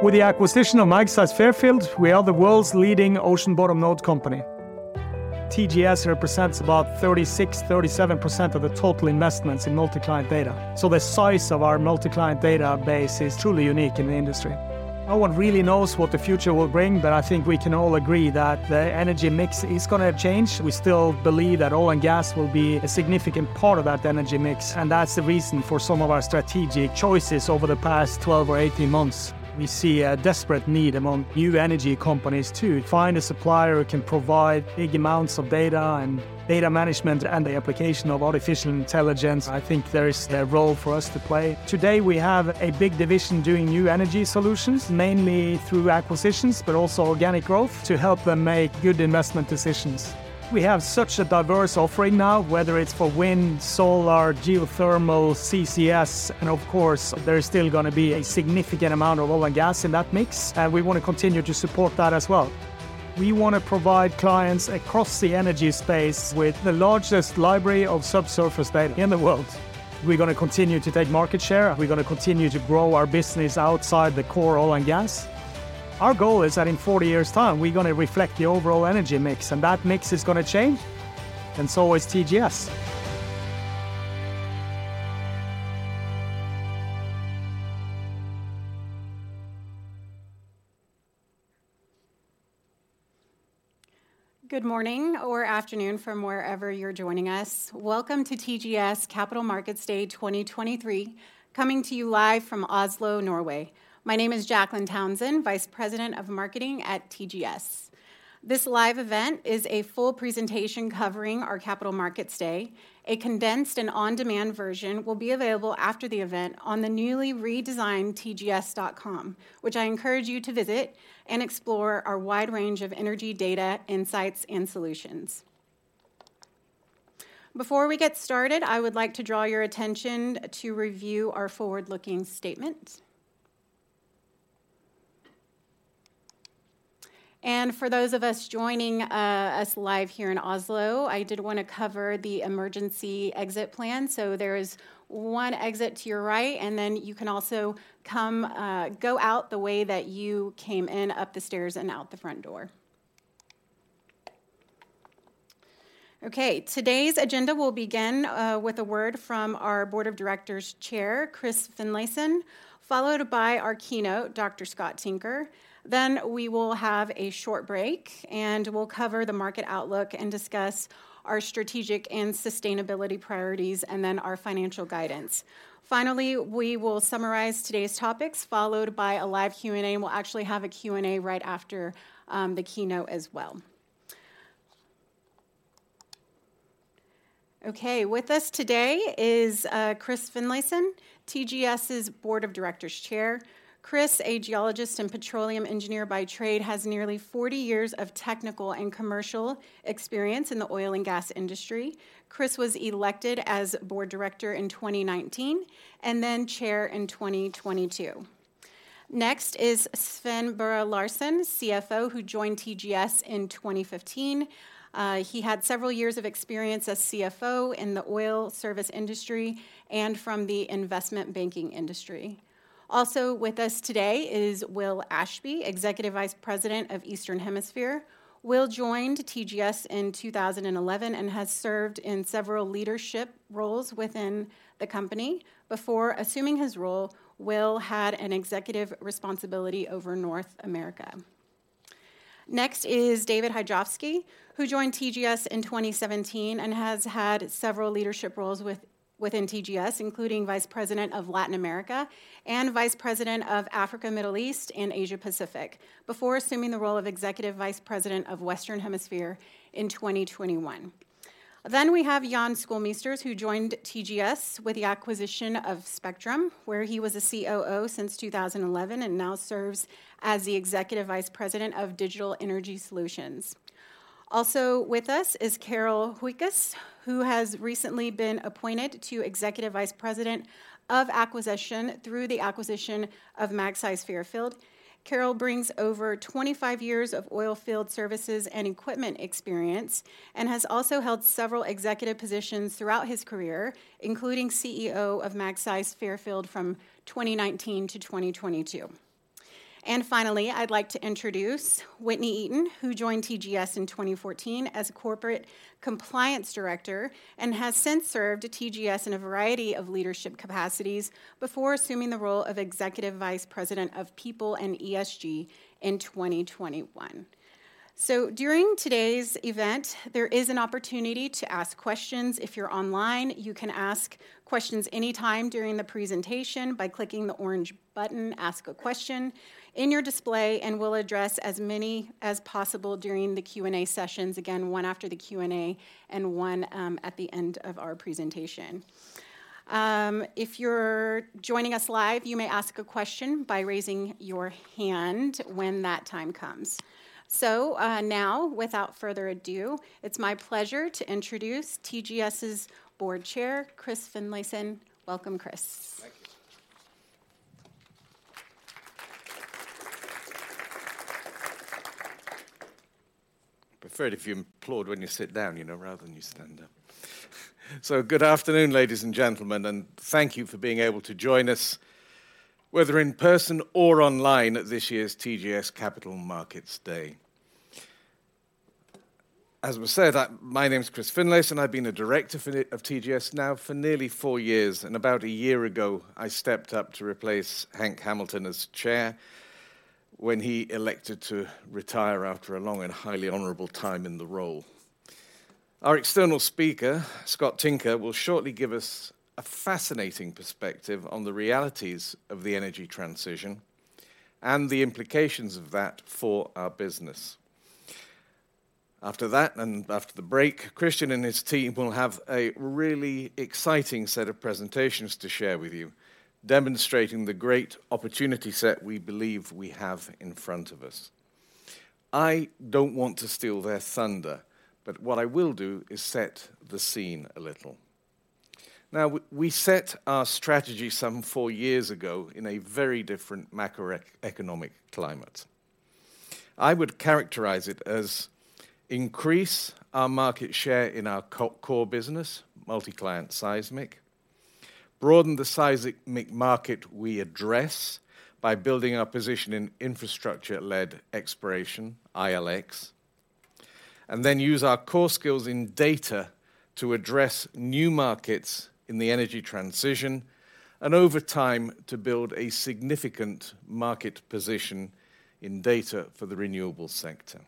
With the acquisition of Magseis Fairfield, we are the world's leading ocean bottom node company. TGS represents about 36%-37% of the total investments in multi-client data. The size of our multi-client database is truly unique in the industry. No one really knows what the future will bring. I think we can all agree that the energy mix is gonna change. We still believe that oil and gas will be a significant part of that energy mix. That's the reason for some of our strategic choices over the past 12 or 18 months. We see a desperate need among new energy companies to find a supplier who can provide big amounts of data and data management and the application of artificial intelligence. I think there is a role for us to play. Today we have a big division doing new energy solutions, mainly through acquisitions but also organic growth to help them make good investment decisions. We have such a diverse offering now, whether it's for wind, solar, geothermal, CCS, and of course there is still gonna be a significant amount of oil and gas in that mix, and we wanna continue to support that as well. We wanna provide clients across the energy space with the largest library of subsurface data in the world. We're gonna continue to take market share, we're gonna continue to grow our business outside the core oil and gas. Our goal is that in 40 years time we're gonna reflect the overall energy mix, and that mix is gonna change and so is TGS. Good morning or afternoon from wherever you're joining us. Welcome to TGS Capital Markets Day 2023, coming to you live from Oslo, Norway. My name is Jaclyn Townsend, Vice President of Marketing at TGS. This live event is a full presentation covering our Capital Markets Day. A condensed and on-demand version will be available after the event on the newly redesigned tgs.com, which I encourage you to visit and explore our wide range of energy data, insights, and solutions. Before we get started, I would like to draw your attention to review our forward-looking statement. For those of us joining us live here in Oslo, I did wanna cover the emergency exit plan. There is one exit to your right, and then you can also go out the way that you came in, up the stairs and out the front door. Today's agenda will begin with a word from our board of directors chair, Chris Finlayson, followed by our keynote, Dr. Scott Tinker. We will have a short break, and we'll cover the market outlook and discuss our strategic and sustainability priorities, our financial guidance. We will summarize today's topics, followed by a live Q&A, and we'll actually have a Q&A right after the keynote as well. With us today is Chris Finlayson, TGS's Board of Directors Chair. Chris, a geologist and petroleum engineer by trade, has nearly 40 years of technical and commercial experience in the oil and gas industry. Chris was elected as board director in 2019, Chair in 2022. Sven Børre Larsen, CFO, who joined TGS in 2015. He had several years of experience as CFO in the oil service industry and from the investment banking industry. With us today is Will Ashby, Executive Vice President of Eastern Hemisphere. Will joined TGS in 2011 and has served in several leadership roles within the company. Before assuming his role, Will had an executive responsibility over North America. David Hajovsky, who joined TGS in 2017 and has had several leadership roles within TGS, including Vice President of Latin America and vice president of Africa, Middle East, and Asia Pacific, before assuming the role of Executive Vice President of Western Hemisphere in 2021. We have Jan Schoolmeesters, who joined TGS with the acquisition of Spectrum, where he was a COO since 2011 and now serves as the Executive Vice President of Digital Energy Solutions. Also with us is Carel Hooijkaas, who has recently been appointed to Executive Vice President of Acquisition through the acquisition of Magseis Fairfield. Carel brings over 25 years of oilfield services and equipment experience and has also held several executive positions throughout his career, including CEO of Magseis Fairfield from 2019 to 2022. Finally, I'd like to introduce Whitney Eaton, who joined TGS in 2014 as Corporate Compliance Director and has since served TGS in a variety of leadership capacities before assuming the role of Executive Vice President of People and ESG in 2021. During today's event, there is an opportunity to ask questions. If you're online, you can ask questions anytime during the presentation by clicking the orange button, Ask a Question, in your display, and we'll address as many as possible during the Q&A sessions. One after the Q&A and one at the end of our presentation. If you're joining us live, you may ask a question by raising your hand when that time comes. Now, without further ado, it's my pleasure to introduce TGS's Board Chair, Chris Finlayson. Welcome, Chris. Thank you. I prefer it if you applaud when you sit down, you know, rather than you stand up. Good afternoon, ladies and gentlemen, and thank you for being able to join us, whether in person or online at this year's TGS Capital Markets Day. As was said, my name's Chris Finlayson. I've been a director for of TGS now for nearly four years. About a year ago, I stepped up to replace Hank Hamilton as chair when he elected to retire after a long and highly honorable time in the role. Our external speaker, Scott Tinker, will shortly give us a fascinating perspective on the realities of the energy transition and the implications of that for our business. After that, after the break, Kristian and his team will have a really exciting set of presentations to share with you, demonstrating the great opportunity set we believe we have in front of us. I don't want to steal their thunder, what I will do is set the scene a little. Now, we set our strategy some four years ago in a very different economic climate. I would characterize it as increase our market share in our core business, multi-client seismic. Broaden the seismic market we address by building our position in infrastructure-led exploration, ILX. Use our core skills in data to address new markets in the energy transition, and over time, to build a significant market position in data for the renewable sector.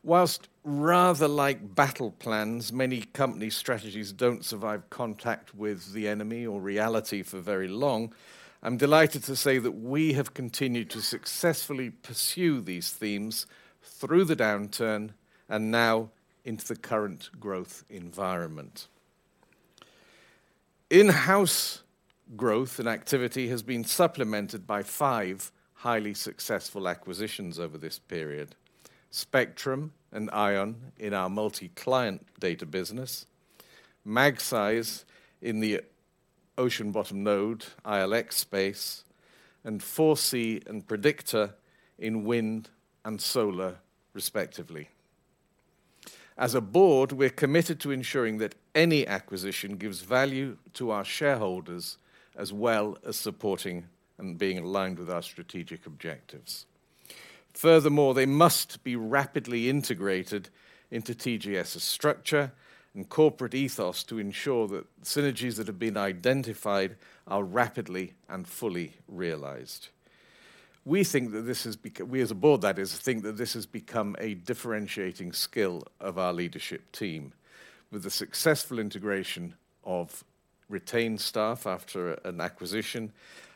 While rather like battle plans, many company strategies don't survive contact with the enemy or reality for very long, I'm delighted to say that we have continued to successfully pursue these themes through the downturn and now into the current growth environment. In-house growth and activity has been supplemented by five highly successful acquisitions over this period. Spectrum and ION in our multi-client data business, Magseis in the ocean bottom node, ILX space, and 4C and Prediktor in wind and solar respectively. As a board, we're committed to ensuring that any acquisition gives value to our shareholders, as well as supporting and being aligned with our strategic objectives. Furthermore, they must be rapidly integrated into TGS's structure and corporate ethos to ensure that synergies that have been identified are rapidly and fully realized. We as a board, that is, think that this has become a differentiating skill of our leadership team with the successful integration of retained staff after an acquisition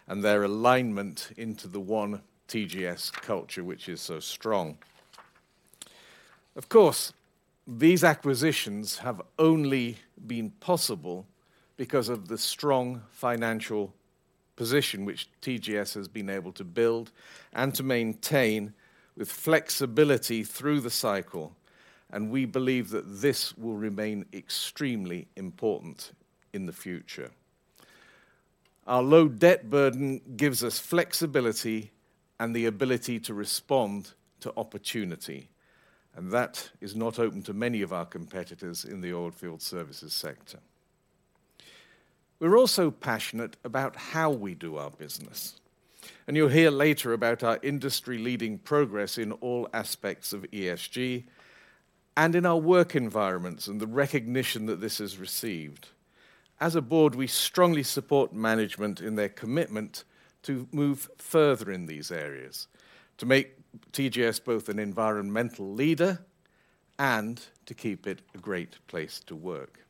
and their alignment into the one TGS culture, which is so strong. Of course, these acquisitions have only been possible because of the strong financial position which TGS has been able to build and to maintain with flexibility through the cycle, and we believe that this will remain extremely important in the future. Our low debt burden gives us flexibility and the ability to respond to opportunity, and that is not open to many of our competitors in the oilfield services sector. We're also passionate about how we do our business, and you'll hear later about our industry-leading progress in all aspects of ESG and in our work environments, and the recognition that this has received. As a board, we strongly support management in their commitment to move further in these areas, to make TGS both an environmental leader and to keep it a great place to work.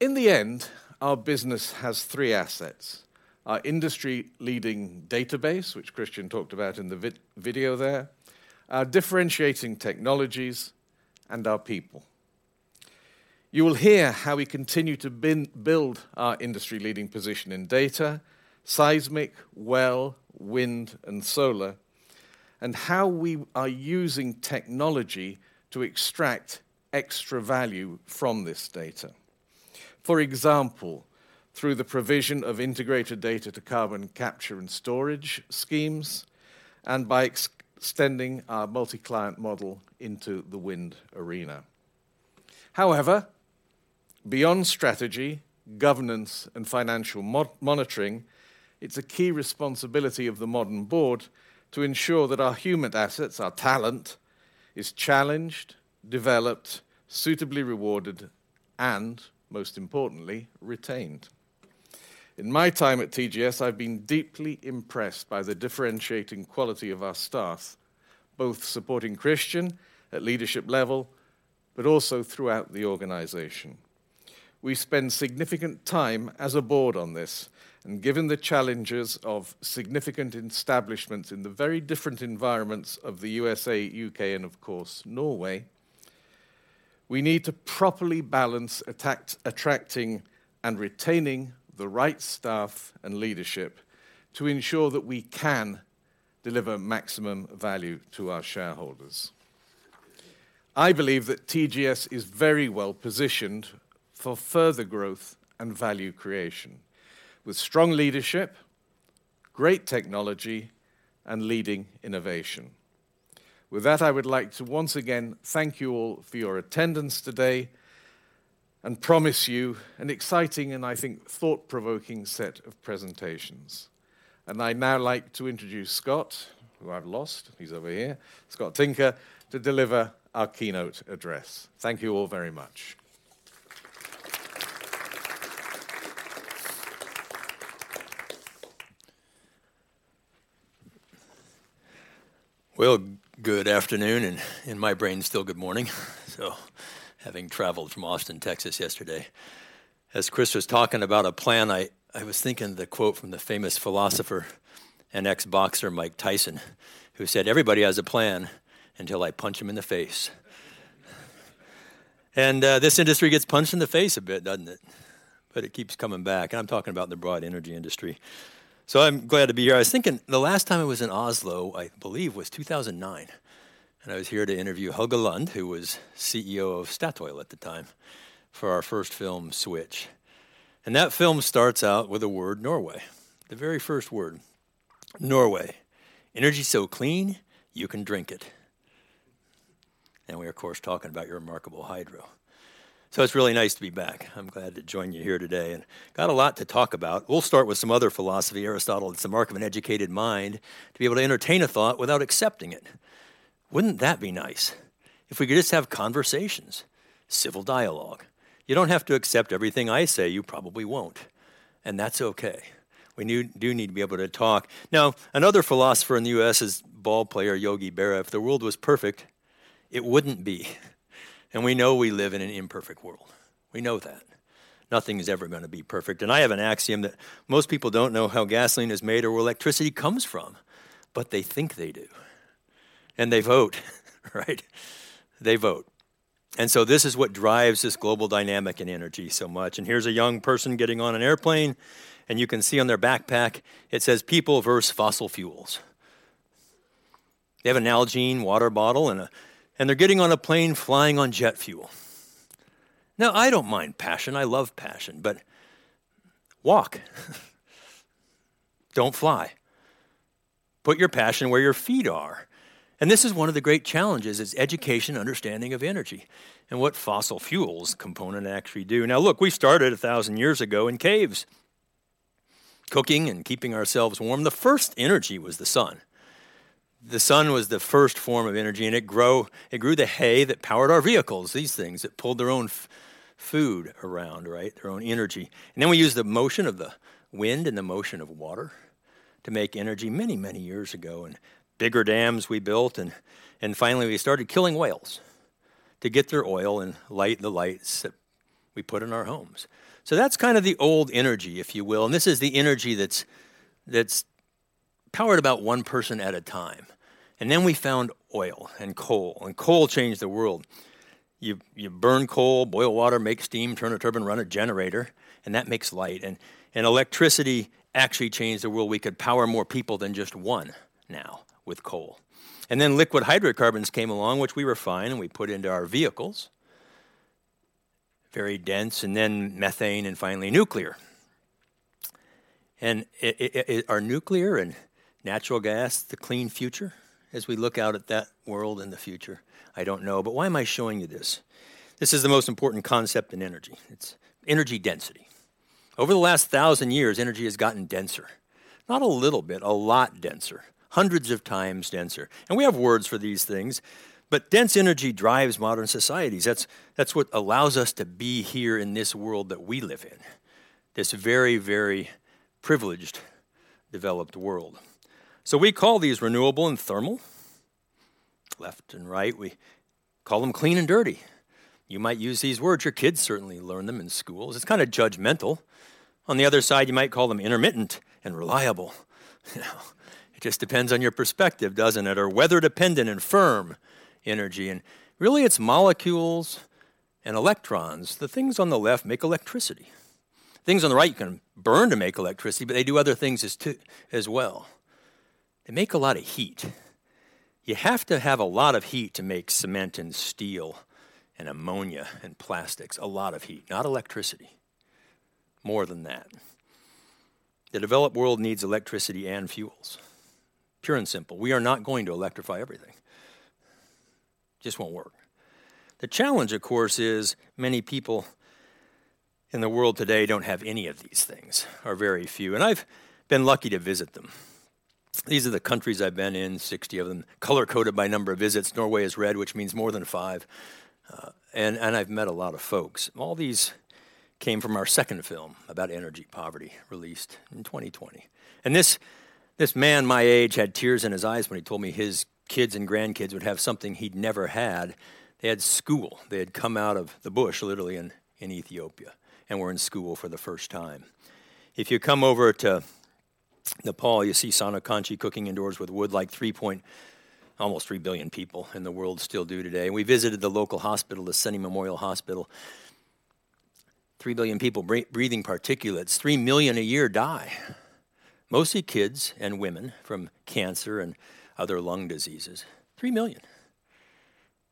In the end, our business has three assets, our industry-leading database, which Kristian talked about in the video there, our differentiating technologies, and our people. You will hear how we continue to build our industry-leading position in data, seismic, well, wind, and solar, and how we are using technology to extract extra value from this data. For example, through the provision of integrated data to carbon capture and storage schemes, and by extending our multi-client model into the wind arena. However, beyond strategy, governance, and financial monitoring, it's a key responsibility of the modern board to ensure that our human assets, our talent, is challenged, developed, suitably rewarded, and most importantly, retained. In my time at TGS, I've been deeply impressed by the differentiating quality of our staff, both supporting Kristian at leadership level, but also throughout the organization. We spend significant time as a board on this, and given the challenges of significant establishments in the very different environments of the U.S.A., U.K., and of course, Norway, we need to properly balance attracting and retaining the right staff and leadership to ensure that we can deliver maximum value to our shareholders.I believe that TGS is very well positioned for further growth and value creation, with strong leadership, great technology, and leading innovation. With that, I would like to once again thank you all for your attendance today and promise you an exciting and, I think, thought-provoking set of presentations. I'd now like to introduce Scott, who I've lost, he's over here, Scott Tinker, to deliver our keynote address. Thank you all very much. Well, good afternoon, in my brain, still good morning, having traveled from Austin, Texas yesterday. As Chris was talking about a plan, I was thinking of the quote from the famous philosopher and ex-boxer Mike Tyson, who said, "Everybody has a plan until I punch them in the face." This industry gets punched in the face a bit, doesn't it? It keeps coming back, and I'm talking about the broad energy industry. I'm glad to be here. I was thinking, the last time I was in Oslo, I believe, was 2009. I was here to interview Helge Lund, who was CEO of Statoil at the time, for our first film, Switch. That film starts out with the word Norway. The very first word, Norway. Energy so clean, you can drink it. We're of course talking about your remarkable hydro. It's really nice to be back. I'm glad to join you here today and got a lot to talk about. We'll start with some other philosophy. Aristotle, "It's a mark of an educated mind to be able to entertain a thought without accepting it." Wouldn't that be nice if we could just have conversations, civil dialogue? You don't have to accept everything I say. You probably won't, and that's okay. We do need to be able to talk. Now, another philosopher in the U.S. is ballplayer Yogi Berra. "If the world was perfect, it wouldn't be." We know we live in an imperfect world. We know that. Nothing is ever gonna be perfect. I have an AXIOM that most people don't know how gasoline is made or where electricity comes from, but they think they do. They vote, right? They vote. This is what drives this global dynamic in energy so much. Here's a young person getting on an airplane, and you can see on their backpack it says, "People versus fossil fuels." They have a Nalgene water bottle and they're getting on a plane flying on jet fuel. I don't mind passion. I love passion. Walk. Don't fly. Put your passion where your feet are. This is one of the great challenges, is education, understanding of energy and what fossil fuels component actually do. Look, we started 1,000 years ago in caves, cooking and keeping ourselves warm. The first energy was the sun. The sun was the first form of energy, and it grew the hay that powered our vehicles, these things that pulled their own food around, right? Their own energy. Then we used the motion of the wind and the motion of water to make energy many, many years ago. Bigger dams we built, and finally we started killing whales to get their oil and light the lights that we put in our homes. That's kind of the old energy, if you will, and this is the energy that's powered about one person at a time. Then we found oil and coal, and coal changed the world. You burn coal, boil water, make steam, turn a turbine, run a generator, and that makes light. Electricity actually changed the world. We could power more people than just one now with coal. Then liquid hydrocarbons came along, which we refine, and we put into our vehicles. Very dense, then methane and finally nuclear. Are nuclear and natural gas the clean future as we look out at that world in the future? I don't know. Why am I showing you this? This is the most important concept in energy. It's energy density. Over the last 1,000 years, energy has gotten denser. Not a little bit, a lot denser. Hundreds of times denser. We have words for these things, but dense energy drives modern societies. That's what allows us to be here in this world that we live in, this very privileged, developed world. We call these renewable and thermal, left and right. We call them clean and dirty. You might use these words. Your kids certainly learn them in schools. It's kinda judgmental. On the other side, you might call them intermittent and reliable. You know, it just depends on your perspective, doesn't it? Weather dependent and firm energy. Really, it's molecules and electrons. The things on the left make electricity. Things on the right can burn to make electricity, but they do other things as well. They make a lot of heat. You have to have a lot of heat to make cement and steel and ammonia and plastics. A lot of heat. Not electricity. More than that. The developed world needs electricity and fuels, pure and simple. We are not going to electrify everything. Just won't work. The challenge, of course, is many people in the world today don't have any of these things, or very few. I've been lucky to visit them. These are the countries I've been in, 60 of them, color-coded by number of visits. Norway is red, which means more than five. And I've met a lot of folks. All these came from our second film about energy poverty, released in 2020. This man my age had tears in his eyes when he told me his kids and grandkids would have something he'd never had. They had school. They had come out of the bush, literally, in Ethiopia and were in school for the first time. If you come over to Nepal, you see Sanu Kanchhi cooking indoors with wood, like almost 3 billion people in the world still do today. We visited the local hospital, the Seme Memorial Hospital. 3 billion people breathing particulates. 3 million a year die, mostly kids and women, from cancer and other lung diseases. 3 million.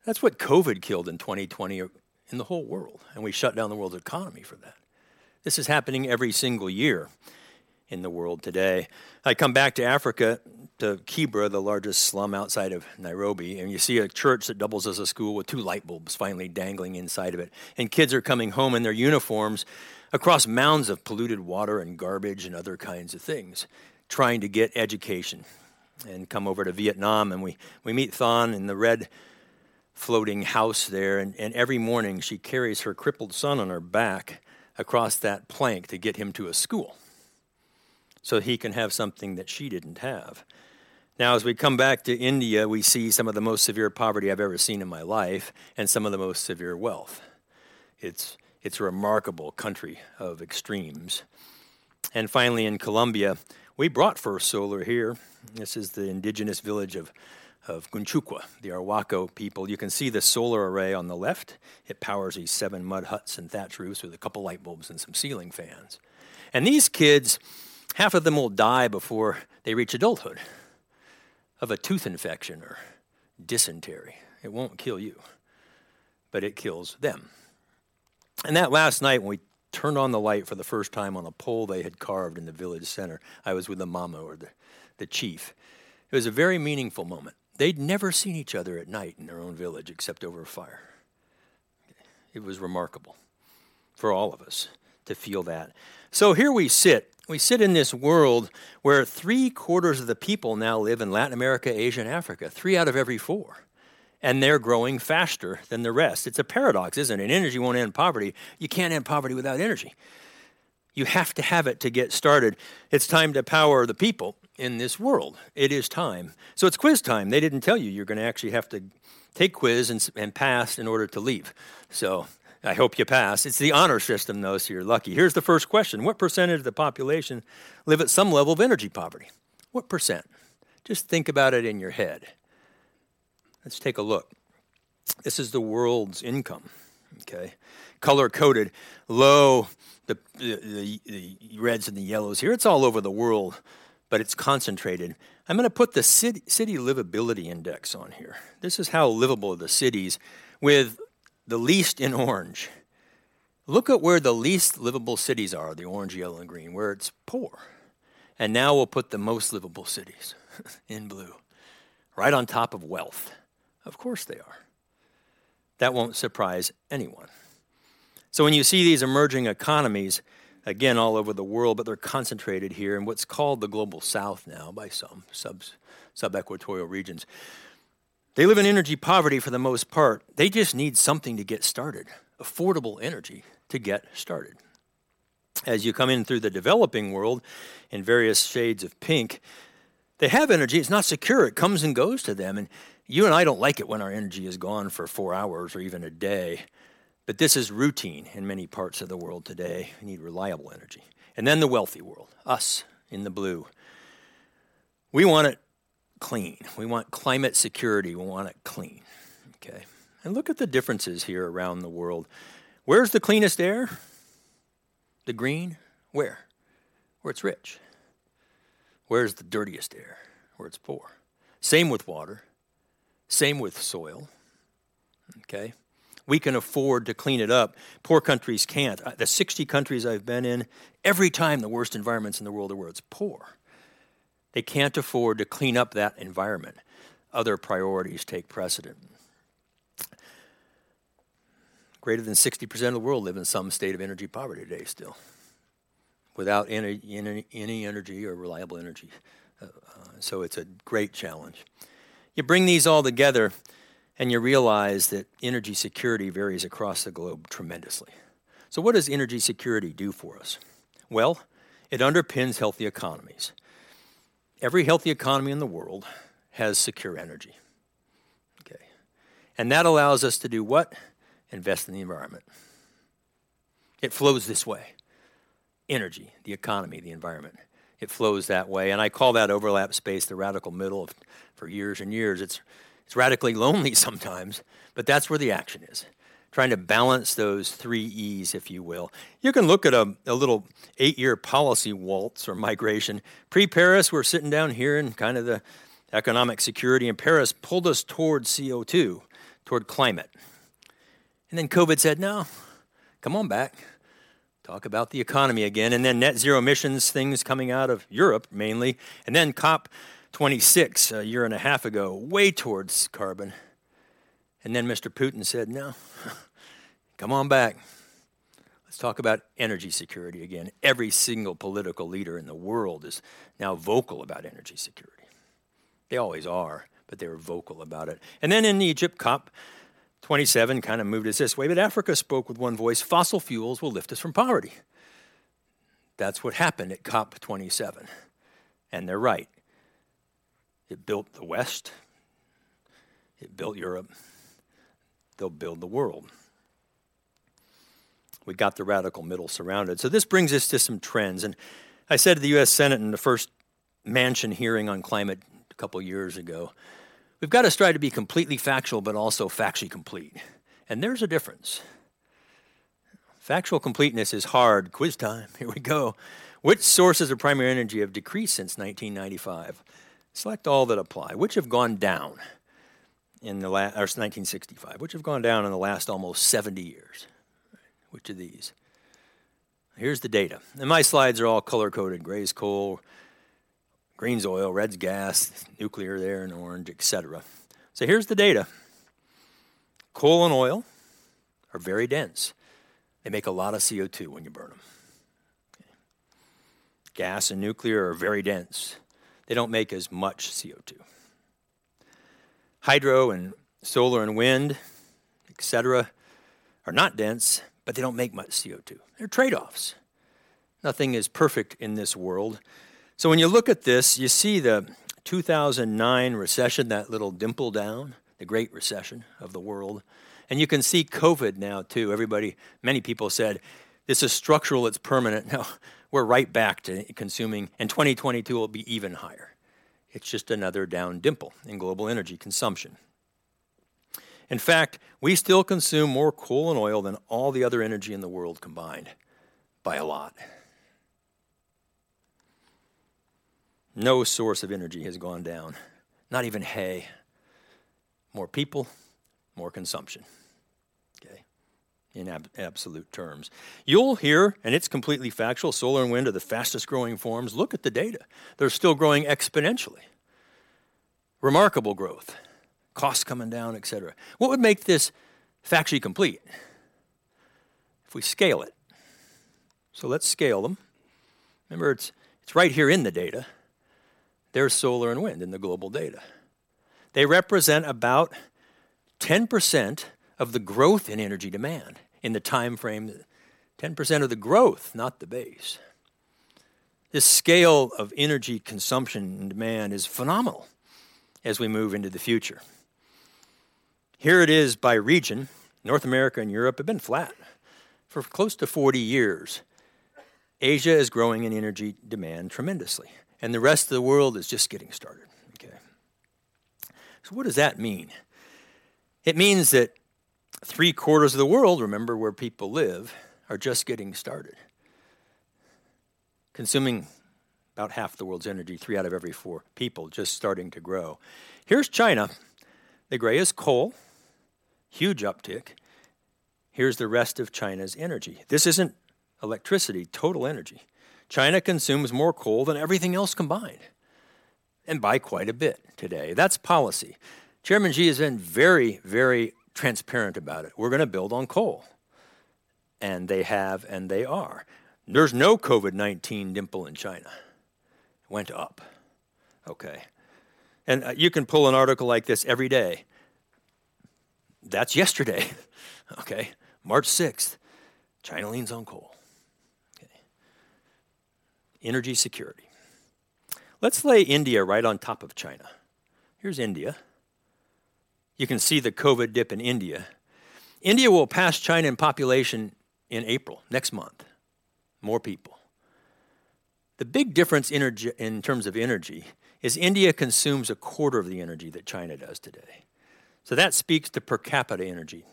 That's what COVID killed in 2020 in the whole world, and we shut down the world's economy for that. This is happening every single year in the world today. I come back to Africa, to Kibra, the largest slum outside of Nairobi. You see a church that doubles as a school with two light bulbs finally dangling inside of it. Kids are coming home in their uniforms across mounds of polluted water and garbage and other kinds of things, trying to get education. Come over to Vietnam. We meet Thon in the red floating house there. Every morning she carries her crippled son on her back across that plank to get him to a school, so he can have something that she didn't have. Now, as we come back to India, we see some of the most severe poverty I've ever seen in my life and some of the most severe wealth. It's a remarkable country of extremes. Finally, in Colombia, we brought first solar here. This is the indigenous village of Gunmaku, the Arhuaco people. You can see the solar array on the left. It powers these seven mud huts and thatch roofs with a couple light bulbs and some ceiling fans. These kids, half of them will die before they reach adulthood of a tooth infection or dysentery. It won't kill you, but it kills them. That last night when we turned on the light for the first time on a pole they had carved in the village center, I was with the mama or the chief. It was a very meaningful moment. They'd never seen each other at night in their own village except over a fire. It was remarkable for all of us to feel that. Here we sit. We sit in this world where 3/4 of the people now live in Latin America, Asia, and Africa. Three out of every four, they're growing faster than the rest. It's a paradox, isn't it? Energy won't end poverty. You can't end poverty without energy. You have to have it to get started. It's time to power the people in this world. It is time. It's quiz time. They didn't tell you you're gonna actually have to take quiz and pass in order to leave. I hope you pass. It's the honor system, though, so you're lucky. Here's the first question. What percent of the population live at some level of energy poverty? What percent? Just think about it in your head. Let's take a look. This is the world's income, okay? Color-coded. Low, the reds and the yellows here. It's all over the world, but it's concentrated. I'm gonna put the city livability index on here. This is how livable the cities, with the least in orange. Look at where the least livable cities are, the orange, yellow, and green, where it's poor. Now we'll put the most livable cities in blue, right on top of wealth. Of course, they are. That won't surprise anyone. When you see these emerging economies, again, all over the world, but they're concentrated here in what's called the Global South now by some, sub-sub-equatorial regions. They live in energy poverty for the most part. They just need something to get started, affordable energy to get started. As you come in through the developing world in various shades of pink, they have energy. It's not secure. It comes and goes to them, and you and I don't like it when our energy is gone for 4 hours or even a day. This is routine in many parts of the world today. We need reliable energy. The wealthy world, us in the blue. We want it clean. We want climate security. We want it clean, okay? Look at the differences here around the world. Where's the cleanest air? The green. Where? Where it's rich. Where's the dirtiest air? Where it's poor. Same with water. Same with soil, okay? We can afford to clean it up. Poor countries can't. The 60 countries I've been in, every time the worst environments in the world are where it's poor. They can't afford to clean up that environment. Other priorities take precedent. Greater than 60% of the world live in some state of energy poverty today still, without any energy or reliable energy. It's a great challenge. You bring these all together, you realize that energy security varies across the globe tremendously. What does energy security do for us? Well, it underpins healthy economies. Every healthy economy in the world has secure energy, okay? That allows us to do what? Invest in the environment. It flows this way. Energy, the economy, the environment. It flows that way, and I call that overlap space the radical middle for years and years. It's radically lonely sometimes, but that's where the action is, trying to balance those three E's, if you will. You can look at a little eight-year policy waltz or migration. Pre-Paris, we're sitting down here in kind of the economic security, Paris pulled us towards CO2, toward climate. COVID said, "No, come on back. Talk about the economy again." net zero emissions things coming out of Europe mainly, COP26 a year and a half ago, way towards carbon. Mr. Putin said, "No, come on back. Let's talk about energy security again." Every single political leader in the world is now vocal about energy security. They always are, but they're vocal about it. In Egypt, COP27 kind of moved us this way, Africa spoke with one voice, "Fossil fuels will lift us from poverty." That's what happened at COP27, they're right. It built the West. It built Europe. They'll build the world. We got the radical middle surrounded. This brings us to some trends, I said to the U.S. Senate in the first Manchin hearing on climate a couple years ago. We've got to strive to be completely factual, but also factually complete, and there's a difference. Factual completeness is hard. Quiz time, here we go. Which sources of primary energy have decreased since 1995? Select all that apply. Which have gone down or since 1965. Which have gone down in the last almost 70 years? Which of these? Here's the data, and my slides are all color-coded. Gray is coal, green's oil, red's gas, nuclear there in orange, et cetera. Here's the data. Coal and oil are very dense. They make a lot of CO2 when you burn them. Gas and nuclear are very dense. They don't make as much CO2. Hydro and solar and wind, et cetera, are not dense, but they don't make much CO2. They're trade-offs. Nothing is perfect in this world. When you look at this, you see the 2009 recession, that little dimple down, the Great Recession of the world. You can see COVID now too. Many people said, "This is structural, it's permanent." Now we're right back to consuming. 2022 will be even higher. It's just another down dimple in global energy consumption. In fact, we still consume more coal and oil than all the other energy in the world combined, by a lot. No source of energy has gone down, not even hay. More people, more consumption, okay, in absolute terms. You'll hear, and it's completely factual, solar and wind are the fastest-growing forms. Look at the data. They're still growing exponentially. Remarkable growth, costs coming down, et cetera. What would make this factually complete? If we scale it. Let's scale them. Remember, it's right here in the data. There's solar and wind in the global data. They represent about 10% of the growth in energy demand in the timeframe, not the base. This scale of energy consumption and demand is phenomenal as we move into the future. Here it is by region. North America and Europe have been flat for close to 40 years. Asia is growing in energy demand tremendously. The rest of the world is just getting started, okay. What does that mean? It means that 3/4 of the world, remember where people live, are just getting started. Consuming about half the world's energy, three out of every four people just starting to grow. Here's China. The gray is coal. Huge uptick. Here's the rest of China's energy. This isn't electricity, total energy. China consumes more coal than everything else combined, by quite a bit today. That's policy. Chairman Xi has been very, very transparent about it. We're gonna build on coal, and they have, and they are. There's no COVID-19 dimple in China. Went up, okay. You can pull an article like this every day. That's yesterday, okay. March 6th, China leans on coal. Energy security. Let's lay India right on top of China. Here's India. You can see the COVID dip in India. India will pass China in population in April, next month. More people. The big difference in terms of energy is India consumes a quarter of the energy that China does today. That speaks to per capita energy,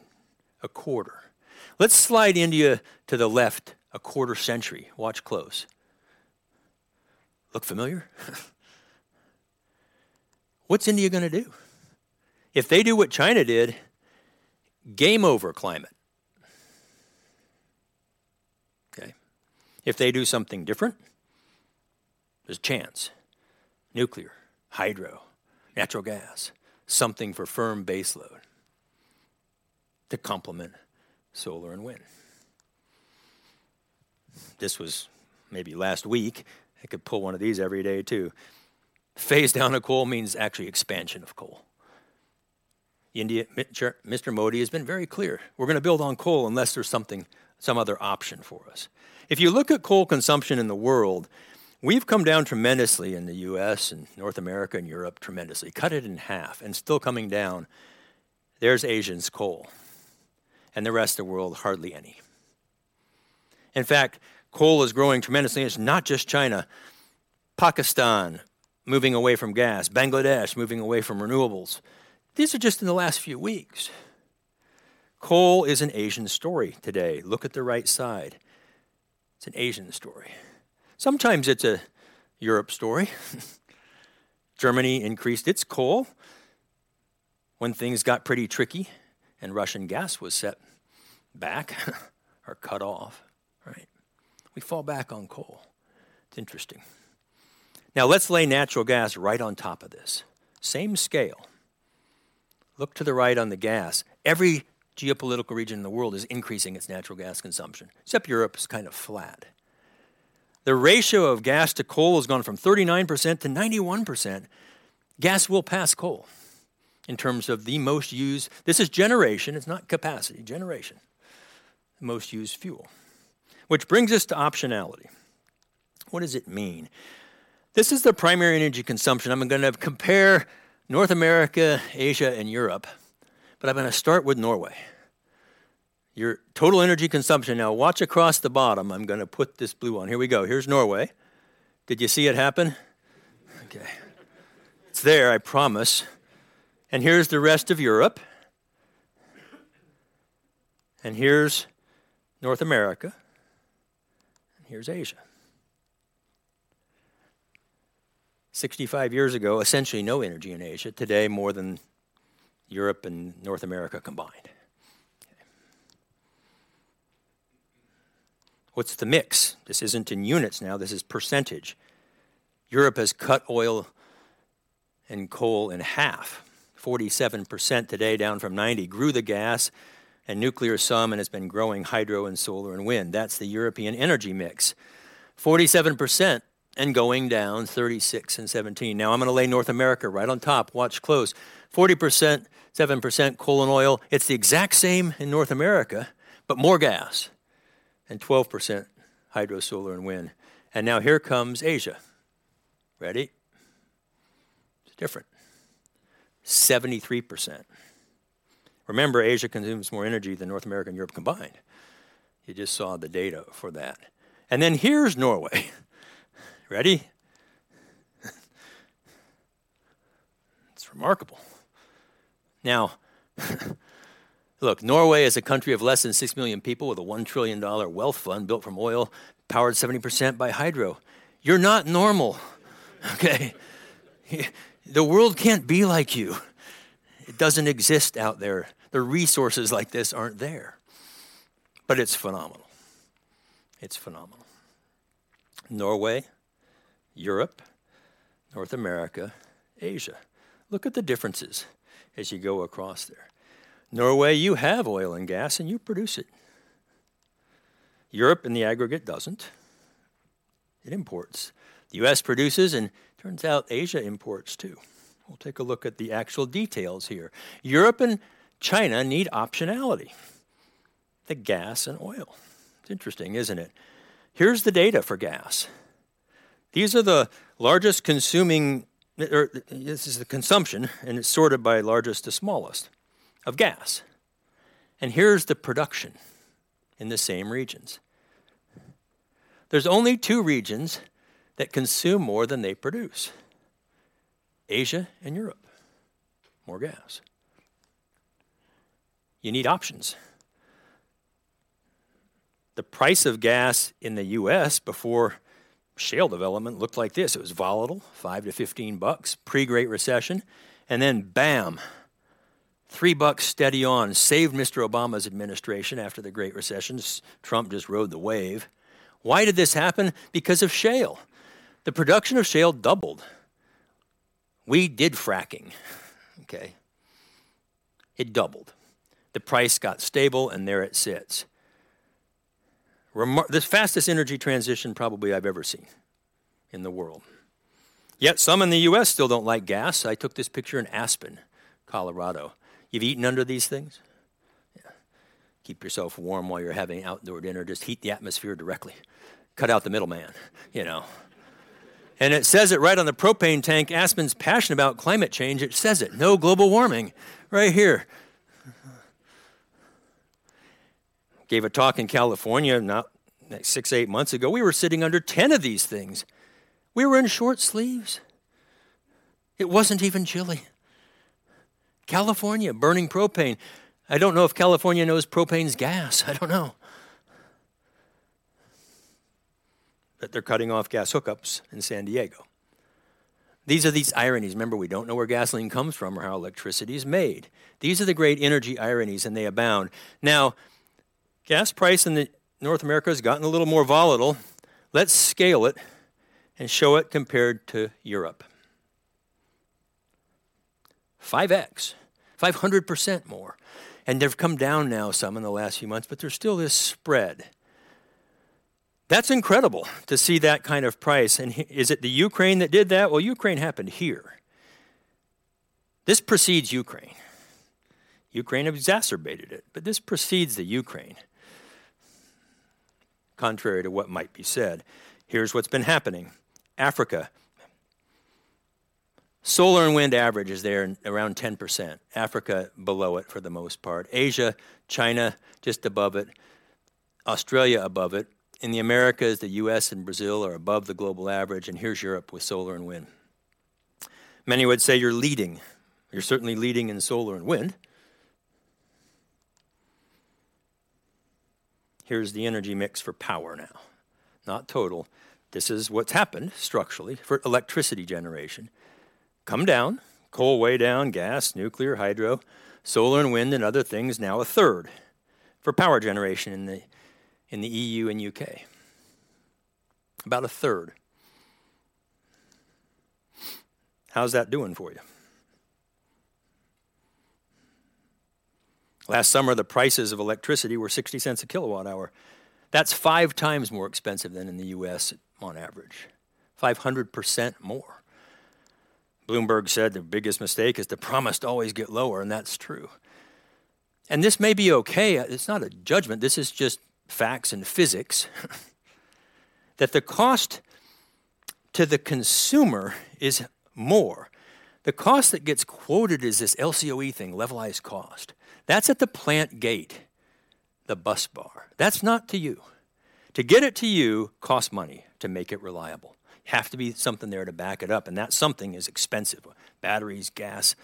a quarter. Let's slide India to the left a quarter century. Watch close. Look familiar? What's India gonna do? If they do what China did, game over, climate. Okay. If they do something different, there's a chance. Nuclear, hydro, natural gas, something for firm base load to complement solar and wind. This was maybe last week. I could pull one of these every day too. Phase down of coal means actually expansion of coal. India, Mr. Modi has been very clear. We're gonna build on coal unless there's something, some other option for us. If you look at coal consumption in the world, we've come down tremendously in the U.S. and North America and Europe tremendously. Cut it in half and still coming down. There's Asia's coal, and the rest of the world, hardly any. In fact, coal is growing tremendously, and it's not just China. Pakistan moving away from gas, Bangladesh moving away from renewables. These are just in the last few weeks. Coal is an Asian story today. Look at the right side. It's an Asian story. Sometimes it's a Europe story. Germany increased its coal when things got pretty tricky and Russian gas was set back or cut off, right. We fall back on coal. It's interesting. Now let's lay natural gas right on top of this. Same scale. Look to the right on the gas. Every geopolitical region in the world is increasing its natural gas consumption, except Europe is kind of flat. The ratio of gas to coal has gone from 39% to 91%. Gas will pass coal in terms of the most used. This is generation, it's not capacity. Generation. Most used fuel. Which brings us to optionality. What does it mean? This is the primary energy consumption. I'm gonna compare North America, Asia, and Europe, but I'm gonna start with Norway. Your total energy consumption. Now watch across the bottom. I'm gonna put this blue on. Here we go. Here's Norway. Did you see it happen? Okay. It's there, I promise. Here's the rest of Europe. Here's North America. Here's Asia. 65 years ago, essentially no energy in Asia. Today, more than Europe and North America combined. What's the mix? This isn't in units now, this is percentage. Europe has cut oil and coal in half, 47% today down from 90. Grew the gas and nuclear some, has been growing hydro and solar and wind. That's the European energy mix. 47% and going down, 36 and 17. Now I'm gonna lay North America right on top. Watch close. 40%, 7% coal and oil. It's the exact same in North America, but more gas. 12% hydro, solar, and wind. Now here comes Asia. Ready? It's different. 73%. Remember, Asia consumes more energy than North America and Europe combined. You just saw the data for that. Here's Norway. Ready? It's remarkable. Now look, Norway is a country of less than 6 million people with a $1 trillion wealth fund built from oil, powered 70% by hydro. You're not normal, okay? The world can't be like you. It doesn't exist out there. The resources like this aren't there. It's phenomenal. It's phenomenal. Norway, Europe, North America, Asia. Look at the differences as you go across there. Norway, you have oil and gas, and you produce it. Europe in the aggregate doesn't. It imports. The U.S. produces, and turns out Asia imports too. We'll take a look at the actual details here. Europe and China need optionality, the gas and oil. It's interesting, isn't it? Here's the data for gas. This is the consumption, and it's sorted by largest to smallest of gas. Here's the production in the same regions. There's only two regions that consume more than they produce, Asia and Europe. More gas. You need options. The price of gas in the U.S. before shale development looked like this. It was volatile, $5-$15 pre-Great Recession, and then bam, $3 steady on. Saved Mr. Obama's administration after the Great Recession. Trump just rode the wave. Why did this happen? Because of shale. The production of shale doubled. We did fracking, okay? It doubled. The price got stable, and there it sits. The fastest energy transition probably I've ever seen in the world. Yet some in the U.S. still don't like gas. I took this picture in Aspen, Colorado. You've eaten under these things? Yeah. Keep yourself warm while you're having outdoor dinner. Just heat the atmosphere directly. Cut out the middleman, you know. It says it right on the propane tank. Aspen's passionate about climate change. It says it, "No global warming," right here. Gave a talk in California six, eight months ago. We were sitting under 10 of these things. We were in short sleeves. It wasn't even chilly. California burning propane. I don't know if California knows propane's gas. I don't know. They're cutting off gas hookups in San Diego. These are ironies. Remember, we don't know where gasoline comes from or how electricity is made. These are the great energy ironies, and they abound. Gas price in the North America has gotten a little more volatile. Let's scale it and show it compared to Europe. 5x, 500% more, and they've come down now some in the last few months, but there's still this spread. That's incredible to see that kind of price. Is it the Ukraine that did that? Well, Ukraine happened here. This precedes Ukraine. Ukraine exacerbated it, but this precedes the Ukraine, contrary to what might be said. Here's what's been happening. Africa. Solar and wind average is there around 10%. Africa below it for the most part. Asia, China just above it. Australia above it. In the Americas, the U.S. and Brazil are above the global average, and here's Europe with solar and wind. Many would say you're leading. You're certainly leading in solar and wind. Here's the energy mix for power now, not total. This is what's happened structurally for electricity generation. Come down, coal way down, gas, nuclear, hydro, solar and wind, and other things now a third for power generation in the EU and U.K.. About a third. How's that doing for you? Last summer, the prices of electricity were $0.60 a kilowatt-hour. That's five times more expensive than in the U.S. on average. 500% more. Bloomberg said the biggest mistake is they promised to always get lower, and that's true. This may be okay. It's not a judgment. This is just facts and physics. The cost to the consumer is more. The cost that gets quoted is this LCOE thing, levelized cost. That's at the plant gate, the busbar. That's not to you. To get it to you costs money to make it reliable. You have to be something there to back it up, and that something is expensive. Batteries, gas,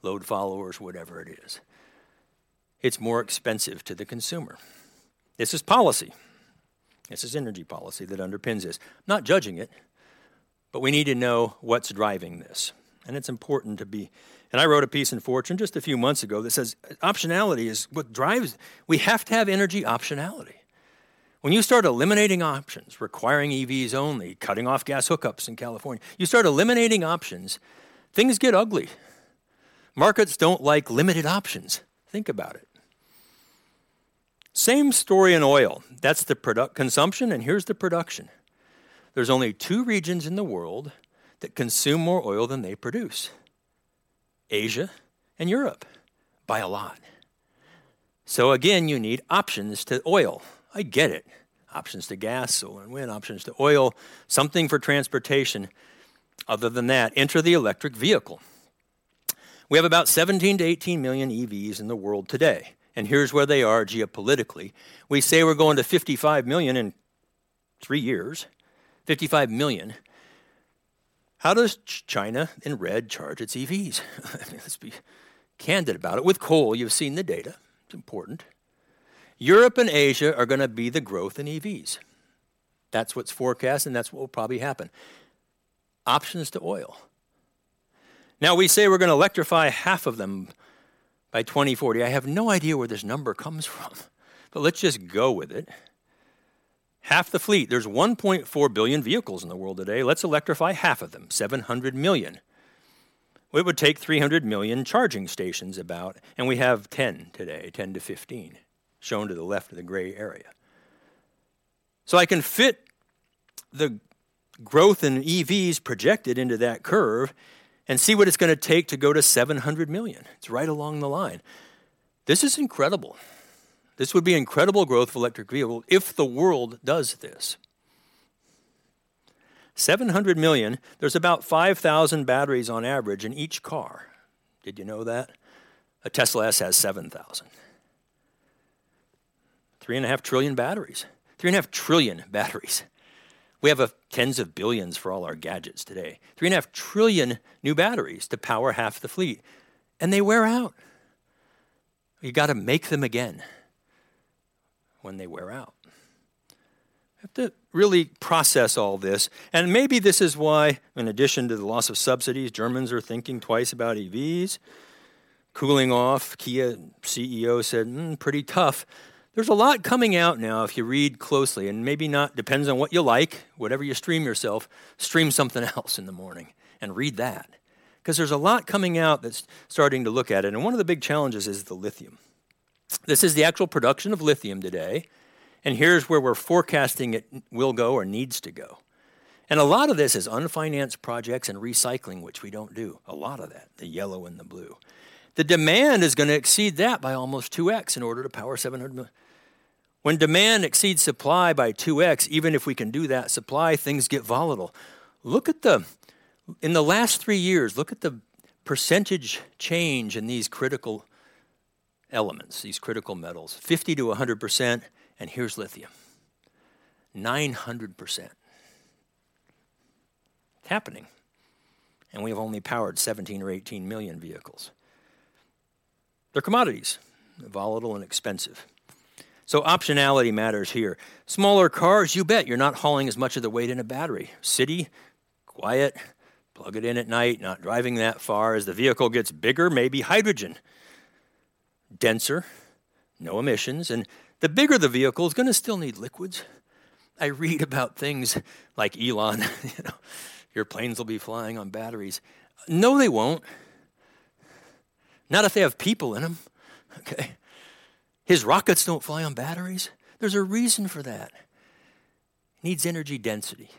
load followers, whatever it is. It's more expensive to the consumer. This is policy. This is energy policy that underpins this. Not judging it, but we need to know what's driving this. It's important. I wrote a piece in Fortune just a few months ago that says optionality is what drives. We have to have energy optionality. When you start eliminating options, requiring EVs only, cutting off gas hookups in California, you start eliminating options, things get ugly. Markets don't like limited options. Think about it. Same story in oil. That's the consumption, here's the production. There's only two regions in the world that consume more oil than they produce, Asia and Europe, by a lot. Again, you need options to oil. I get it. Options to gas, solar and wind, options to oil. Something for transportation other than that. Enter the electric vehicle. We have about 17-18 million EVs in the world today, here's where they are geopolitically. We say we're going to 55 million in three years. 55 million. How does China, in red, charge its EVs? Let's be candid about it. With coal, you've seen the data. It's important. Europe and Asia are gonna be the growth in EVs. That's what's forecast, that's what will probably happen. Options to oil. We say we're gonna electrify half of them by 2040. I have no idea where this number comes from, let's just go with it. Half the fleet. There's 1.4 billion vehicles in the world today. Let's electrify half of them, 700 million. It would take 300 million charging stations about, we have 10 today, 10-15, shown to the left of the gray area. I can fit the growth in EVs projected into that curve and see what it's gonna take to go to 700 million. It's right along the line. This is incredible. This would be incredible growth of electric vehicle if the world does this. 700 million. There's about 5,000 batteries on average in each car. Did you know that? A Tesla S has 7,000. 3.5 trillion batteries. 3.5 trillion batteries. We have tens of billions for all our gadgets today. 3.5 trillion new batteries to power half the fleet, and they wear out. You gotta make them again when they wear out. I have to really process all this, and maybe this is why, in addition to the loss of subsidies, Germans are thinking twice about EVs. Cooling off, Kia CEO said, "Pretty tough." There's a lot coming out now if you read closely, and maybe not, depends on what you like, whatever you stream yourself, stream something else in the morning and read that, 'cause there's a lot coming out that's starting to look at it, and one of the big challenges is the lithium. This is the actual production of lithium today, and here's where we're forecasting it will go or needs to go. A lot of this is unfinanced projects and recycling, which we don't do, a lot of that, the yellow and the blue. The demand is gonna exceed that by almost 2x in order to power 700 million. When demand exceeds supply by 2x, even if we can do that supply, things get volatile. Look at In the last three years, look at the percentage change in these critical elements, these critical metals. 50%-100%, and here's lithium. 900%. Happening. We've only powered 17 or 18 million vehicles. They're commodities. They're volatile and expensive. Optionality matters here. Smaller cars, you bet. You're not hauling as much of the weight in a battery. City, quiet, plug it in at night, not driving that far. As the vehicle gets bigger, maybe hydrogen. Denser, no emissions, and the bigger the vehicle, it's gonna still need liquids. I read about things like Elon, you know, your planes will be flying on batteries. No, they won't. Not if they have people in them. Okay. His rockets don't fly on batteries. There's a reason for that. Needs energy density.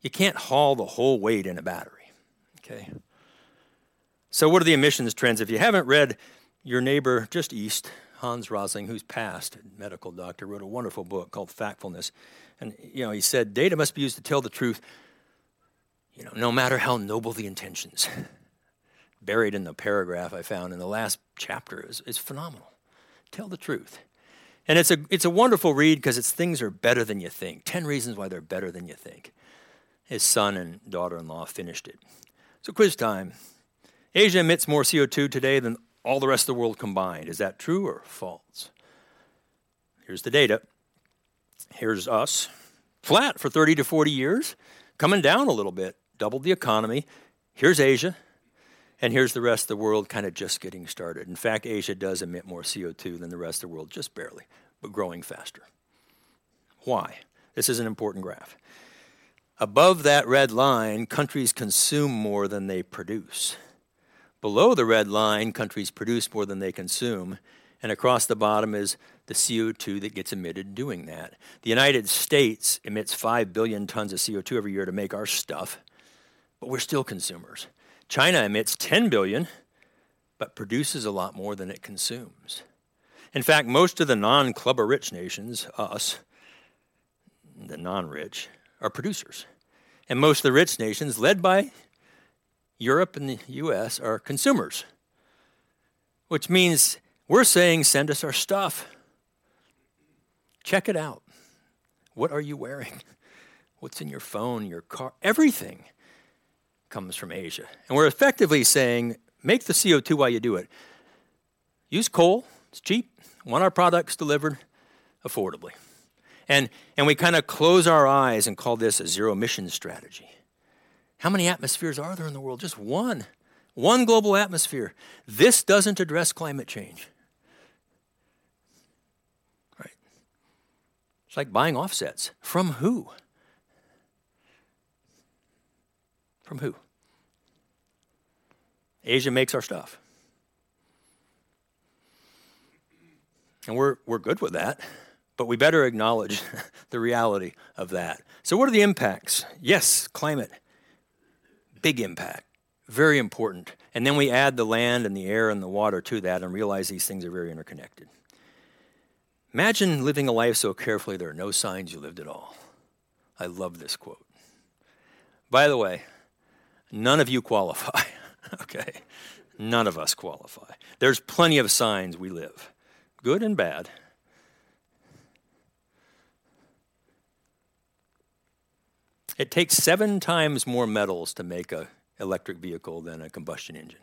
You can't haul the whole weight in a battery. Okay. What are the emissions trends? If you haven't read your neighbor just east, Hans Rosling, who's passed, a medical doctor, wrote a wonderful book called Factfulness. You know, he said, "Data must be used to tell the truth, you know, no matter how noble the intentions." Buried in the paragraph I found in the last chapter is phenomenal. Tell the truth. It's a wonderful read 'cause it's things are better than you think. 10 reasons why they're better than you think. His son and daughter-in-law finished it. Quiz time. Asia emits more CO2 today than all the rest of the world combined. Is that true or false? Here's the data. Here's us. Flat for 30 to 40 years. Coming down a little bit. Doubled the economy. Here's Asia, and here's the rest of the world kinda just getting started. In fact, Asia does emit more CO2 than the rest of the world, just barely, growing faster. Why? This is an important graph. Above that red line, countries consume more than they produce. Below the red line, countries produce more than they consume, across the bottom is the CO2 that gets emitted doing that. The United States emits 5 billion tons of CO2 every year to make our stuff, we're still consumers. China emits 10 billion but produces a lot more than it consumes. In fact, most of the non-club of rich nations, us, the non-rich, are producers. Most of the rich nations, led by Europe and the U.S., are consumers. Which means we're saying, "Send us our stuff. Check it out. What are you wearing? What's in your phone, your car?" Everything comes from Asia. We're effectively saying, Make the CO2 while you do it. Use coal, it's cheap. Want our products delivered affordably. We kind of close our eyes and call this a zero-emission strategy. How many atmospheres are there in the world? Just one. One global atmosphere. This doesn't address climate change. Right. It's like buying offsets. From who? From who? Asia makes our stuff. We're good with that, but we better acknowledge the reality of that. What are the impacts? Yes, climate. Big impact. Very important. We add the land and the air and the water to that and realize these things are very interconnected. Imagine living a life so carefully there are no signs you lived at all. I love this quote. By the way, none of you qualify, okay? None of us qualify. There's plenty of signs we live, good and bad. It takes 7x more metals to make a electric vehicle than a combustion engine.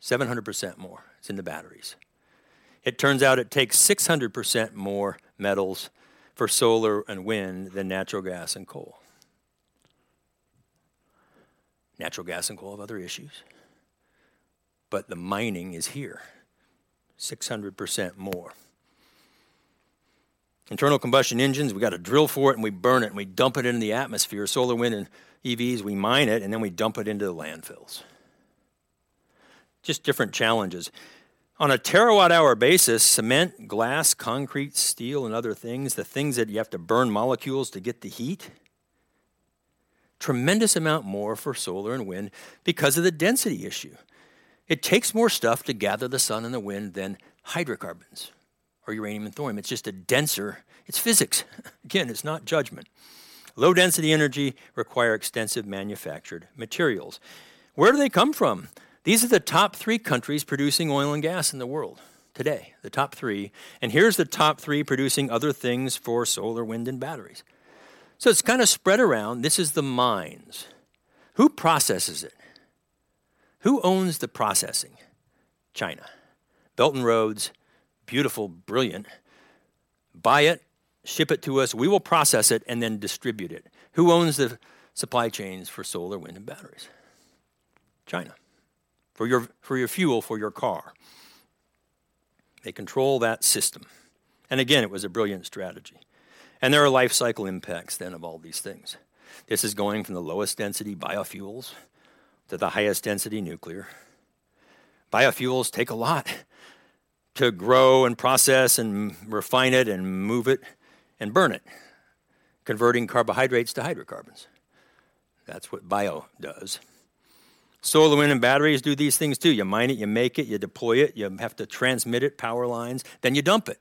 700% more. It's in the batteries. It turns out it takes 600% more metals for solar and wind than natural gas and coal. Natural gas and coal have other issues, the mining is here. 600% more. Internal combustion engines, we gotta drill for it, and we burn it, and we dump it into the atmosphere. Solar, wind, and EVs, we mine it, and then we dump it into the landfills. Just different challenges. On a terawatt hour basis, cement, glass, concrete, steel, and other things, the things that you have to burn molecules to get the heat, tremendous amount more for solar and wind because of the density issue. It takes more stuff to gather the sun and the wind than hydrocarbons or uranium and thorium. It's just a denser. It's physics. Again, it's not judgment. Low density energy require extensive manufactured materials. Where do they come from? These are the top three countries producing oil and gas in the world today. The top three. Here's the top three producing other things for solar, wind, and batteries. It's kind of spread around. This is the mines. Who processes it? Who owns the processing? China. Belt and Roads, beautiful, brilliant. Buy it, ship it to us, we will process it and then distribute it. Who owns the supply chains for solar, wind, and batteries? China. For your fuel for your car. They control that system. Again, it was a brilliant strategy. There are life cycle impacts then of all these things. This is going from the lowest density biofuels to the highest density nuclear. Biofuels take a lot to grow and process and refine it and move it and burn it, converting carbohydrates to hydrocarbons. That's what bio does. Solar, wind, and batteries do these things too. You mine it, you make it, you deploy it, you have to transmit it, power lines, then you dump it.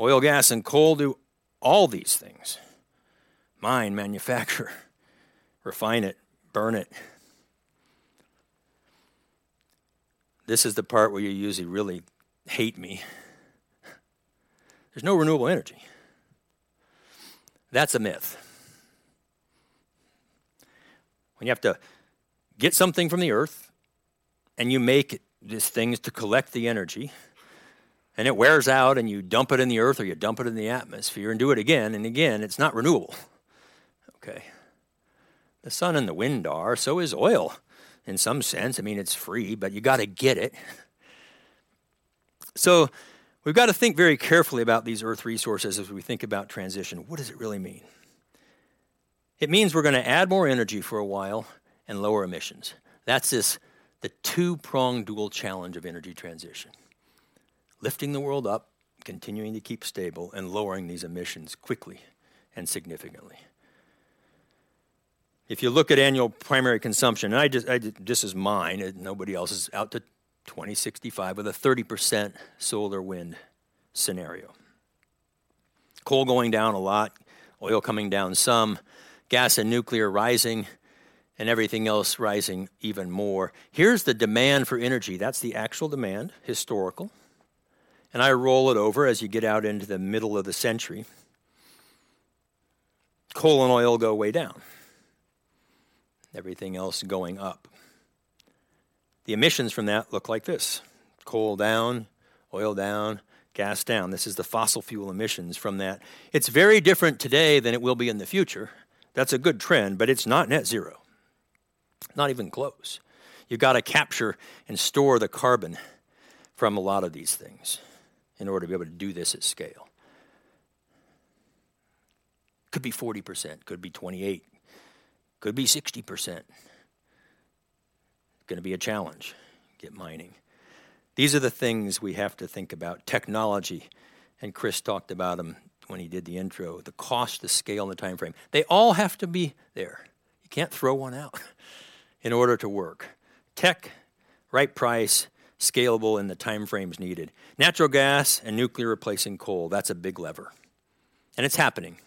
Oil, gas, and coal do all these things. Mine, manufacture, refine it, burn it. This is the part where you usually really hate me. There's no renewable energy. That's a myth. When you have to get something from the earth, and you make these things to collect the energy, and it wears out, and you dump it in the earth or you dump it in the atmosphere and do it again and again, it's not renewable. Okay. The sun and the wind are, so is oil in some sense. I mean, it's free, but you gotta get it. We've gotta think very carefully about these earth resources as we think about transition. What does it really mean? It means we're gonna add more energy for a while and lower emissions. That's this, the two-pronged dual challenge of energy transition. Lifting the world up, continuing to keep stable, and lowering these emissions quickly and significantly. If you look at annual primary consumption, and I just, this is mine, nobody else's, out to 2065 with a 30% solar wind scenario. Coal going down a lot, oil coming down some, gas and nuclear rising, and everything else rising even more. Here's the demand for energy. That's the actual demand, historical. I roll it over as you get out into the middle of the century. Coal and oil go way down. Everything else going up. The emissions from that look like this. Coal down, oil down, gas down. This is the fossil fuel emissions from that. It's very different today than it will be in the future. That's a good trend, but it's not net zero. Not even close. You've gotta capture and store the carbon from a lot of these things in order to be able to do this at scale. Could be 40%, could be 28%, could be 60%. Gonna be a challenge to get mining. These are the things we have to think about. Technology, Chris talked about them when he did the intro, the cost, the scale, and the timeframe. They all have to be there. You can't throw one out in order to work. Tech, right price, scalable, and the timeframes needed. Natural gas and nuclear replacing coal, that's a big lever, and it's happening.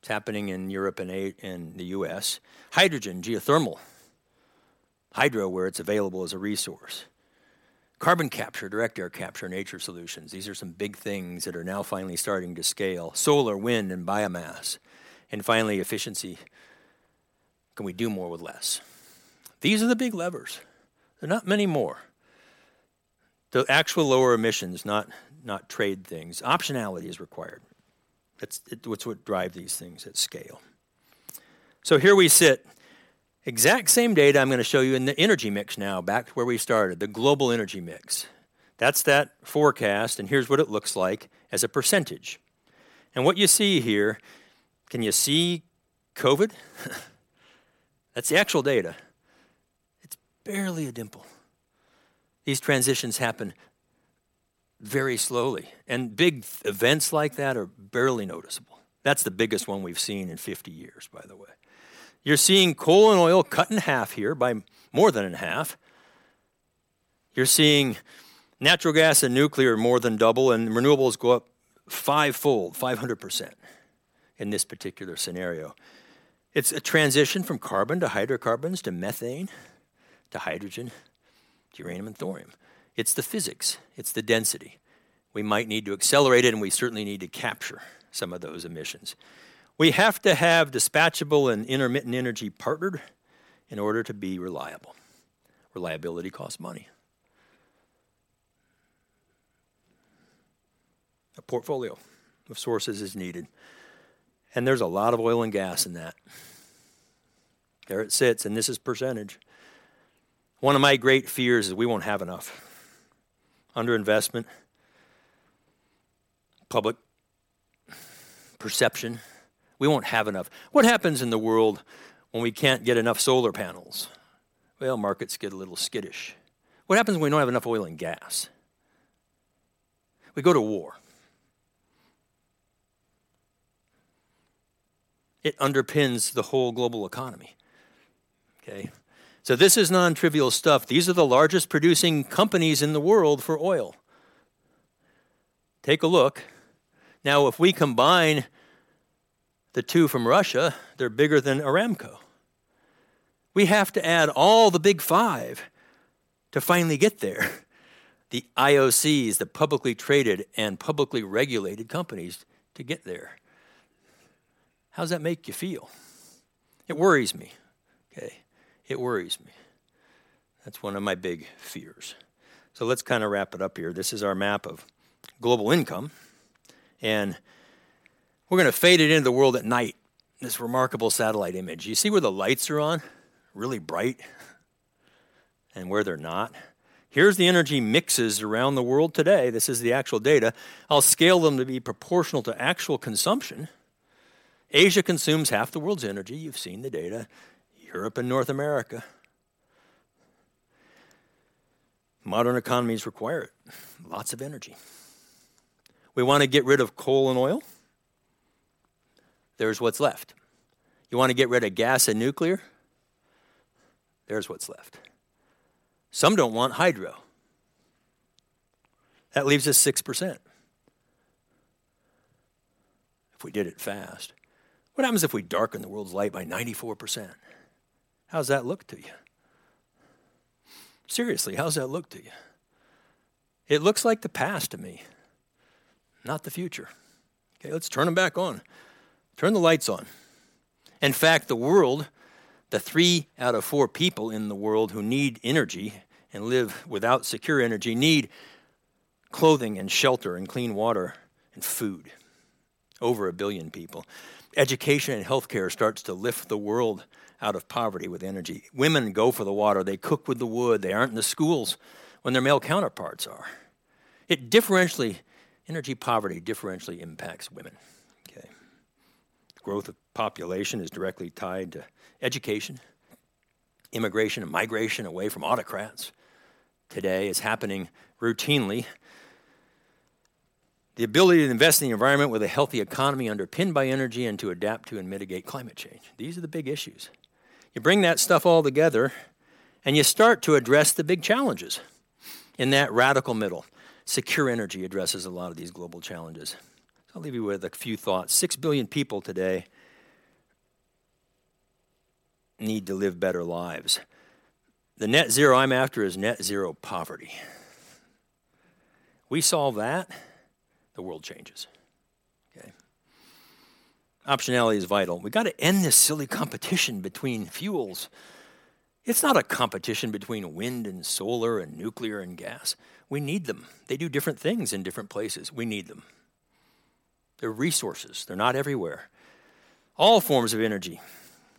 It's happening in Europe and the U.S. hydrogen, geothermal, hydro where it's available as a resource, carbon capture, direct air capture, nature solutions, these are some big things that are now finally starting to scale. Solar, wind, and biomass, finally efficiency. Can we do more with less? These are the big levers. There are not many more. The actual lower emissions, not trade things. Optionality is required. It's what drive these things at scale. Here we sit, exact same data I'm gonna show you in the energy mix now back to where we started, the global energy mix. That's that forecast, here's what it looks like as a percentage. What you see here, can you see COVID? That's the actual data. It's barely a dimple. These transitions happen very slowly, big events like that are barely noticeable. That's the biggest one we've seen in 50 years, by the way. You're seeing coal and oil cut in half here by more than in half. You're seeing natural gas and nuclear more than double, and renewables go up five-fold, 500% in this particular scenario. It's a transition from carbon to hydrocarbons to methane to hydrogen to uranium and thorium. It's the physics. It's the density. We might need to accelerate it, and we certainly need to capture some of those emissions. We have to have dispatchable and intermittent energy partnered in order to be reliable. Reliability costs money. A portfolio of sources is needed, and there's a lot of oil and gas in that. There it sits, and this is percentage. One of my great fears is we won't have enough. Underinvestment, public perception, we won't have enough. What happens in the world when we can't get enough solar panels? Markets get a little skittish. What happens when we don't have enough oil and gas? We go to war. It underpins the whole global economy, okay. This is non-trivial stuff. These are the largest producing companies in the world for oil. Take a look. If we combine the two from Russia, they're bigger than Aramco. We have to add all the Big Five to finally get there, the IOCs, the publicly traded and publicly regulated companies to get there. How does that make you feel? It worries me, okay. It worries me. That's one of my big fears. Let's kinda wrap it up here. This is our map of global income, and we're gonna fade it into the world at night, this remarkable satellite image. You see where the lights are on really bright and where they're not? Here's the energy mixes around the world today. This is the actual data. I'll scale them to be proportional to actual consumption. Asia consumes half the world's energy. You've seen the data. Europe and North America. Modern economies require it, lots of energy. We wanna get rid of coal and oil. There's what's left. You wanna get rid of gas and nuclear. There's what's left. Some don't want hydro. That leaves us 6% if we did it fast. What happens if we darken the world's light by 94%? How's that look to you? Seriously, how's that look to you? It looks like the past to me, not the future. Okay, let's turn them back on. Turn the lights on. In fact, the world, the three out of four people in the world who need energy and live without secure energy need clothing and shelter and clean water and food, over a billion people. Education and healthcare starts to lift the world out of poverty with energy. Women go for the water. They cook with the wood. They aren't in the schools when their male counterparts are. It energy poverty differentially impacts women, okay. Growth of population is directly tied to education. Immigration and migration away from autocrats today is happening routinely. The ability to invest in the environment with a healthy economy underpinned by energy and to adapt to and mitigate climate change. These are the big issues. You bring that stuff all together, you start to address the big challenges in that radical middle. Secure energy addresses a lot of these global challenges. I'll leave you with a few thoughts. 6 billion people today need to live better lives. The net zero I'm after is net zero poverty. We solve that, the world changes, okay. Optionality is vital. We gotta end this silly competition between fuels. It's not a competition between wind and solar and nuclear and gas. We need them. They do different things in different places. We need them. They're resources. They're not everywhere. All forms of energy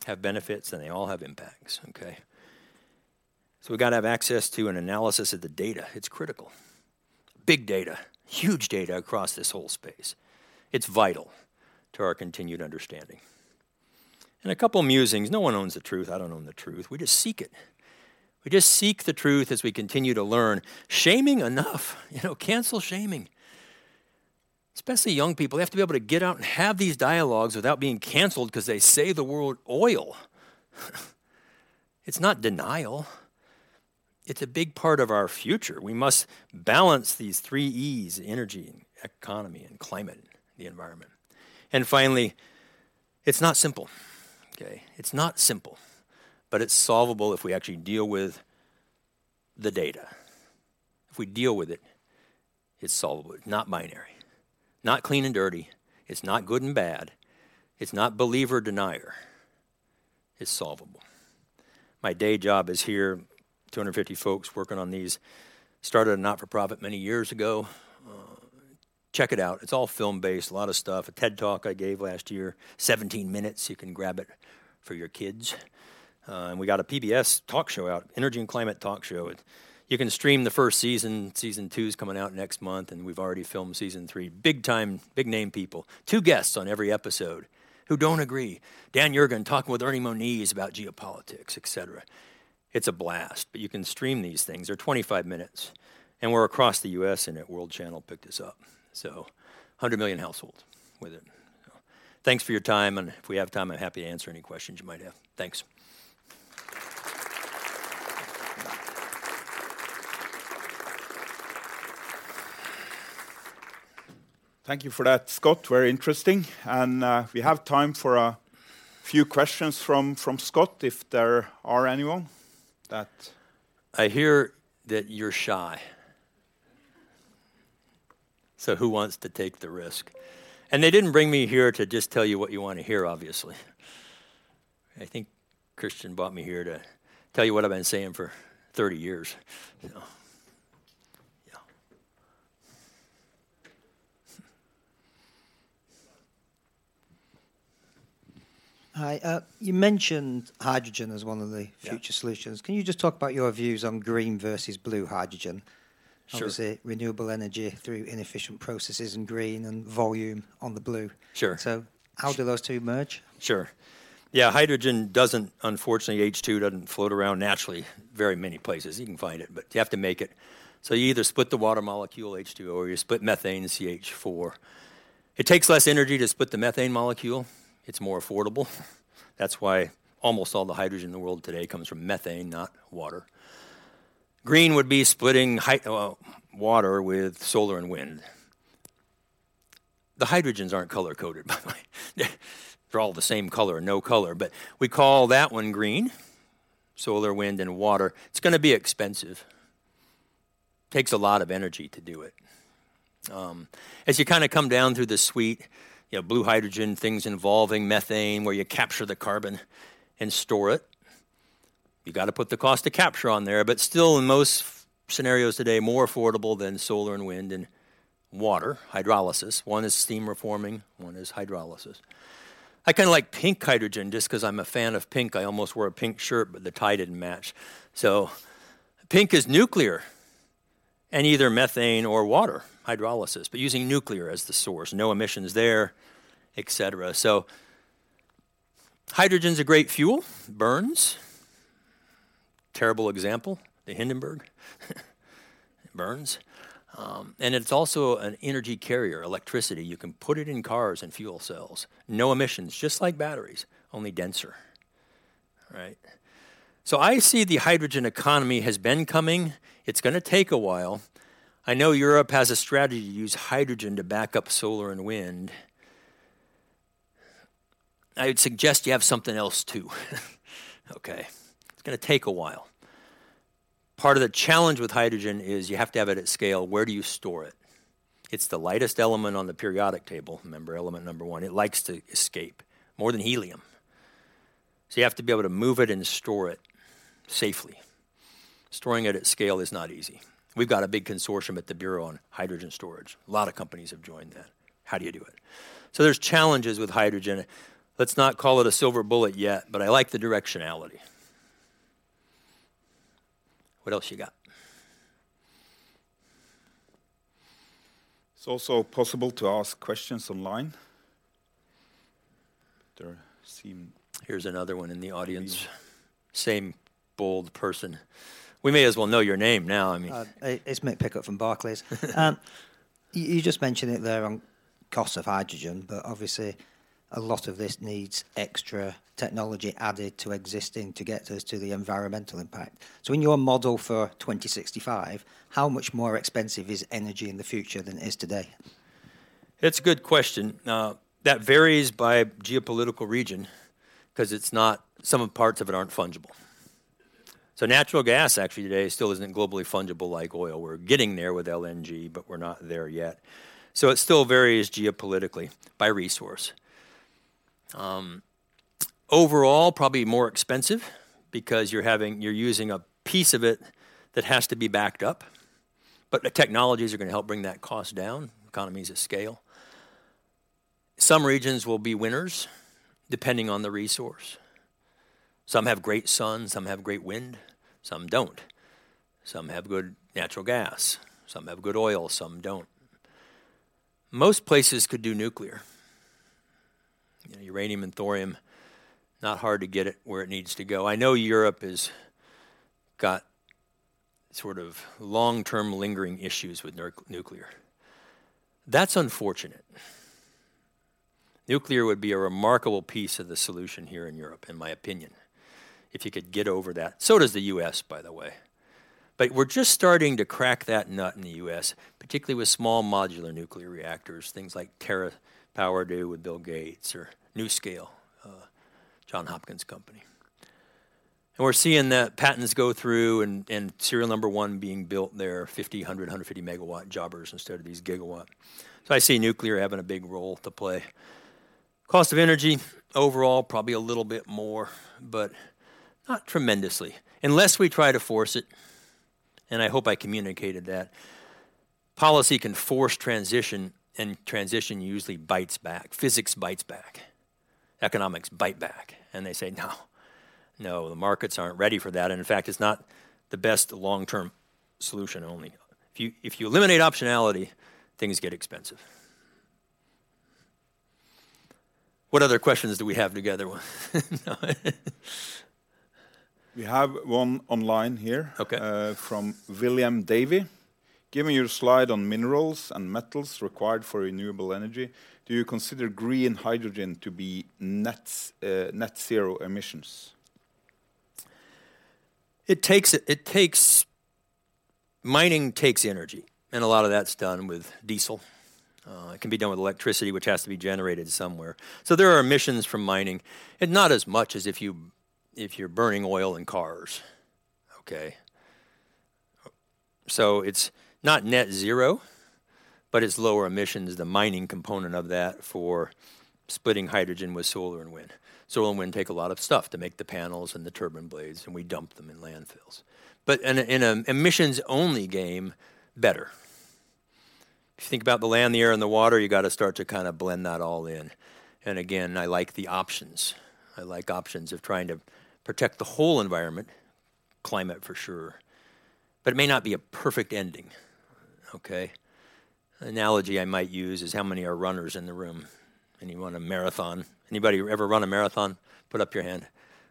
have benefits, and they all have impacts, okay. We gotta have access to an analysis of the data. It's critical. Big data, huge data across this whole space. It's vital to our continued understanding. A couple musings. No one owns the truth. I don't own the truth. We just seek it. We just seek the truth as we continue to learn. Shaming enough, you know, cancel shaming, especially young people. They have to be able to get out and have these dialogues without being canceled because they say the word oil. It's not denial. It's a big part of our future. We must balance these three E's: energy, economy, and climate, the environment. Finally, it's not simple, okay? It's not simple, but it's solvable if we actually deal with the data. If we deal with it's solvable. It's not binary, not clean and dirty. It's not good and bad. It's not believer, denier. It's solvable. My day job is here, 250 folks working on these. Started a not-for-profit many years ago. Check it out. It's all film-based, a lot of stuff. A TED Talk I gave last year, 17 minutes, you can grab it for your kids. We got a PBS talk show out, energy and climate talk show. You can stream the first season. Season 2's coming out next month, and we've already filmed Season 3. Big time, big name people. Two guests on every episode who don't agree. Dan Yergin talking with Ernie Moniz about geopolitics, et cetera. It's a blast, but you can stream these things. They're 25 minutes, and we're across the U.S., and World Channel picked us up, so 100 million households with it. Thanks for your time, and if we have time, I'm happy to answer any questions you might have. Thanks. Thank you for that, Scott. Very interesting. We have time for a few questions from Scott, if there are anyone. I hear that you're shy. Who wants to take the risk? They didn't bring me here to just tell you what you wanna hear, obviously. I think Kristian brought me here to tell you what I've been saying for 30 years. Yeah. Hi. You mentioned hydrogen as one of the future solutions. Can you just talk about your views on green versus blue hydrogen? Sure. Obviously, renewable energy through inefficient processes in green and volume on the blue. Sure. How do those two merge? Sure. Yeah, hydrogen unfortunately, H2 doesn't float around naturally very many places. You can find it, you have to make it. You either split the water molecule, H2O, or you split methane, CH4. It takes less energy to split the methane molecule. It's more affordable. That's why almost all the hydrogen in the world today comes from methane, not water. Green would be splitting well, water with solar and wind. The hydrogens aren't color-coded, by the way. They're all the same color, no color, we call that one green, solar, wind, and water. It's gonna be expensive. Takes a lot of energy to do it. As you kinda come down through the suite, you have blue hydrogen, things involving methane, where you capture the carbon and store it. You gotta put the cost to capture on there, but still in most scenarios today, more affordable than solar and wind and water, hydrolysis. One is steam reforming, one is hydrolysis. I kinda like pink hydrogen just 'cause I'm a fan of pink. I almost wore a pink shirt, but the tie didn't match. Pink is nuclear and either methane or water, hydrolysis, but using nuclear as the source, no emissions there, et cetera. Hydrogen's a great fuel, burns. Terrible example, the Hindenburg burns. It's also an energy carrier, electricity. You can put it in cars and fuel cells, no emissions, just like batteries, only denser, right? I see the hydrogen economy has been coming. It's gonna take a while. I know Europe has a strategy to use hydrogen to back up solar and wind. I would suggest you have something else too, okay? It's gonna take a while. Part of the challenge with hydrogen is you have to have it at scale. Where do you store it? It's the lightest element on the periodic table. Remember element number one, it likes to escape more than helium. You have to be able to move it and store it safely. Storing it at scale is not easy. We've got a big consortium at the Bureau on Hydrogen Storage. A lot of companies have joined that. How do you do it? There's challenges with hydrogen. Let's not call it a silver bullet yet, but I like the directionality. What else you got? It's also possible to ask questions online. Here's another one in the audience. Same bold person. We may as well know your name now, I mean. It's Mick Pickup from Barclays. You just mentioned it there on cost of hydrogen, but obviously a lot of this needs extra technology added to existing to get us to the environmental impact. In your model for 2065, how much more expensive is energy in the future than it is today? It's a good question. That varies by geopolitical region 'cause some parts of it aren't fungible. Natural gas actually today still isn't globally fungible like oil. We're getting there with LNG, but we're not there yet. It still varies geopolitically by resource. Overall, probably more expensive because you're using a piece of it that has to be backed up, but the technologies are gonna help bring that cost down, economies of scale. Some regions will be winners depending on the resource. Some have great sun, some have great wind, some don't. Some have good natural gas, some have good oil, some don't. Most places could do nuclear. You know, uranium and thorium, not hard to get it where it needs to go. I know Europe has got sort of long-term lingering issues with nuclear. That's unfortunate. Nuclear would be a remarkable piece of the solution here in Europe, in my opinion, if you could get over that. Does the U.S., by the way. We're just starting to crack that nut in the U.S., particularly with small modular nuclear reactors, things like TerraPower do with Bill Gates or NuScale, John Hopkins' company. We're seeing the patents go through and serial number one being built. They're 50, 100, 150 MW jobbers instead of these gigawatt. I see nuclear having a big role to play. Cost of energy overall, probably a little bit more, but not tremendously unless we try to force it, and I hope I communicated that. Policy can force transition, and transition usually bites back. Physics bites back. Economics bite back, and they say, No. No, the markets aren't ready for that, and in fact, it's not the best long-term solution only. If you eliminate optionality, things get expensive. What other questions do we have together? We have one online here. Okay. From William Davey. Given your slide on minerals and metals required for renewable energy, do you consider green hydrogen to be net zero emissions? It takes mining takes energy, a lot of that's done with diesel. It can be done with electricity, which has to be generated somewhere. There are emissions from mining, not as much as if you're burning oil in cars, okay? It's not net zero, but it's lower emissions, the mining component of that for splitting hydrogen with solar and wind. Solar and wind take a lot of stuff to make the panels and the turbine blades, we dump them in landfills. In an emissions-only game, better. If you think about the land, the air, and the water, you gotta start to kinda blend that all in, again, I like the options. I like options of trying to protect the whole environment, climate for sure, it may not be a perfect ending, okay? Analogy I might use is how many are runners in the room and you run a marathon. Anybody ever run a marathon? Put up your hand.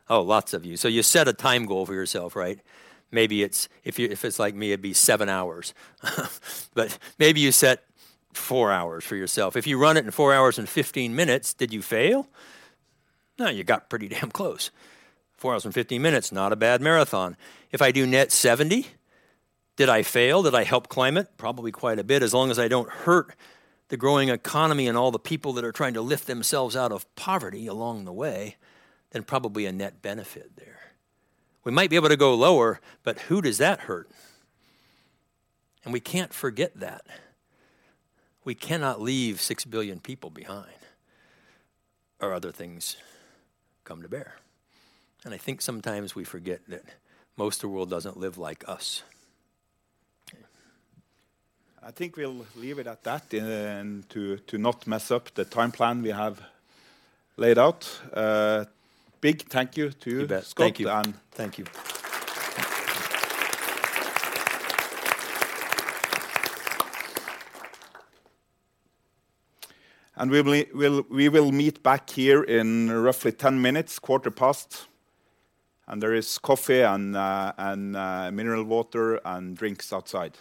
Oh, lots of you. You set a time goal for yourself, right? Maybe it's, if you, if it's like me, it'd be 7 hours, but maybe you set 4 hours for yourself. If you run it in 4 hours and 15 minutes, did you fail? No, you got pretty damn close. 4 hours and 15 minutes, not a bad marathon. If I do net 70, did I fail? Did I help climate? Probably quite a bit as long as I don't hurt the growing economy and all the people that are trying to lift themselves out of poverty along the way, then probably a net benefit there. We might be able to go lower, who does that hurt? We can't forget that. We cannot leave 6 billion people behind, or other things come to bear. I think sometimes we forget that most of the world doesn't live like us. I think we'll leave it at that to not mess up the time plan we have laid out. Big thank you. You bet. Thank you. Scott, thank you. We will meet back here in roughly 10 minutes, quarter past, and there is coffee and mineral water and drinks outside.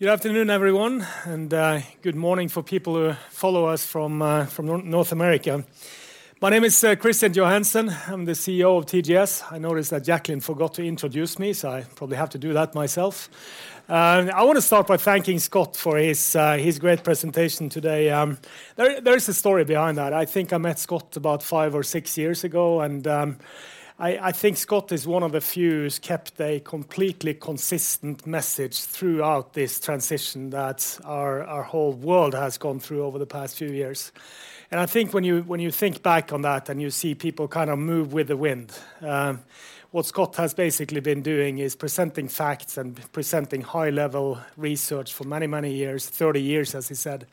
Good afternoon, everyone. Good morning for people who follow us from North America. My name is Kristian Johansen. I'm the CEO of TGS. I noticed that Jaclyn Townsend forgot to introduce me. I probably have to do that myself. I wanna start by thanking Scott Tinker for his great presentation today. There is a story behind that. I think I met Scott Tinker about five or six years ago. I think Scott Tinker is one of the few who's kept a completely consistent message throughout this transition that our whole world has gone through over the past few years. I think when you, when you think back on that and you see people kinda move with the wind, what Scott has basically been doing is presenting facts and presenting high-level research for many, many years, 30 years, as he said,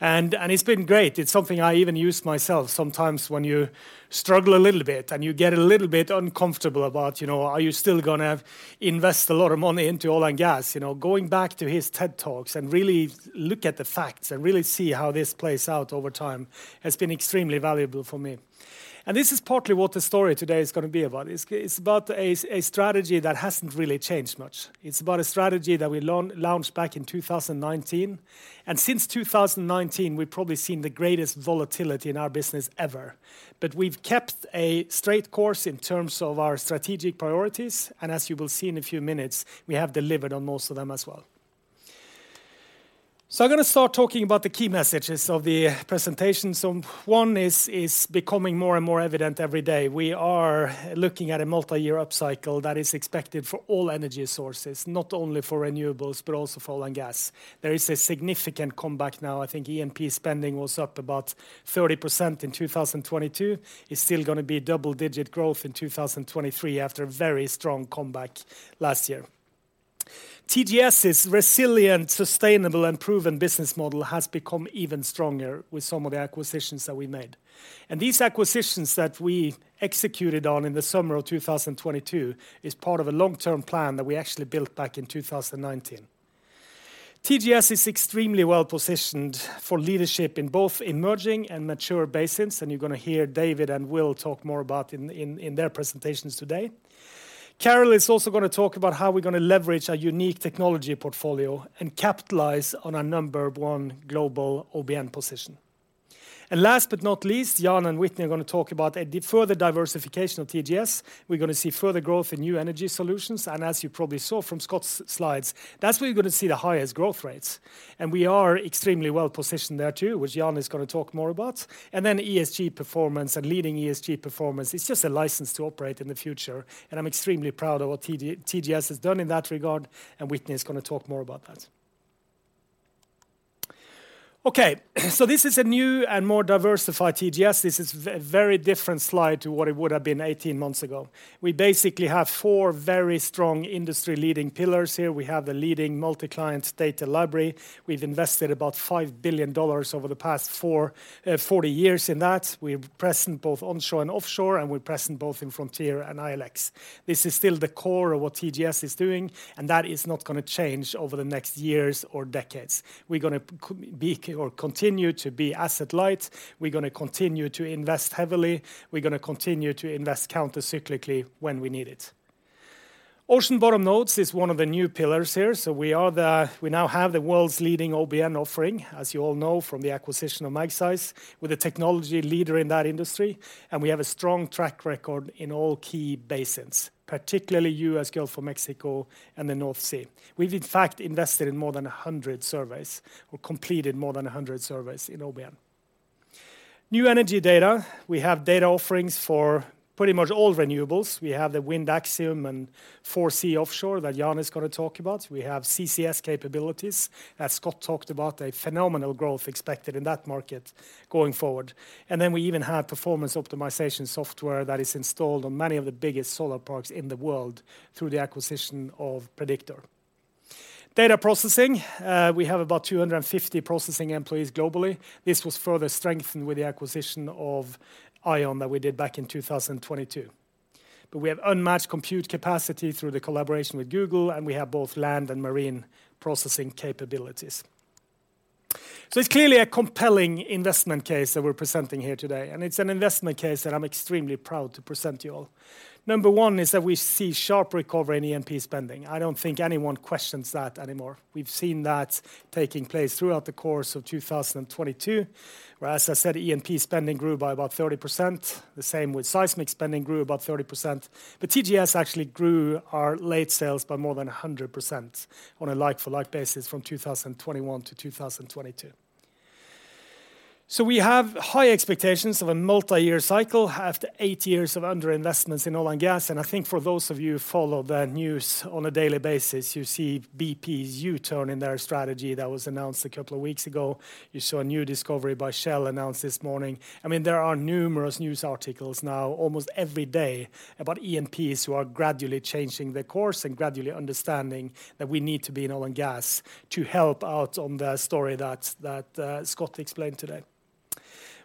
and it's been great. It's something I even use myself sometimes when you struggle a little bit, and you get a little bit uncomfortable about, you know, are you still gonna invest a lot of money into oil and gas? You know, going back to his TED Talks and really look at the facts and really see how this plays out over time has been extremely valuable for me. This is partly what the story today is gonna be about. It's, it's about a strategy that hasn't really changed much. It's about a strategy that we launched back in 2019, and since 2019, we've probably seen the greatest volatility in our business ever. We've kept a straight course in terms of our strategic priorities, and as you will see in a few minutes, we have delivered on most of them as well. I'm gonna start talking about the key messages of the presentation. One is becoming more and more evident every day. We are looking at a multi-year upcycle that is expected for all energy sources, not only for renewables, but also for oil and gas. There is a significant comeback now. I think E&P spending was up about 30% in 2022. It's still gonna be double-digit growth in 2023 after a very strong comeback last year. TGS's resilient, sustainable, and proven business model has become even stronger with some of the acquisitions that we made. These acquisitions that we executed on in the summer of 2022 is part of a long-term plan that we actually built back in 2019. TGS is extremely well-positioned for leadership in both emerging and mature basins, and you're gonna hear David and Will talk more about in their presentations today. Carel is also gonna talk about how we're gonna leverage our unique technology portfolio and capitalize on our number one global OBN position. Last but not least, Jan and Whitney are gonna talk about a further diversification of TGS. We're gonna see further growth in new energy solutions, and as you probably saw from Scott's slides, that's where you're gonna see the highest growth rates. We are extremely well-positioned there too, which Jan is gonna talk more about. Then ESG performance and leading ESG performance, it's just a license to operate in the future, and I'm extremely proud of what TGS has done in that regard, and Whitney is gonna talk more about that. This is a new and more diversified TGS. This is a very different slide to what it would have been 18 months ago. We basically have four very strong industry-leading pillars here. We have the leading multi-client data library. We've invested about $5 billion over the past 40 years in that. We're present both onshore and offshore, and we're present both in frontier and ILX. This is still the core of what TGS is doing, and that is not gonna change over the next years or decades. We're gonna continue to be asset light. We're gonna continue to invest heavily. We're gonna continue to invest countercyclically when we need it. Ocean bottom nodes is one of the new pillars here. We now have the world's leading OBN offering, as you all know from the acquisition of Magseis, with a technology leader in that industry. We have a strong track record in all key basins, particularly U.S. Gulf of Mexico and the North Sea. We've in fact invested in more than 100 surveys or completed more than 100 surveys in OBN. New energy data, we have data offerings for pretty much all renewables. We have the Wind AXIOM and 4C Offshore that Jan is gonna talk about. We have CCS capabilities. As Scott talked about, a phenomenal growth expected in that market going forward. We even have performance optimization software that is installed on many of the biggest solar parks in the world through the acquisition of Prediktor. Data processing, we have about 250 processing employees globally. This was further strengthened with the acquisition of ION that we did back in 2022. We have unmatched compute capacity through the collaboration with Google, and we have both land and marine processing capabilities. It's clearly a compelling investment case that we're presenting here today, and it's an investment case that I'm extremely proud to present to you all. Number one is that we see sharp recovery in E&P spending. I don't think anyone questions that anymore. We've seen that taking place throughout the course of 2022, where, as I said, E&P spending grew by about 30%, the same with seismic spending grew about 30%. TGS actually grew our late sales by more than 100% on a like for like basis from 2021 to 2022. We have high expectations of a multiyear cycle after eight years of underinvestments in oil and gas. I think for those of you who follow the news on a daily basis, you see BP's U-turn in their strategy that was announced a couple of weeks ago. You saw a new discovery by Shell announced this morning. I mean, there are numerous news articles now almost every day about E&Ps who are gradually changing their course and gradually understanding that we need to be in oil and gas to help out on the story that Scott explained today.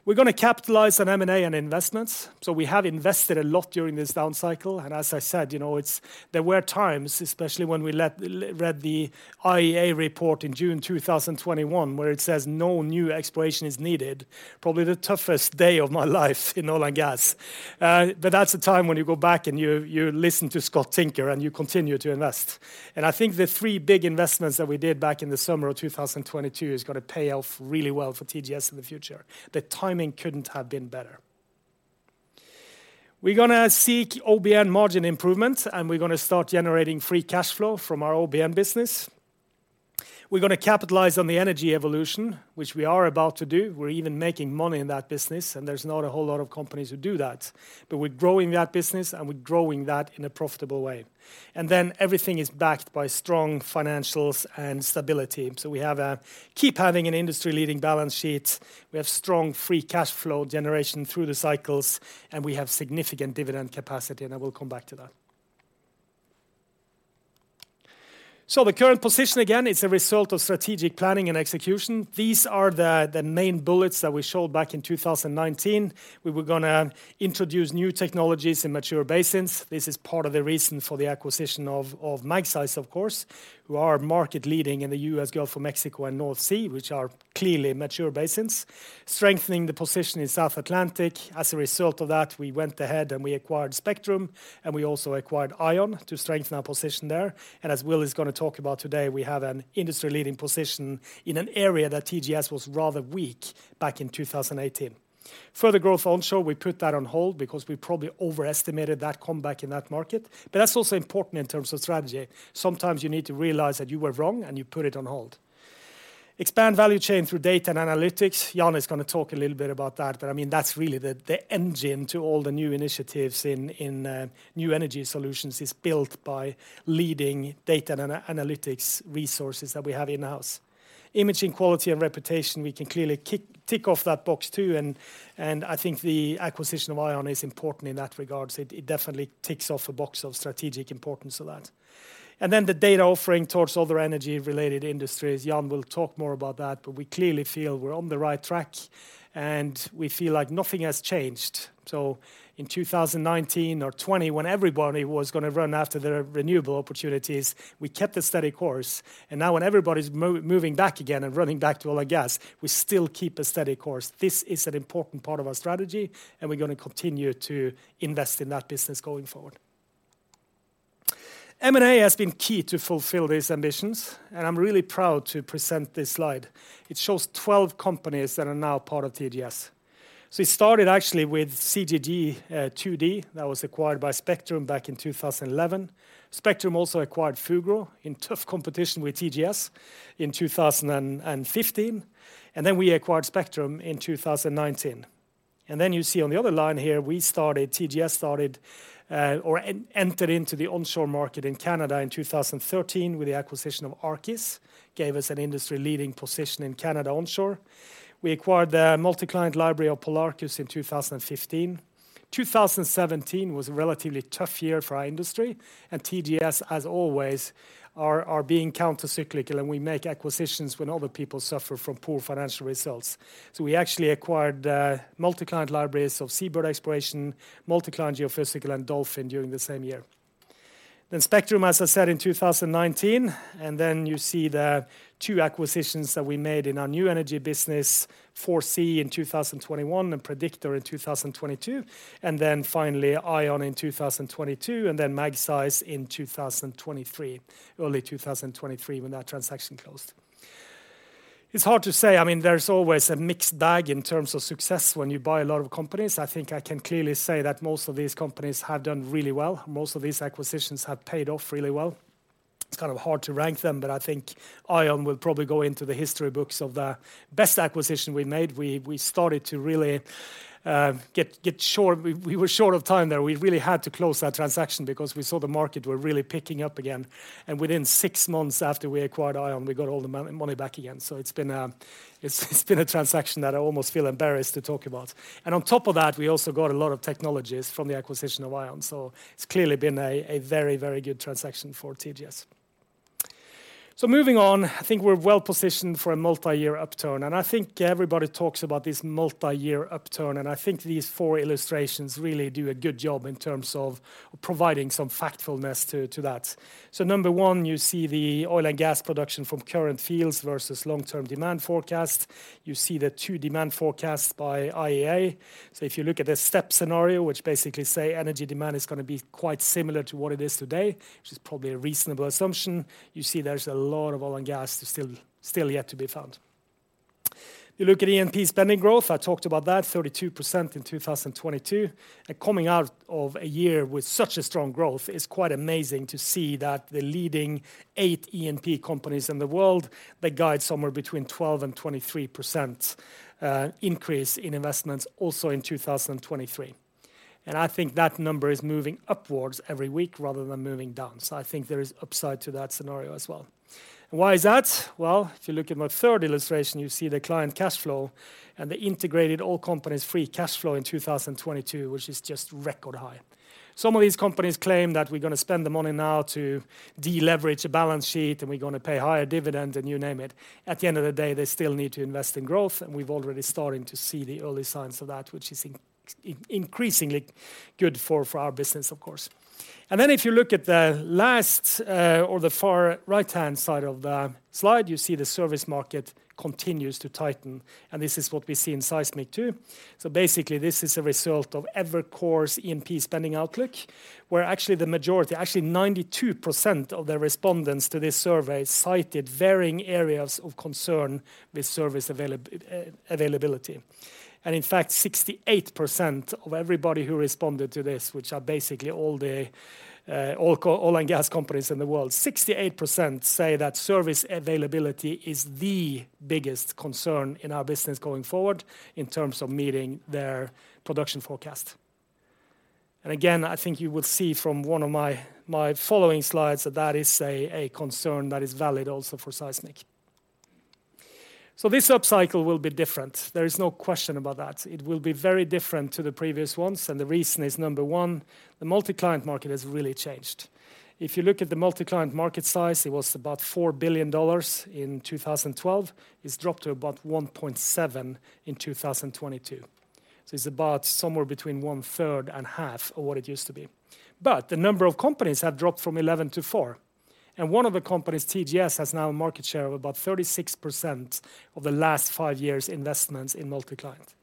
We're gonna capitalize on M&A and investments. We have invested a lot during this down cycle. As I said, you know, it's, there were times, especially when we let read the IEA report in June 2021, where it says no new exploration is needed, probably the toughest day of my life in oil and gas. That's the time when you go back and you listen to Scott Tinker and you continue to invest. I think the three big investments that we did back in the summer of 2022 is gonna pay off really well for TGS in the future. The timing couldn't have been better. We're gonna seek OBN margin improvements, and we're gonna start generating free cash flow from our OBN business. We're gonna capitalize on the energy evolution, which we are about to do. We're even making money in that business, and there's not a whole lot of companies who do that. We're growing that business, and we're growing that in a profitable way. Everything is backed by strong financials and stability. We have an industry-leading balance sheet. We have strong free cash flow generation through the cycles, and we have significant dividend capacity. I will come back to that. The current position, again, is a result of strategic planning and execution. These are the main bullets that we showed back in 2019. We were gonna introduce new technologies in mature basins. This is part of the reason for the acquisition of Magseis, of course, who are market leading in the U.S. Gulf of Mexico and North Sea, which are clearly mature basins. Strengthening the position in South Atlantic. As a result of that, we went ahead and we acquired Spectrum, and we also acquired ION to strengthen our position there. As Will is gonna talk about today, we have an industry-leading position in an area that TGS was rather weak back in 2018. Further growth onshore, we put that on hold because we probably overestimated that comeback in that market. That's also important in terms of strategy. Sometimes you need to realize that you were wrong. You put it on hold. Expand value chain through data and analytics. Jan is going to talk a little bit about that, I mean, that's really the engine to all the new initiatives in new energy solutions is built by leading data analytics resources that we have in-house. Imaging quality and reputation, we can clearly tick off that box too and I think the acquisition of ION is important in that regard. It definitely ticks off a box of strategic importance of that. The data offering towards other energy related industries, Jan will talk more about that, we clearly feel we're on the right track, we feel like nothing has changed. In 2019 or 2020 when everybody was going to run after their renewable opportunities, we kept a steady course. Now when everybody's moving back again and running back to oil and gas, we still keep a steady course. This is an important part of our strategy, and we're gonna continue to invest in that business going forward. M&A has been key to fulfill these ambitions, and I'm really proud to present this slide. It shows 12 companies that are now part of TGS. It started actually with CGG, 2D, that was acquired by Spectrum back in 2011. Spectrum also acquired Fugro in tough competition with TGS in 2015, and then we acquired Spectrum in 2019. Then you see on the other line here, we started, TGS started, or entered into the onshore market in Canada in 2013 with the acquisition of Arcis, gave us an industry-leading position in Canada onshore. We acquired the multi-client library of Polarcus in 2015. 2017 was a relatively tough year for our industry. TGS, as always, are being counter-cyclical, and we make acquisitions when other people suffer from poor financial results. We actually acquired multi-client libraries of SeaBird Exploration, MultiClient Geophysical, and Dolphin during the same year. Spectrum, as I said, in 2019. You see the two acquisitions that we made in our new energy business, 4C in 2021 and Prediktor in 2022. Finally ION in 2022. Magseis in 2023, early 2023 when that transaction closed. It's hard to say, I mean, there's always a mixed bag in terms of success when you buy a lot of companies. I think I can clearly say that most of these companies have done really well. Most of these acquisitions have paid off really well. It's kind of hard to rank them. I think ION will probably go into the history books of the best acquisition we made. We started to really. We were short of time there. We really had to close that transaction because we saw the market were really picking up again. Within six months after we acquired ION, we got all the money back again. It's been a transaction that I almost feel embarrassed to talk about. On top of that, we also got a lot of technologies from the acquisition of ION. It's clearly been a very, very good transaction for TGS. Moving on, I think we're well-positioned for a multi-year upturn. I think everybody talks about this multi-year upturn, and I think these four illustrations really do a good job in terms of providing some factfulness to that. Number one, you see the oil and gas production from current fields versus long-term demand forecast. You see the two demand forecasts by IEA. If you look at the step scenario, which basically say energy demand is gonna be quite similar to what it is today, which is probably a reasonable assumption, you see there's a lot of oil and gas still yet to be found. You look at E&P spending growth, I talked about that, 32% in 2022. Coming out of a year with such a strong growth, it's quite amazing to see that the leading eight E&P companies in the world, they guide somewhere between 12% and 23% increase in investments also in 2023. I think that number is moving upwards every week rather than moving down. I think there is upside to that scenario as well. Why is that? Well, if you look at my third illustration, you see the client cash flow and the integrated all companies free cash flow in 2022, which is just record high. Some of these companies claim that we're gonna spend the money now to deleverage the balance sheet, and we're gonna pay higher dividend, and you name it. At the end of the day, they still need to invest in growth, we've already starting to see the early signs of that, which is increasingly good for our business, of course. If you look at the last or the far right-hand side of the slide, you see the service market continues to tighten, this is what we see in seismic too. Basically, this is a result of Evercore's E&P spending outlook, where actually the majority, actually 92% of the respondents to this survey cited varying areas of concern with service availability. In fact, 68% of everybody who responded to this, which are basically all the oil and gas companies in the world, 68% say that service availability is the biggest concern in our business going forward in terms of meeting their production forecast. I think you will see from one of my following slides that that is a concern that is valid also for seismic. This upcycle will be different. There is no question about that. It will be very different to the previous ones, the reason is, number one, the multi-client market has really changed. If you look at the multi-client market size, it was about $4 billion in 2012. It's dropped to about $1.7 billion in 2022. It's about somewhere between one-third and half of what it used to be. The number of companies have dropped from 11 to 4, one of the companies, TGS, has now a market share of about 36% of the last five years' investments in multi-client.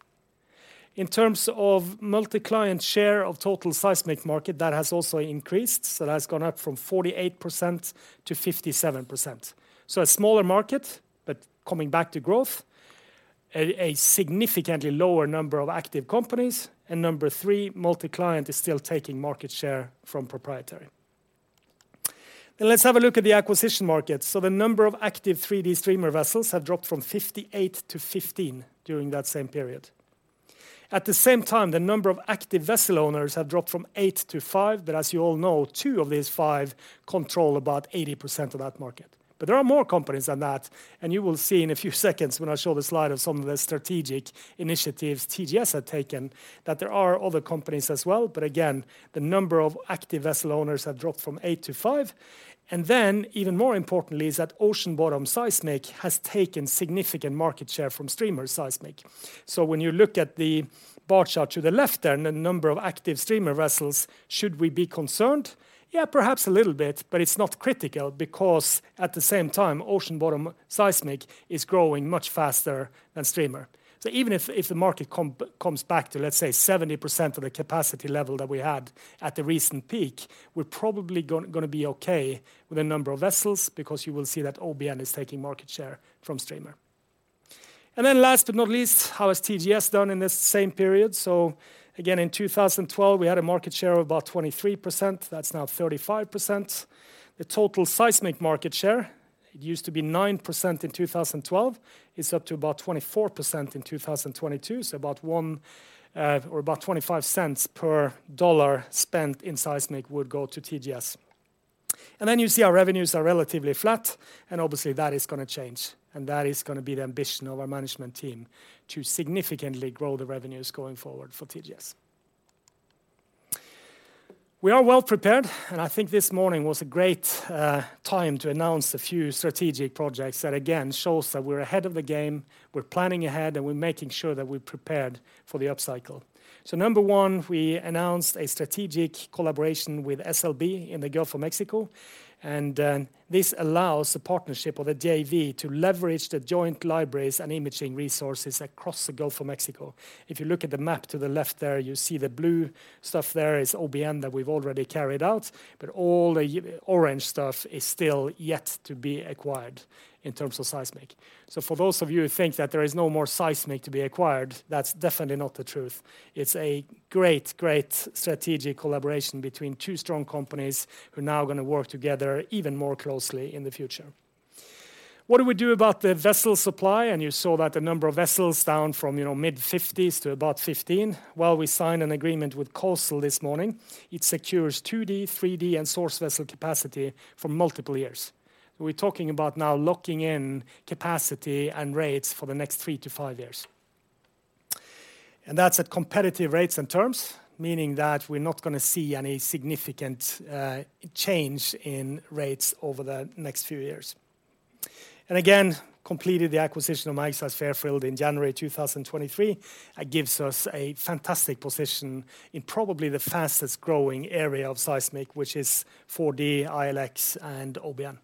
In terms of multi-client share of total seismic market, that has also increased. That's gone up from 48% to 57%. A smaller market, but coming back to growth, a significantly lower number of active companies, and number three, multi-client is still taking market share from proprietary. Let's have a look at the acquisition market. The number of active 3D streamer vessels have dropped from 58 to 15 during that same period. At the same time, the number of active vessel owners have dropped from eight to five, but as you all know, two of these five control about 80% of that market. There are more companies than that, and you will see in a few seconds when I show the slide of some of the strategic initiatives TGS had taken, that there are other companies as well. Again, the number of active vessel owners have dropped from eight to five. Even more importantly is that ocean bottom seismic has taken significant market share from streamer seismic. When you look at the bar chart to the left there and the number of active streamer vessels, should we be concerned? Yeah, perhaps a little bit, but it's not critical because at the same time, ocean bottom seismic is growing much faster than streamer. Even if the market comes back to, let's say 70% of the capacity level that we had at the recent peak, we're probably gonna be okay with the number of vessels because you will see that OBN is taking market share from streamer. Last but not least, how has TGS done in this same period? Again, in 2012 we had a market share of about 23%. That's now 35%. The total seismic market share, it used to be 9% in 2012, is up to about 24% in 2022. About one or about $0.25 per dollar spent in seismic would go to TGS. Then you see our revenues are relatively flat, and obviously that is gonna change, and that is gonna be the ambition of our management team to significantly grow the revenues going forward for TGS. We are well prepared, and I think this morning was a great time to announce a few strategic projects that again, shows that we're ahead of the game, we're planning ahead, and we're making sure that we're prepared for the upcycle. Number one, we announced a strategic collaboration with SLB in the Gulf of Mexico, and this allows the partnership of the JV to leverage the joint libraries and imaging resources across the Gulf of Mexico. If you look at the map to the left there, you see the blue stuff there is OBN that we've already carried out, but all the orange stuff is still yet to be acquired in terms of seismic. For those of you who think that there is no more seismic to be acquired, that's definitely not the truth. It's a great strategic collaboration between two strong companies who are now gonna work together even more closely in the future. What do we do about the vessel supply? You saw that the number of vessels down from, you know, mid-50s to about 15. Well, we signed an agreement with COSL this morning. It secures 2D, 3D, and source vessel capacity for multiple years. We're talking about now locking in capacity and rates for the next three-five years. That's at competitive rates and terms, meaning that we're not gonna see any significant change in rates over the next few years. Again, completed the acquisition of Magseis Fairfield in January 2023. That gives us a fantastic position in probably the fastest growing area of seismic, which is 4D ILX and OBN.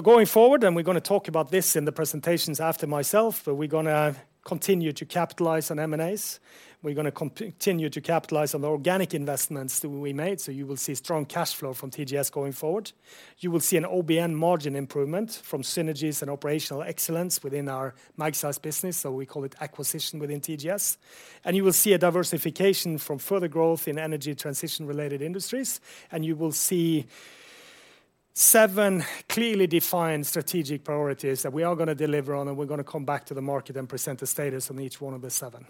Going forward, and we're gonna talk about this in the presentations after myself, but we're gonna continue to capitalize on M&As. We're gonna continue to capitalize on the organic investments that we made, so you will see strong cash flow from TGS going forward. You will see an OBN margin improvement from synergies and operational excellence within our Magseis business, so we call it acquisition within TGS. You will see a diversification from further growth in energy transition related industries, and you will see seven clearly defined strategic priorities that we are gonna deliver on, and we're gonna come back to the market and present the status on each one of the seven.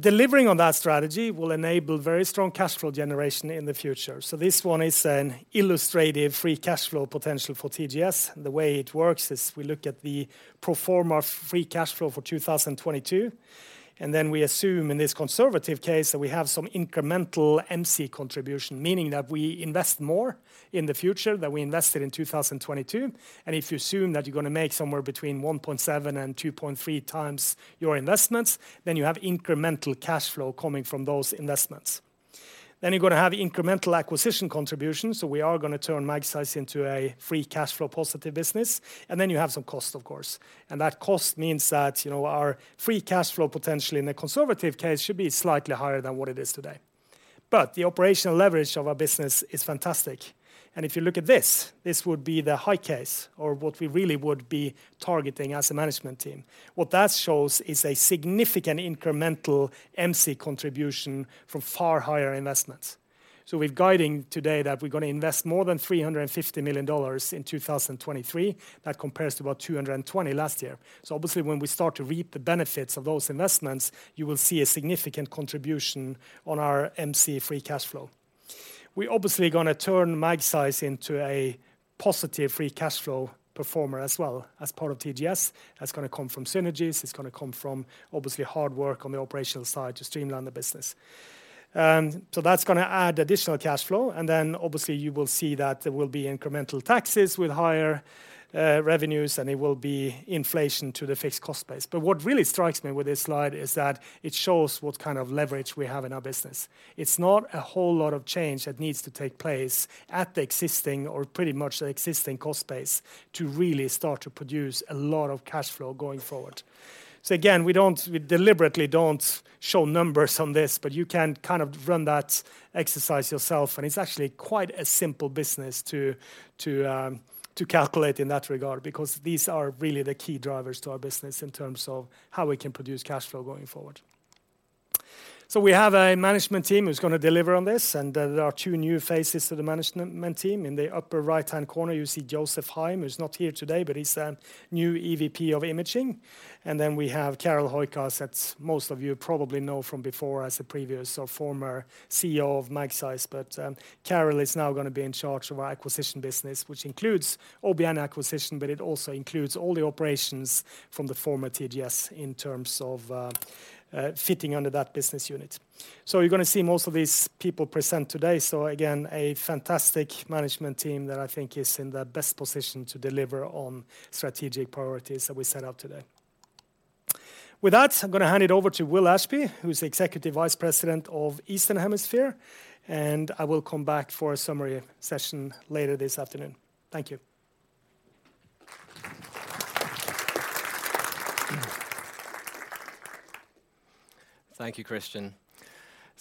Delivering on that strategy will enable very strong cash flow generation in the future. This one is an illustrative free cash flow potential for TGS. The way it works is we look at the pro forma free cash flow for 2022. We assume in this conservative case that we have some incremental MC contribution, meaning that we invest more in the future than we invested in 2022. If you assume that you're gonna make somewhere betweexn 1.7x and 2.3x your investments, then you have incremental cash flow coming from those investments. You're gonna have incremental acquisition contributions, so we are gonna turn Magseis into a free cash flow positive business, and then you have some costs of course. That cost means that, you know, our free cash flow potentially in a conservative case should be slightly higher than what it is today. The operational leverage of our business is fantastic. If you look at this would be the high case or what we really would be targeting as a management team. What that shows is a significant incremental MC contribution from far higher investments. We're guiding today that we're gonna invest more than $350 million in 2023. That compares to about $220 last year. Obviously when we start to reap the benefits of those investments, you will see a significant contribution on our MC free cash flow. We're obviously gonna turn Magseis into a positive free cash flow performer as well as part of TGS. That's gonna come from synergies. It's gonna come from obviously hard work on the operational side to streamline the business. That's gonna add additional cash flow, and then obviously you will see that there will be incremental taxes with higher revenues, and there will be inflation to the fixed cost base. What really strikes me with this slide is that it shows what kind of leverage we have in our business. It's not a whole lot of change that needs to take place at the existing or pretty much the existing cost base to really start to produce a lot of cash flow going forward. Again, we deliberately don't show numbers on this, but you can kind of run that exercise yourself, and it's actually quite a simple business to calculate in that regard because these are really the key drivers to our business in terms of how we can produce cash flow going forward. We have a management team who's gonna deliver on this, and there are two new faces to the management team. In the upper right-hand corner you see Josef Heim, who's not here today, but he's the new EVP of Imaging. We have Carel Hooijkaas that most of you probably know from before as the previous or former CEO of Magseis. Carel is now gonna be in charge of our acquisition business which includes OBN acquisition, but it also includes all the operations from the former TGS in terms of fitting under that business unit. You're gonna see most of these people present today, so again, a fantastic management team that I think is in the best position to deliver on strategic priorities that we set out today. With that, I'm gonna hand it over to Will Ashby, who's the Executive Vice President of Eastern Hemisphere, and I will come back for a summary session later this afternoon. Thank you. Thank you, Kristian.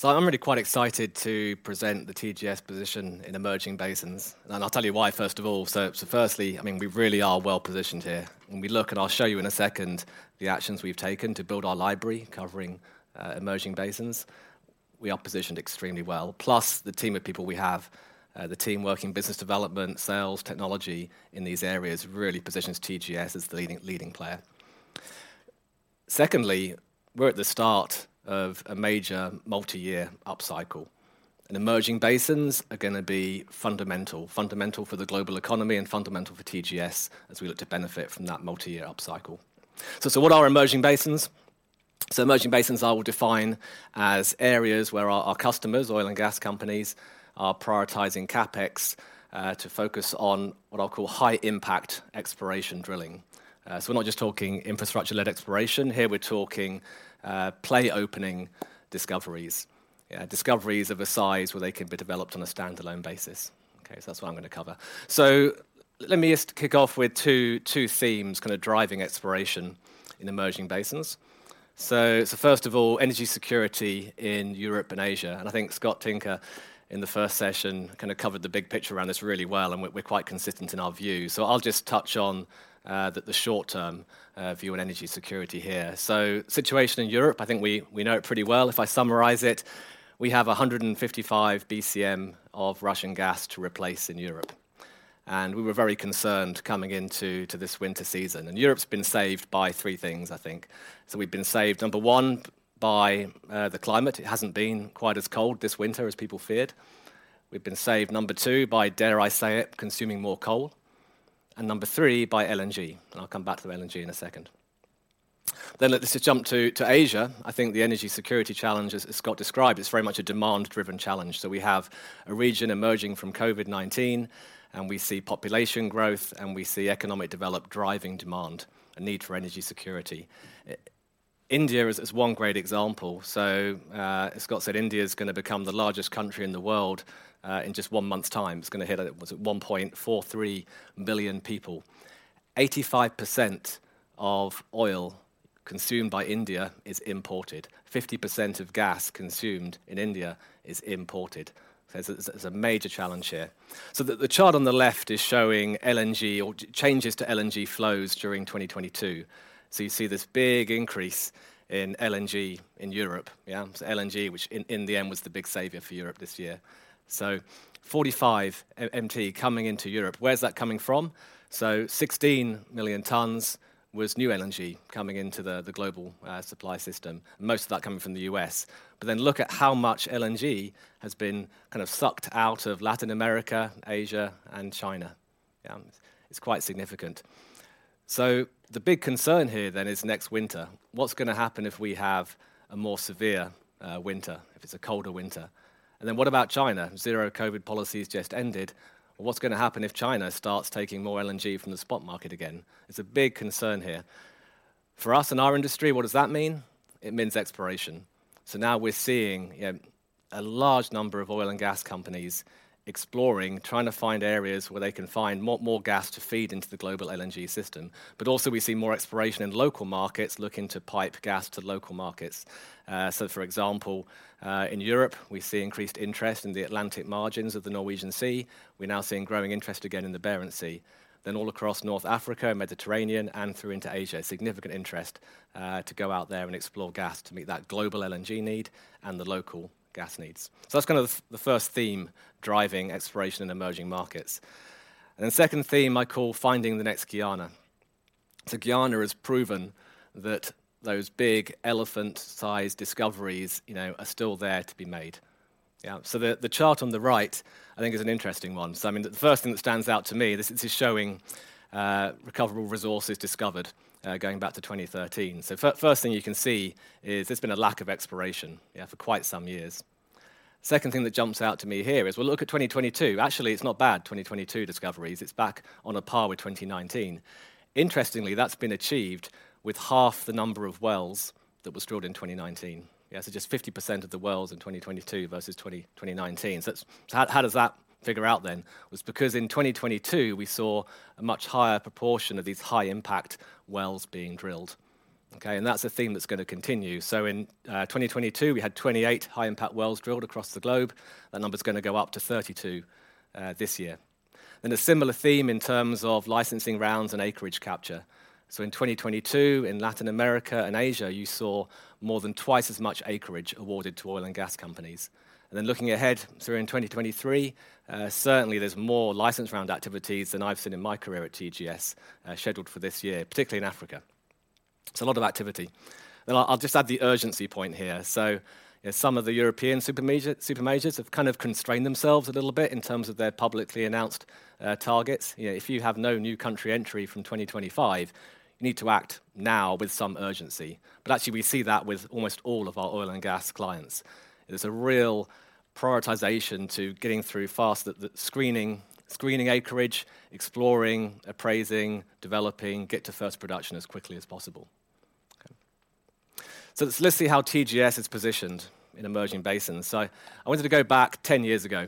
I'm really quite excited to present the TGS position in emerging basins, and I'll tell you why first of all. Firstly, I mean, we really are well-positioned here. When we look, and I'll show you in a second, the actions we've taken to build our library covering emerging basins, we are positioned extremely well. Plus the team of people we have, the team working business development, sales, technology in these areas really positions TGS as the leading player. Secondly, we're at the start of a major multiyear upcycle, and emerging basins are gonna be fundamental for the global economy and fundamental for TGS as we look to benefit from that multiyear upcycle. What are emerging basins? Emerging basins I will define as areas where our customers, oil and gas companies, are prioritizing CapEx to focus on what I'll call high-impact exploration drilling. We're not just talking infrastructure-led exploration here, we're talking play opening discoveries. Discoveries of a size where they can be developed on a standalone basis. That's what I'm gonna cover. Let me just kick off with two themes kind of driving exploration in emerging basins. First of all, energy security in Europe and Asia, and I think Scott Tinker in the first session kinda covered the big picture around this really well and we're quite consistent in our view. I'll just touch on the short-term view on energy security here. Situation in Europe, I think we know it pretty well. If I summarize it, we have 155 bcm of Russian gas to replace in Europe. We were very concerned coming into this winter season. Europe's been saved by three things, I think. We've been saved, number one, by the climate. It hasn't been quite as cold this winter as people feared. We've been saved, number two, by, dare I say it, consuming more coal. Number three, by LNG, and I'll come back to the LNG in a second. Let's just jump to Asia. I think the energy security challenge, as Scott described, is very much a demand-driven challenge. We have a region emerging from COVID-19, and we see population growth, and we see economic development driving demand, a need for energy security. India is one great example. As Scott said, India's gonna become the largest country in the world in just one month's time. It's gonna hit, what is it? 1.43 billion people. 85% of oil consumed by India is imported. 50% of gas consumed in India is imported. It's a major challenge here. The chart on the left is showing LNG or changes to LNG flows during 2022. You see this big increase in LNG in Europe. Yeah. LNG, which in the end was the big savior for Europe this year. 45 mt coming into Europe. Where's that coming from? 16 million tons was new LNG coming into the global supply system, most of that coming from the U.S.. Look at how much LNG has been kind of sucked out of Latin America, Asia and China. It's quite significant. The big concern here then is next winter. What's gonna happen if we have a more severe winter, if it's a colder winter? What about China? Zero COVID policies just ended. What's gonna happen if China starts taking more LNG from the spot market again? It's a big concern here. For us and our industry, what does that mean? It means exploration. Now we're seeing, you know, a large number of oil and gas companies exploring, trying to find areas where they can find more gas to feed into the global LNG system. Also we see more exploration in local markets looking to pipe gas to local markets. For example, in Europe we see increased interest in the Atlantic margins of the Norwegian Sea. We're now seeing growing interest again in the Barents Sea. All across North Africa, Mediterranean, and through into Asia, significant interest to go out there and explore gas to meet that global LNG need and the local gas needs. That's kind of the first theme driving exploration in emerging markets. The second theme I call finding the next Guyana. Guyana has proven that those big elephant-sized discoveries, you know, are still there to be made. Yeah. The, the chart on the right I think is an interesting one. I mean, the first thing that stands out to me, this is showing recoverable resources discovered going back to 2013. First thing you can see is there's been a lack of exploration, yeah, for quite some years. Second thing that jumps out to me here is, well, look at 2022. Actually it's not bad, 2022 discoveries. It's back on a par with 2019. Interestingly, that's been achieved with half the number of wells that was drilled in 2019. Yeah, just 50% of the wells in 2022 versus 2019. How does that figure out then? Well, it's because in 2022 we saw a much higher proportion of these high-impact wells being drilled, okay? That's a theme that's gonna continue. In 2022 we had 28 high-impact wells drilled across the globe. That number's gonna go up to 32 this year. A similar theme in terms of licensing rounds and acreage capture. In 2022, in Latin America and Asia, you saw more than twice as much acreage awarded to oil and gas companies. Looking ahead, in 2023, certainly there's more license round activities than I've seen in my career at TGS, scheduled for this year, particularly in Africa. It's a lot of activity. I'll just add the urgency point here. Some of the European super majors have kind of constrained themselves a little bit in terms of their publicly announced targets. You know, if you have no new country entry from 2025, you need to act now with some urgency. Actually we see that with almost all of our oil and gas clients. There's a real prioritization to getting through fast the screening acreage, exploring, appraising, developing, get to first production as quickly as possible. Let's see how TGS is positioned in emerging basins. I wanted to go back 10 years ago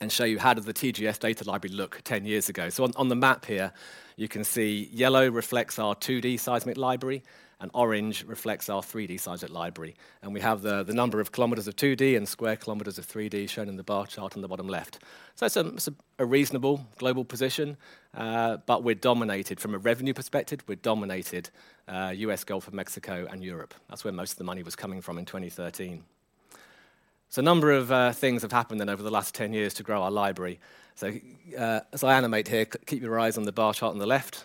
and show you how did the TGS data library look 10 years ago. On the map here, you can see yellow reflects our 2D seismic library, and orange reflects our 3D seismic library. We have the number of kilometers of 2D and square kilometers of 3D shown in the bar chart on the bottom left. That's a reasonable global position, but we're dominated from a revenue perspective. We're dominated, U.S. Gulf of Mexico and Europe. That's where most of the money was coming from in 2013. A number of things have happened then over the last 10 years to grow our library. As I animate here, keep your eyes on the bar chart on the left.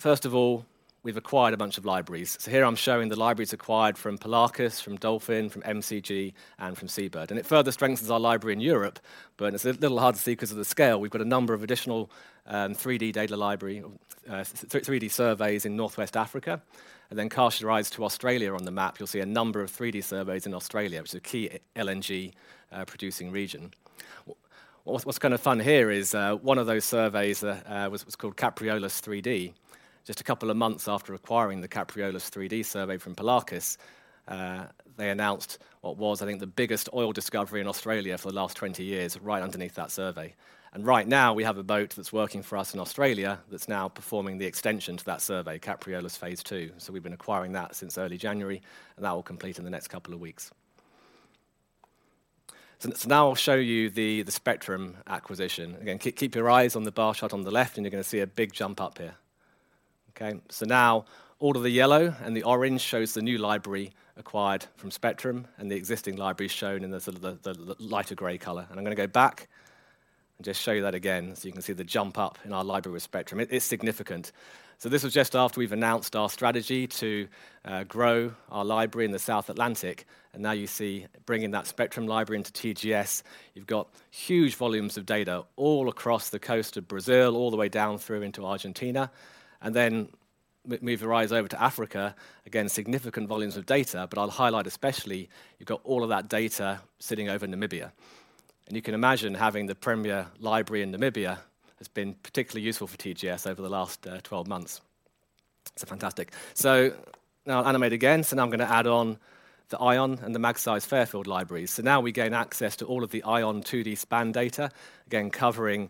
First of all, we've acquired a bunch of libraries. Here I'm showing the libraries acquired from Polarcus, from Dolphin, from MCG, and from SeaBird. It further strengthens our library in Europe, but it's a little hard to see because of the scale. We've got a number of additional 3D data library 3D surveys in Northwest Africa. Cast your eyes to Australia on the map, you'll see a number of 3D surveys in Australia, which is a key LNG producing region. What's kind of fun here is one of those surveys was called Capreolus 3D. Just a couple of months after acquiring the Capreolus 3D survey from Polarcus, they announced what was, I think, the biggest oil discovery in Australia for the last 20 years, right underneath that survey. Right now we have a boat that's working for us in Australia that's now performing the extension to that survey, Capreolus Phase 2. We've been acquiring that since early January, and that will complete in the next couple of weeks. Now I'll show you the Spectrum acquisition. Again, keep your eyes on the bar chart on the left and you're gonna see a big jump up here. Okay? Now all of the yellow and the orange shows the new library acquired from Spectrum and the existing library shown in the sort of the lighter gray color. I'm gonna go back and just show you that again, so you can see the jump up in our library with Spectrum. It is significant. This was just after we've announced our strategy to grow our library in the South Atlantic. Now you see bringing that Spectrum library into TGS. You've got huge volumes of data all across the coast of Brazil, all the way down through into Argentina, and then move your eyes over to Africa. Significant volumes of data, but I'll highlight especially you've got all of that data sitting over Namibia. You can imagine having the premier library in Namibia has been particularly useful for TGS over the last 12 months. It's fantastic. Now I'll animate again. Now I'm gonna add on the ION and the Magseis Fairfield libraries. Now we gain access to all of the ION 2D span data, again, covering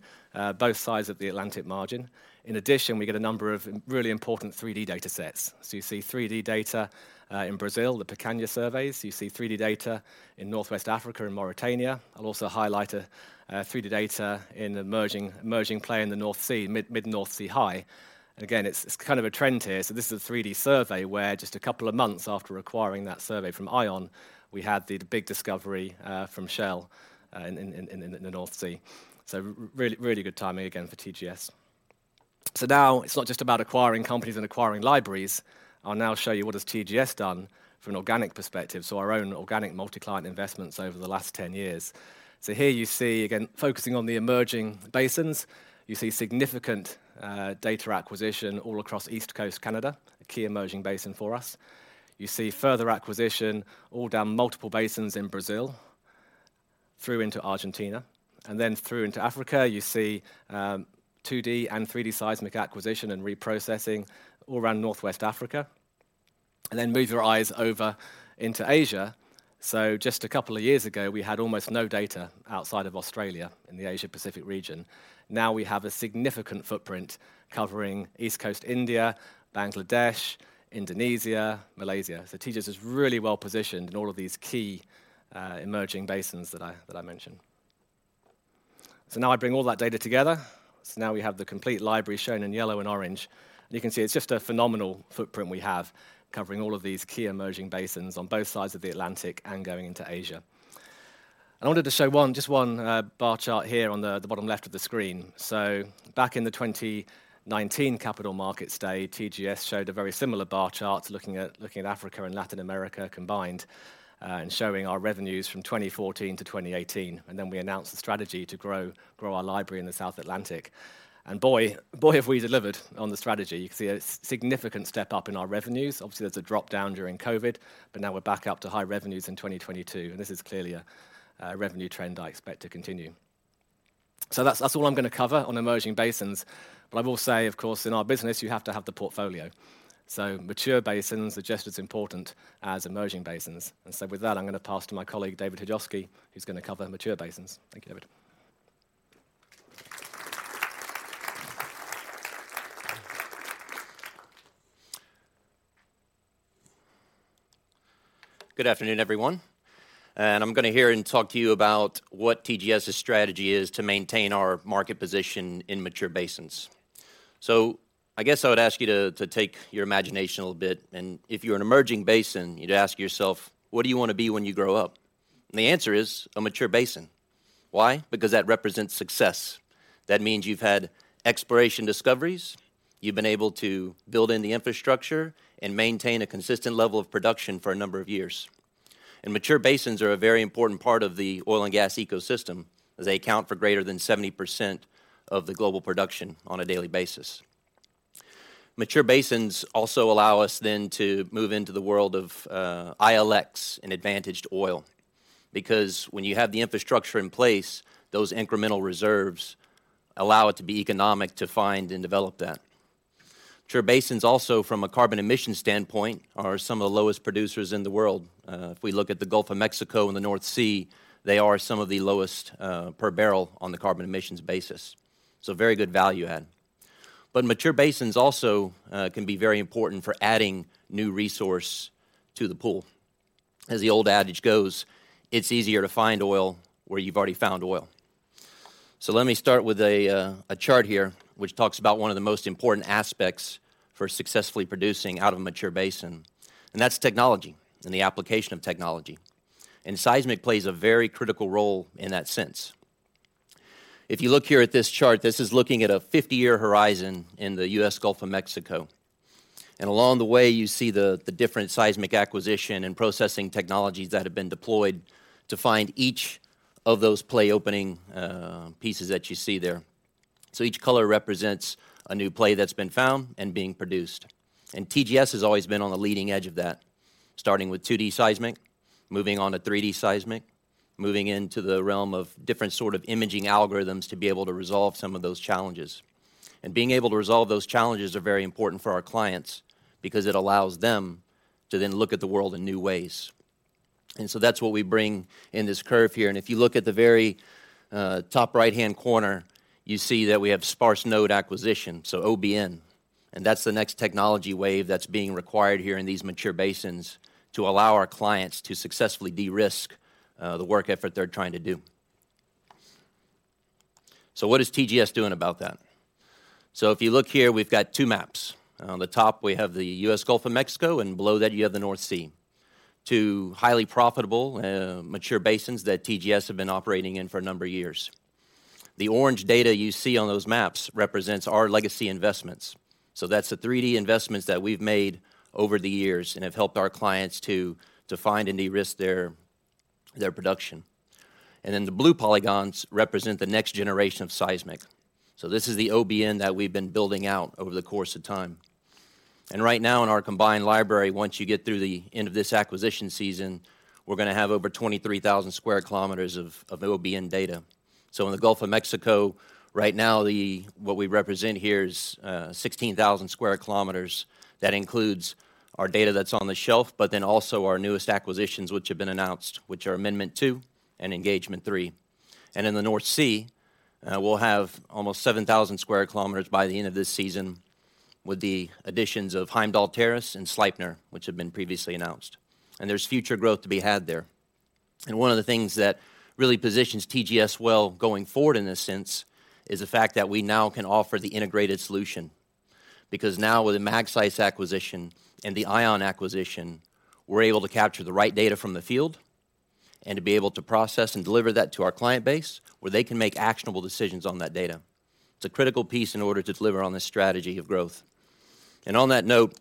both sides of the Atlantic margin. In addition, we get a number of really important 3D datasets. You see 3D data in Brazil, the Picanha surveys. You see 3D data in Northwest Africa and Mauritania. I'll also highlight 3D data in emerging play in the North Sea, mid North Sea High. Again, it's kind of a trend here. This is a 3D survey where just a couple of months after acquiring that survey from ION, we had the big discovery from Shell in the North Sea. Really good timing again for TGS. Now it's not just about acquiring companies and acquiring libraries. I'll now show you what has TGS done from an organic perspective, our own organic multi-client investments over the last 10 years. Here you see, again, focusing on the emerging basins, you see significant data acquisition all across East Coast Canada, a key emerging basin for us. You see further acquisition all down multiple basins in Brazil through into Argentina. Through into Africa, you see 2D and 3D seismic acquisition and reprocessing all around Northwest Africa. Move your eyes over into Asia. Just a couple of years ago, we had almost no data outside of Australia in the Asia Pacific region. Now we have a significant footprint covering East Coast India, Bangladesh, Indonesia, Malaysia. TGS is really well positioned in all of these key emerging basins that I mentioned. Now I bring all that data together. Now we have the complete library shown in yellow and orange, and you can see it's just a phenomenal footprint we have covering all of these key emerging basins on both sides of the Atlantic and going into Asia. I wanted to show one, just one bar chart here on the bottom left of the screen. Back in the 2019 Capital Markets Day, TGS showed a very similar bar chart looking at Africa and Latin America combined, and showing our revenues from 2014 to 2018. Then we announced the strategy to grow our library in the South Atlantic. Boy have we delivered on the strategy. You can see a significant step up in our revenues. Obviously, there's a drop down during COVID. Now we're back up to high revenues in 2022. This is clearly a revenue trend I expect to continue. That's all I'm gonna cover on emerging basins. I will say, of course, in our business, you have to have the portfolio. Mature basins are just as important as emerging basins. With that, I'm gonna pass to my colleague, David Hajovsky, who's gonna cover mature basins. Thank you, David. Good afternoon, everyone. I'm gonna hear and talk to you about what TGS's strategy is to maintain our market position in mature basins. I guess I would ask you to take your imagination a little bit, and if you're an emerging basin, you'd ask yourself, "What do you wanna be when you grow up?" The answer is a mature basin. Why? Because that represents success. That means you've had exploration discoveries, you've been able to build in the infrastructure, and maintain a consistent level of production for a number of years. Mature basins are a very important part of the oil and gas ecosystem, as they account for greater than 70% of the global production on a daily basis. Mature basins also allow us then to move into the world of ILX and advantaged oil. When you have the infrastructure in place, those incremental reserves allow it to be economic to find and develop that. Mature basins also, from a carbon emission standpoint, are some of the lowest producers in the world. If we look at the Gulf of Mexico and the North Sea, they are some of the lowest per barrel on the carbon emissions basis. Very good value add. Mature basins also can be very important for adding new resource to the pool. As the old adage goes, it's easier to find oil where you've already found oil. Let me start with a chart here, which talks about one of the most important aspects for successfully producing out of a mature basin, and that's technology and the application of technology. Seismic plays a very critical role in that sense. If you look here at this chart, this is looking at a 50-year horizon in the U.S. Gulf of Mexico, and along the way, you see the different seismic acquisition and processing technologies that have been deployed to find each of those play-opening pieces that you see there. Each color represents a new play that's been found and being produced. TGS has always been on the leading edge of that, starting with 2D seismic, moving on to 3D seismic, moving into the realm of different sort of imaging algorithms to be able to resolve some of those challenges. Being able to resolve those challenges are very important for our clients because it allows them to then look at the world in new ways. That's what we bring in this curve here, and if you look at the very top right-hand corner, you see that we have sparse node acquisition, so OBN, and that's the next technology wave that's being required here in these mature basins to allow our clients to successfully de-risk the work effort they're trying to do. What is TGS doing about that? If you look here, we've got two maps. On the top, we have the U.S. Gulf of Mexico, and below that, you have the North Sea. Two highly profitable mature basins that TGS have been operating in for a number of years. The orange data you see on those maps represents our legacy investments. That's the 3D investments that we've made over the years and have helped our clients to find and de-risk their production. The blue polygons represent the next generation of seismic. This is the OBN that we've been building out over the course of time. Right now in our combined library, once you get through the end of this acquisition season, we're gonna have over 23,000 sq km of OBN data. In the Gulf of Mexico, right now what we represent here is 16,000 sq km. That includes our data that's on the shelf, also our newest acquisitions which have been announced, which are Amendment II and Engagement III. In the North Sea, we'll have almost 7,000 sq km by the end of this season with the additions of Heimdall Terrace and Sleipner, which have been previously announced. There's future growth to be had there. One of the things that really positions TGS well going forward in this sense is the fact that we now can offer the integrated solution, because now with the Magseis acquisition and the Ion acquisition, we're able to capture the right data from the field and to be able to process and deliver that to our client base, where they can make actionable decisions on that data. It's a critical piece in order to deliver on this strategy of growth. On that note,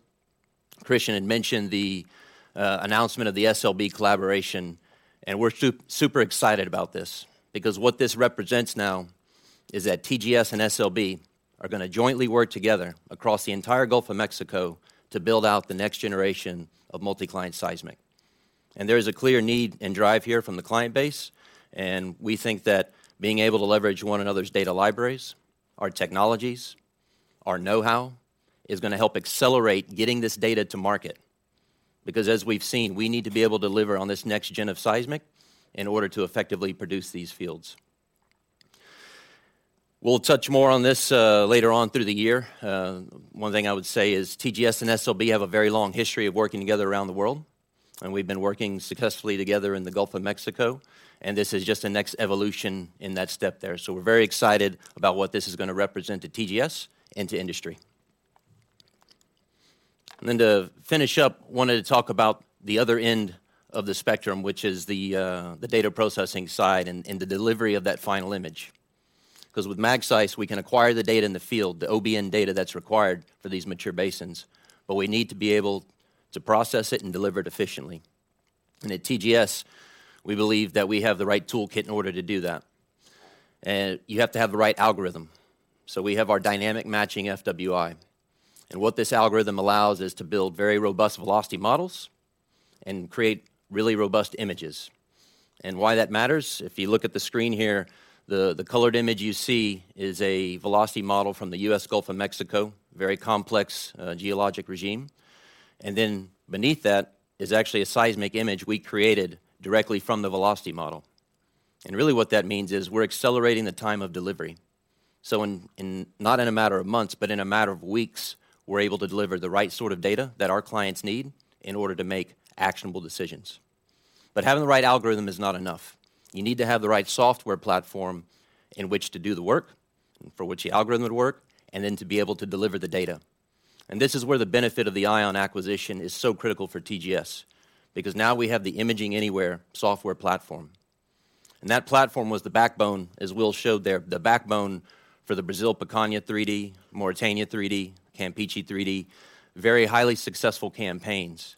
Kristian had mentioned the announcement of the SLB collaboration, and we're super excited about this because what this represents now is that TGS and SLB are gonna jointly work together across the entire Gulf of Mexico to build out the next generation of multi-client seismic. There is a clear need and drive here from the client base, and we think that being able to leverage one another's data libraries, our technologies, our know-how, is gonna help accelerate getting this data to market. As we've seen, we need to be able to deliver on this next-gen of seismic in order to effectively produce these fields. We'll touch more on this later on through the year. One thing I would say is TGS and SLB have a very long history of working together around the world, and we've been working successfully together in the Gulf of Mexico, and this is just the next evolution in that step there. We're very excited about what this is gonna represent to TGS and to industry. To finish up, wanted to talk about the other end of the spectrum, which is the data processing side and the delivery of that final image. With Magseis, we can acquire the data in the field, the OBN data that's required for these mature basins, but we need to be able to process it and deliver it efficiently. At TGS, we believe that we have the right toolkit in order to do that. You have to have the right algorithm. We have our Dynamic Matching FWI. What this algorithm allows is to build very robust velocity models and create really robust images. Why that matters, if you look at the screen here, the colored image you see is a velocity model from the U.S. Gulf of Mexico, very complex, geologic regime. Beneath that is actually a seismic image we created directly from the velocity model. Really what that means is we're accelerating the time of delivery. So in not in a matter of months, but in a matter of weeks, we're able to deliver the right sort of data that our clients need in order to make actionable decisions. Having the right algorithm is not enough. You need to have the right software platform in which to do the work, and for which the algorithm would work, and then to be able to deliver the data. This is where the benefit of the ION acquisition is so critical for TGS, because now we have the Imaging Anywhere software platform. That platform was the backbone, as Will showed there, the backbone for the Brazil Picanha 3D, Mauritania 3D, Campeche 3D, very highly successful campaigns.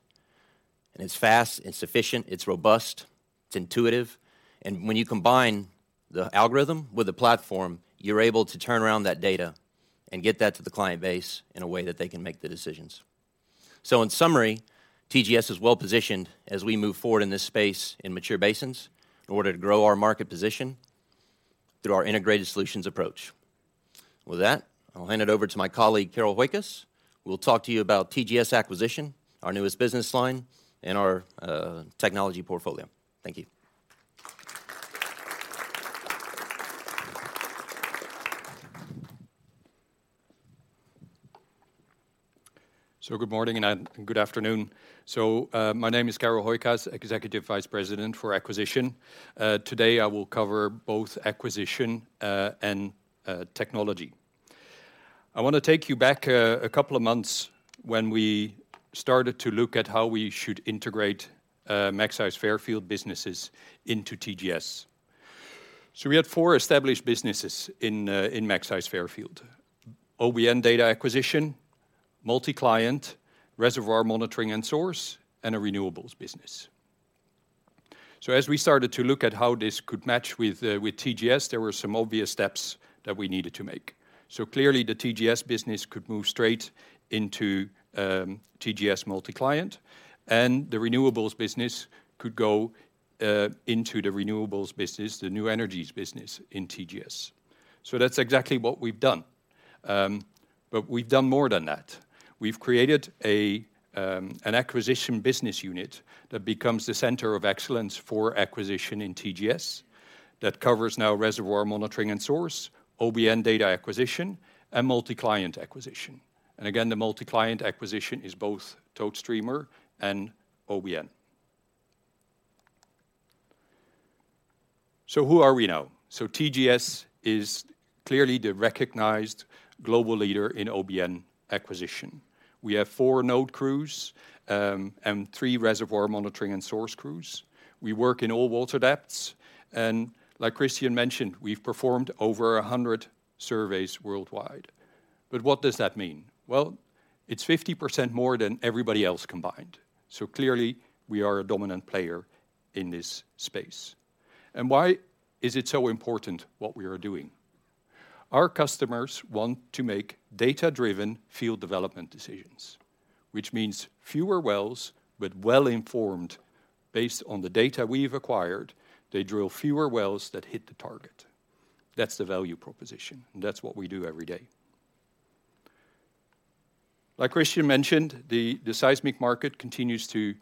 It's fast, it's efficient, it's robust, it's intuitive, and when you combine the algorithm with the platform, you're able to turn around that data and get that to the client base in a way that they can make the decisions. In summary, TGS is well positioned as we move forward in this space in mature basins in order to grow our market position through our integrated solutions approach. With that, I'll hand it over to my colleague, Carel Hooijkaas, who will talk to you about TGS acquisition, our newest business line, and our technology portfolio. Thank you. Good morning and good afternoon. My name is Carel Hooijkaas, Executive Vice President for Acquisition. Today I will cover both acquisition and technology. I wanna take you back a couple of months when we started to look at how we should integrate Magseis Fairfield businesses into TGS. We had four established businesses in Magseis Fairfield: OBN data acquisition, multi-client, reservoir monitoring and source, and a renewables business. As we started to look at how this could match with TGS, there were some obvious steps that we needed to make. Clearly the TGS business could move straight into TGS multi-client, and the renewables business could go into the renewables business, the new energies business in TGS. That's exactly what we've done. But we've done more than that. We've created an acquisition business unit that becomes the center of excellence for acquisition in TGS that covers now reservoir monitoring and source, OBN data acquisition, and multi-client acquisition. Again, the multi-client acquisition is both tow streamer and OBN. Who are we now? TGS is clearly the recognized global leader in OBN acquisition. We have four node crews and three reservoir monitoring and source crews. We work in all water depths, and like Kristian mentioned, we've performed over 100 surveys worldwide. What does that mean? Well, it's 50% more than everybody else combined, so clearly we are a dominant player in this space. Why is it so important what we are doing? Our customers want to make data-driven field development decisions, which means fewer wells, but well informed. Based on the data we've acquired, they drill fewer wells that hit the target. That's the value proposition, and that's what we do every day. Like Kristian mentioned, the seismic market continues to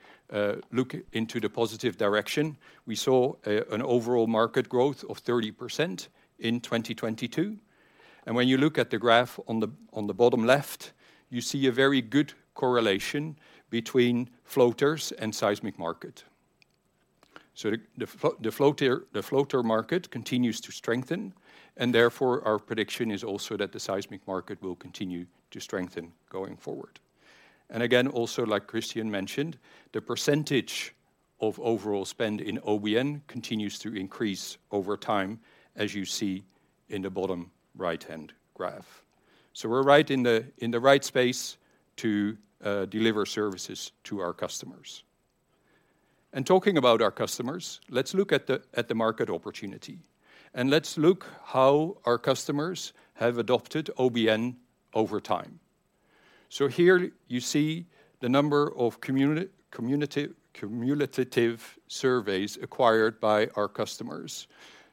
look into the positive direction. We saw an overall market growth of 30% in 2022, and when you look at the graph on the bottom left, you see a very good correlation between floaters and seismic market. The floater market continues to strengthen, and therefore our prediction is also that the seismic market will continue to strengthen going forward. Again, also like Kristian mentioned, the percentage of overall spend in OBN continues to increase over time, as you see in the bottom right-hand graph. We're right in the right space to deliver services to our customers. Talking about our customers, let's look at the market opportunity. Let's look how our customers have adopted OBN over time. Here you see the number of cumulative surveys acquired by our customers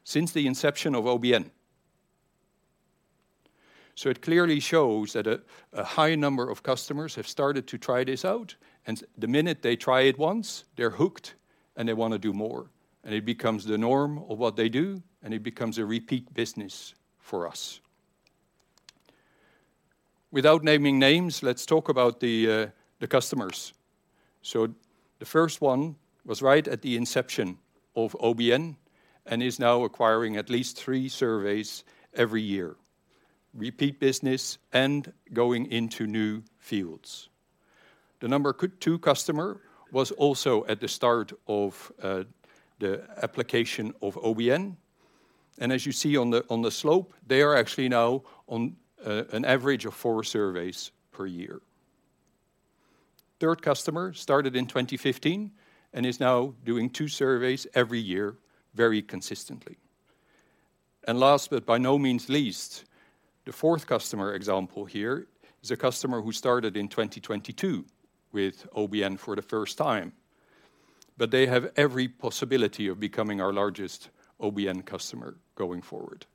since the inception of OBN. It clearly shows that a high number of customers have started to try this out. The minute they try it once, they're hooked, and they wanna do more, and it becomes the norm of what they do, and it becomes a repeat business for us. Without naming names, let's talk about the customers. The first one was right at the inception of OBN and is now acquiring at least three surveys every year, repeat business and going into new fields. The number two customer was also at the start of the application of OBN, as you see on the slope, they are actually now on an average of four surveys per year. Third customer started in 2015 and is now doing two surveys every year very consistently. Last but by no means least, the fourth customer example here is a customer who started in 2022 with OBN for the first time, but they have every possibility of becoming our largest OBN customer going forward.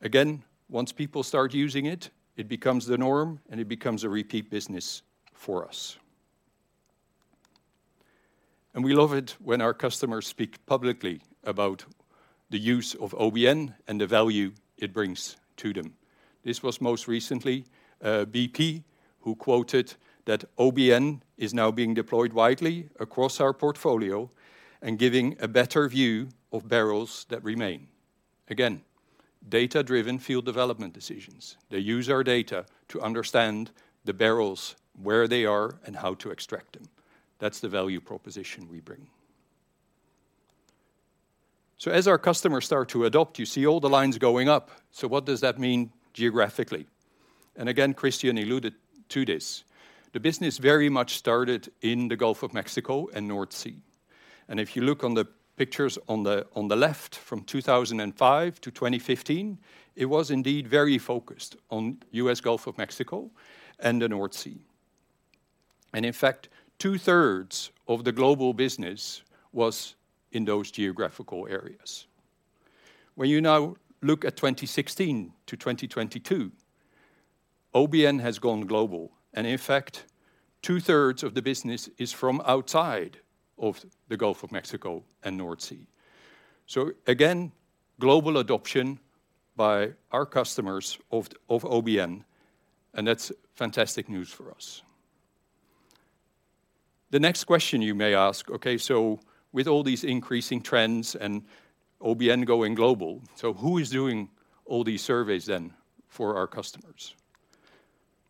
Again, once people start using it becomes the norm, and it becomes a repeat business for us. We love it when our customers speak publicly about the use of OBN and the value it brings to them. This was most recently, BP who quoted that OBN is now being deployed widely across our portfolio and giving a better view of barrels that remain. Again, data-driven field development decisions. They use our data to understand the barrels, where they are, and how to extract them. That's the value proposition we bring. As our customers start to adopt, you see all the lines going up. What does that mean geographically? Again, Kristian alluded to this. The business very much started in the Gulf of Mexico and North Sea. If you look on the pictures on the left from 2005 to 2015, it was indeed very focused on U.S. Gulf of Mexico and the North Sea. In fact, 2/3 of the global business was in those geographical areas. When you now look at 2016 to 2022, OBN has gone global. In fact, 2/3 of the business is from outside of the Gulf of Mexico and North Sea. Again, global adoption by our customers of OBN, and that's fantastic news for us. The next question you may ask, "Okay, with all these increasing trends and OBN going global, who is doing all these surveys then for our customers?"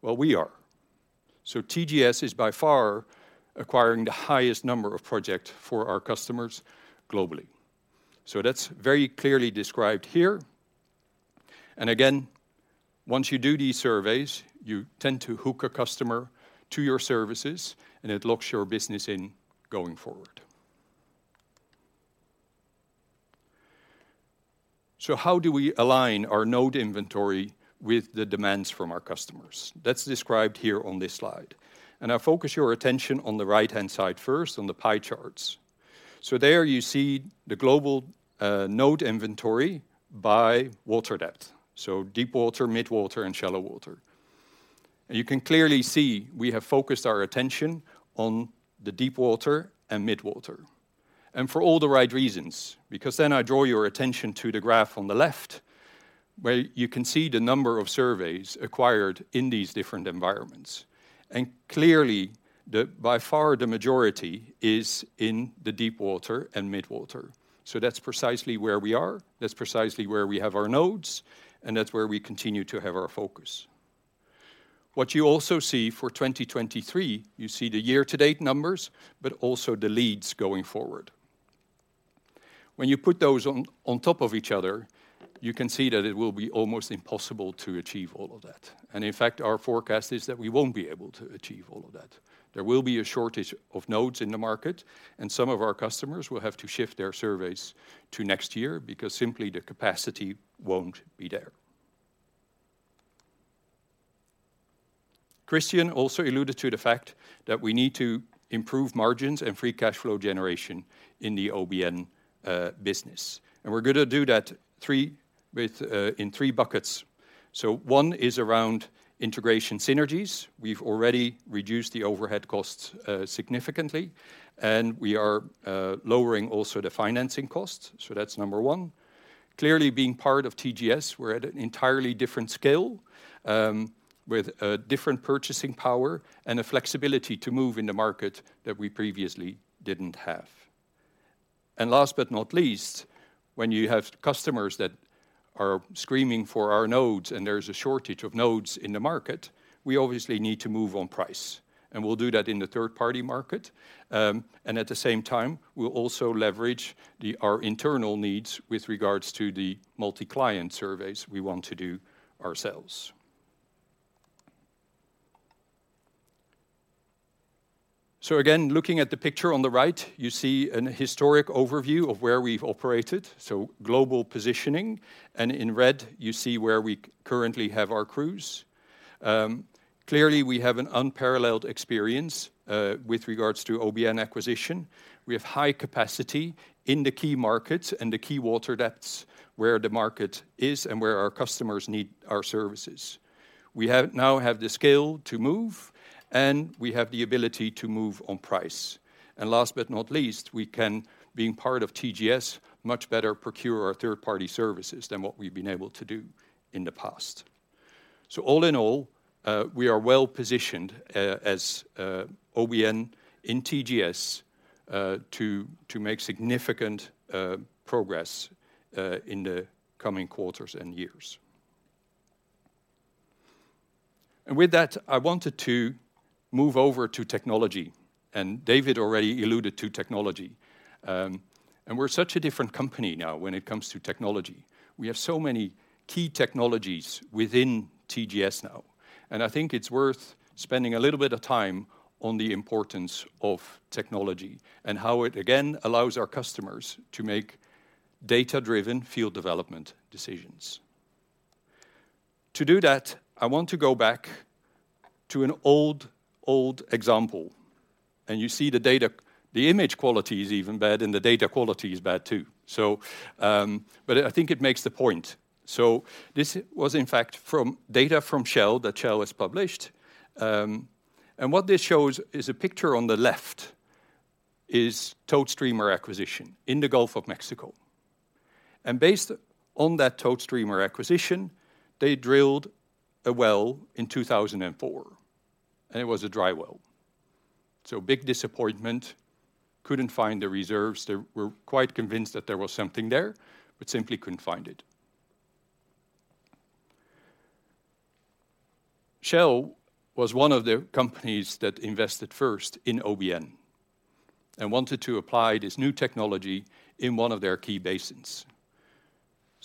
Well, we are. TGS is by far acquiring the highest number of project for our customers globally. That's very clearly described here. Again, once you do these surveys, you tend to hook a customer to your services, and it locks your business in going forward. How do we align our node inventory with the demands from our customers? That's described here on this slide. I focus your attention on the right-hand side first on the pie charts. There you see the global node inventory by water depth, so deep water, mid-water, and shallow water. You can clearly see we have focused our attention on the deep water and mid-water, and for all the right reasons, because then I draw your attention to the graph on the left, where you can see the number of surveys acquired in these different environments. Clearly, by far, the majority is in the deep water and mid-water. That's precisely where we are, that's precisely where we have our nodes, and that's where we continue to have our focus. What you also see for 2023, you see the year-to-date numbers, but also the leads going forward. When you put those on top of each other, you can see that it will be almost impossible to achieve all of that. In fact, our forecast is that we won't be able to achieve all of that. There will be a shortage of nodes in the market, and some of our customers will have to shift their surveys to next year because simply the capacity won't be there. Kristian also alluded to the fact that we need to improve margins and free cash flow generation in the OBN business. We're gonna do that in three buckets. One is around integration synergies. We've already reduced the overhead costs significantly, and we are lowering also the financing costs, so that's number one. Clearly being part of TGS, we're at an entirely different scale, with a different purchasing power and a flexibility to move in the market that we previously didn't have. Last but not least, when you have customers that are screaming for our nodes and there's a shortage of nodes in the market, we obviously need to move on price, and we'll do that in the third-party market. At the same time, we'll also leverage our internal needs with regards to the multi-client surveys we want to do ourselves. Again, looking at the picture on the right, you see an historic overview of where we've operated, so global positioning. In red, you see where we currently have our crews. Clearly we have an unparalleled experience with regards to OBN acquisition. We have high capacity in the key markets and the key water depths where the market is and where our customers need our services. We now have the scale to move, and we have the ability to move on price. Last but not least, we can, being part of TGS, much better procure our third-party services than what we've been able to do in the past. All in all, we are well-positioned as OBN in TGS to make significant progress in the coming quarters and years. With that, I wanted to move over to technology, and David already alluded to technology. We're such a different company now when it comes to technology. We have so many key technologies within TGS now, and I think it's worth spending a little bit of time on the importance of technology and how it again allows our customers to make data-driven field development decisions. To do that, I want to go back to an old example, and you see the data. The image quality is even bad, and the data quality is bad too. But I think it makes the point. This was in fact from data from Shell that Shell has published. And what this shows is a picture on the left is towed streamer acquisition in the Gulf of Mexico. Based on that towed streamer acquisition, they drilled a well in 2004, and it was a dry well. Big disappointment. Couldn't find the reserves. They were quite convinced that there was something there, but simply couldn't find it. Shell was one of the companies that invested first in OBN and wanted to apply this new technology in one of their key basins.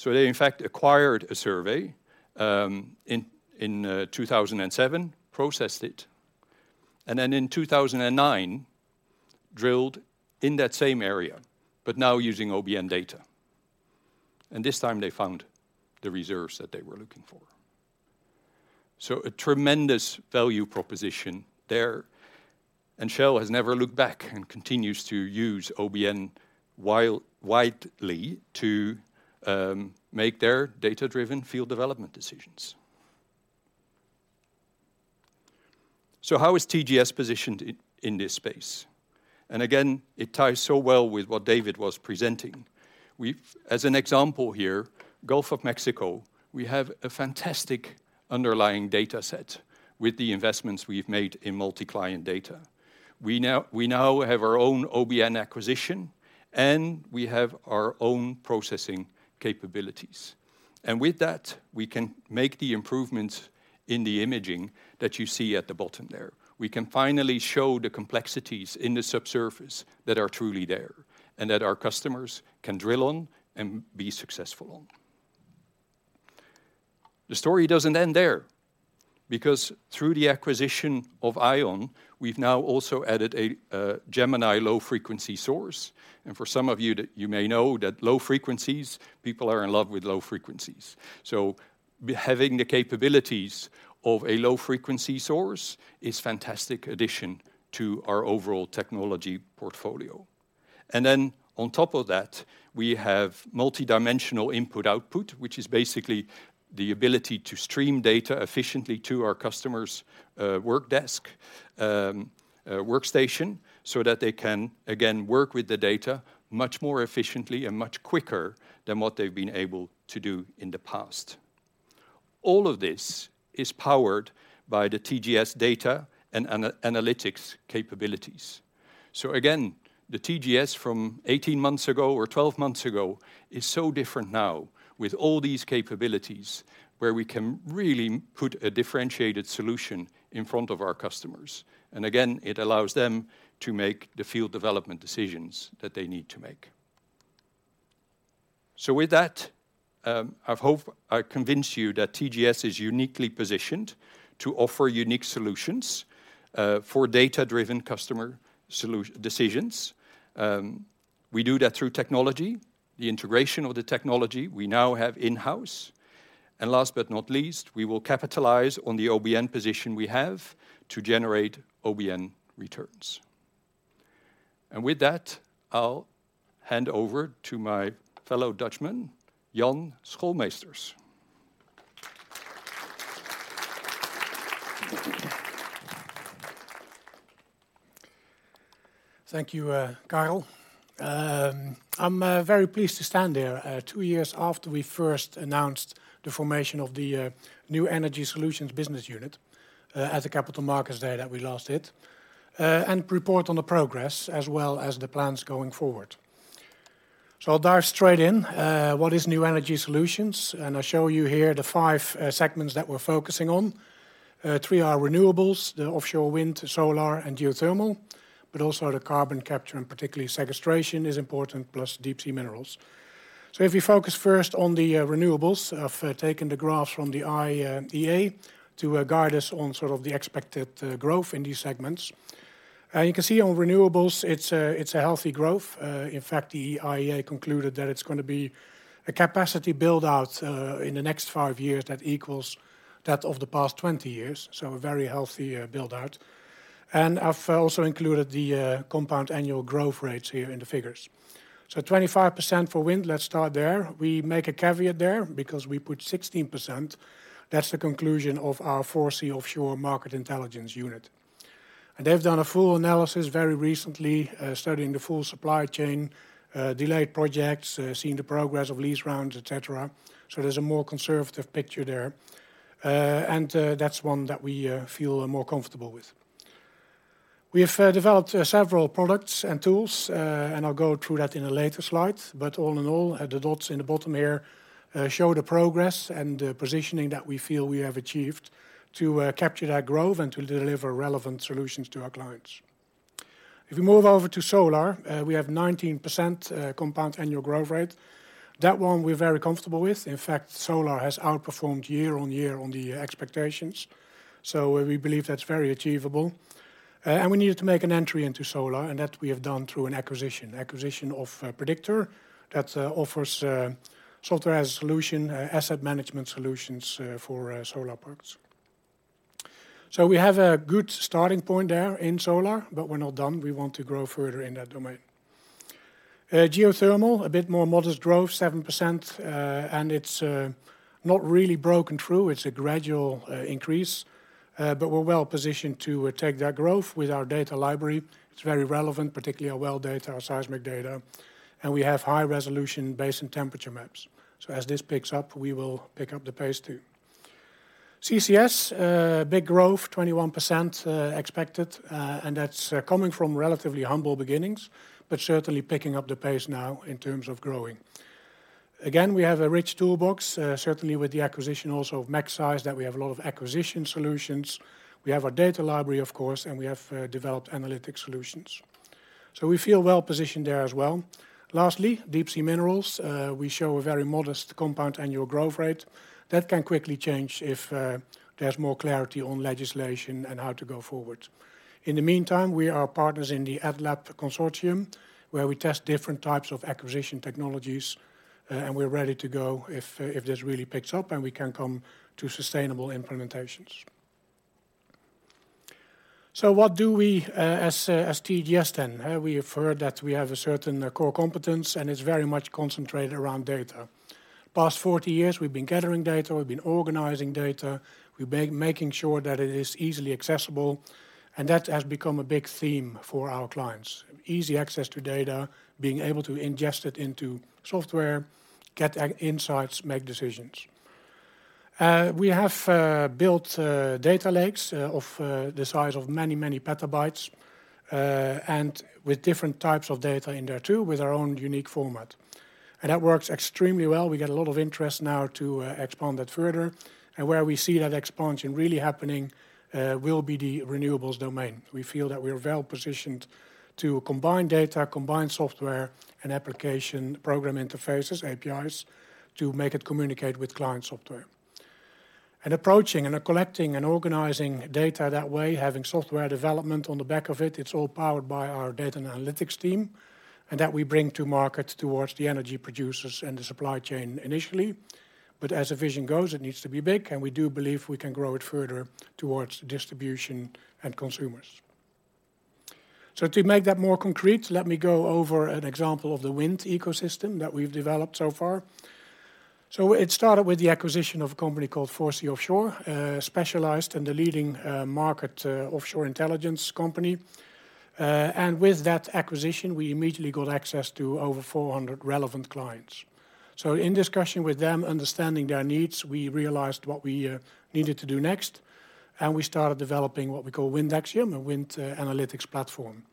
They in fact acquired a survey in 2007, processed it, and then in 2009, drilled in that same area, but now using OBN data. This time they found the reserves that they were looking for. A tremendous value proposition there, and Shell has never looked back and continues to use OBN widely to make their data-driven field development decisions. How is TGS positioned in this space? Again, it ties so well with what David was presenting. As an example here, Gulf of Mexico, we have a fantastic underlying data set with the investments we've made in multi-client data. We now have our own OBN acquisition, and we have our own processing capabilities. With that, we can make the improvements in the imaging that you see at the bottom there. We can finally show the complexities in the subsurface that are truly there and that our customers can drill on and be successful on. The story doesn't end there, because through the acquisition of ION, we've now also added a Gemini low-frequency source. For some of you may know that low frequencies, people are in love with low frequencies. Having the capabilities of a low-frequency source is fantastic addition to our overall technology portfolio. On top of that, we have multidimensional input/output, which is basically the ability to stream data efficiently to our customers' work desk, workstation, so that they can again, work with the data much more efficiently and much quicker than what they've been able to do in the past. All of this is powered by the TGS data and analytics capabilities. The TGS from 18 months ago or 12 months ago is so different now with all these capabilities where we can really put a differentiated solution in front of our customers. It allows them to make the field development decisions that they need to make. With that, I've hope I convinced you that TGS is uniquely positioned to offer unique solutions for data-driven customer decisions. We do that through technology, the integration of the technology we now have in-house. Last but not least, we will capitalize on the OBN position we have to generate OBN returns. With that, I'll hand over to my fellow Dutchman, Jan Schoolmeesters. Thank you, Carel. I'm very pleased to stand here two years after we first announced the formation of the New Energy Solutions business unit at the Capital Markets Day that we launched it and report on the progress as well as the plans going forward. I'll dive straight in. What is New Energy Solutions? I show you here the five segments that we're focusing on. Three are renewables, the offshore wind, solar, and geothermal, but also the carbon capture, and particularly sequestration is important, plus deep sea minerals. If we focus first on the renewables, I've taken the graphs from the IEA to guide us on sort of the expected growth in these segments. You can see on renewables, it's a, it's a healthy growth. In fact, the IEA concluded that it's gonna be a capacity build-out in the next five years that equals that of the past 20 years, so a very healthy build-out. I've also included the compound annual growth rates here in the figures. 25% for wind, let's start there. We make a caveat there because we put 16%. That's the conclusion of our 4C Offshore market intelligence unit. They've done a full analysis very recently, studying the full supply chain, delayed projects, seeing the progress of lease rounds, et cetera. There's a more conservative picture there. That's one that we feel more comfortable with. We have developed several products and tools, and I'll go through that in a later slide. All in all, the dots in the bottom here, show the progress and positioning that we feel we have achieved to capture that growth and to deliver relevant solutions to our clients. If we move over to solar, we have 19% compound annual growth rate. That one we're very comfortable with. In fact, solar has outperformed year on year on the expectations, so we believe that's very achievable. We needed to make an entry into solar, and that we have done through an acquisition of, Prediktor that offers software as a solution, asset management solutions, for solar products. We have a good starting point there in solar, but we're not done. We want to grow further in that domain. Geothermal, a bit more modest growth, 7%, it's not really broken through. It's a gradual increase, we're well-positioned to take that growth with our data library. It's very relevant, particularly our well data, our seismic data, and we have high-resolution basin temperature maps. As this picks up, we will pick up the pace too. CCS, big growth, 21% expected, that's coming from relatively humble beginnings, but certainly picking up the pace now in terms of growing. Again, we have a rich toolbox, certainly with the acquisition also of Magseis that we have a lot of acquisition solutions. We have our data library, of course, and we have developed analytic solutions. We feel well-positioned there as well. Lastly, deep sea minerals. We show a very modest compound annual growth rate. That can quickly change if there's more clarity on legislation and how to go forward. In the meantime, we are partners in the ATLAB consortium, where we test different types of acquisition technologies, and we're ready to go if this really picks up, and we can come to sustainable implementations. What do we as TGS then? We have heard that we have a certain core competence, and it's very much concentrated around data. Past 40 years, we've been gathering data, we've been organizing data, we've been making sure that it is easily accessible, and that has become a big theme for our clients. Easy access to data, being able to ingest it into software, get insights, make decisions. We have built data lakes of the size of many, many petabytes, and with different types of data in there too, with our own unique format. That works extremely well. We get a lot of interest now to expand that further, and where we see that expansion really happening, will be the renewables domain. We feel that we are well-positioned to combine data, combine software and application program interfaces, APIs, to make it communicate with client software. Approaching and collecting and organizing data that way, having software development on the back of it's all powered by our data and analytics team, and that we bring to market towards the energy producers and the supply chain initially. As the vision goes, it needs to be big, and we do believe we can grow it further towards distribution and consumers. To make that more concrete, let me go over an example of the wind ecosystem that we've developed so far. It started with the acquisition of a company called 4C Offshore, specialized and the leading market offshore intelligence company. With that acquisition, we immediately got access to over 400 relevant clients. In discussion with them, understanding their needs, we realized what we needed to do next, and we started developing what we call Wind AXIOM, a wind analytics platform.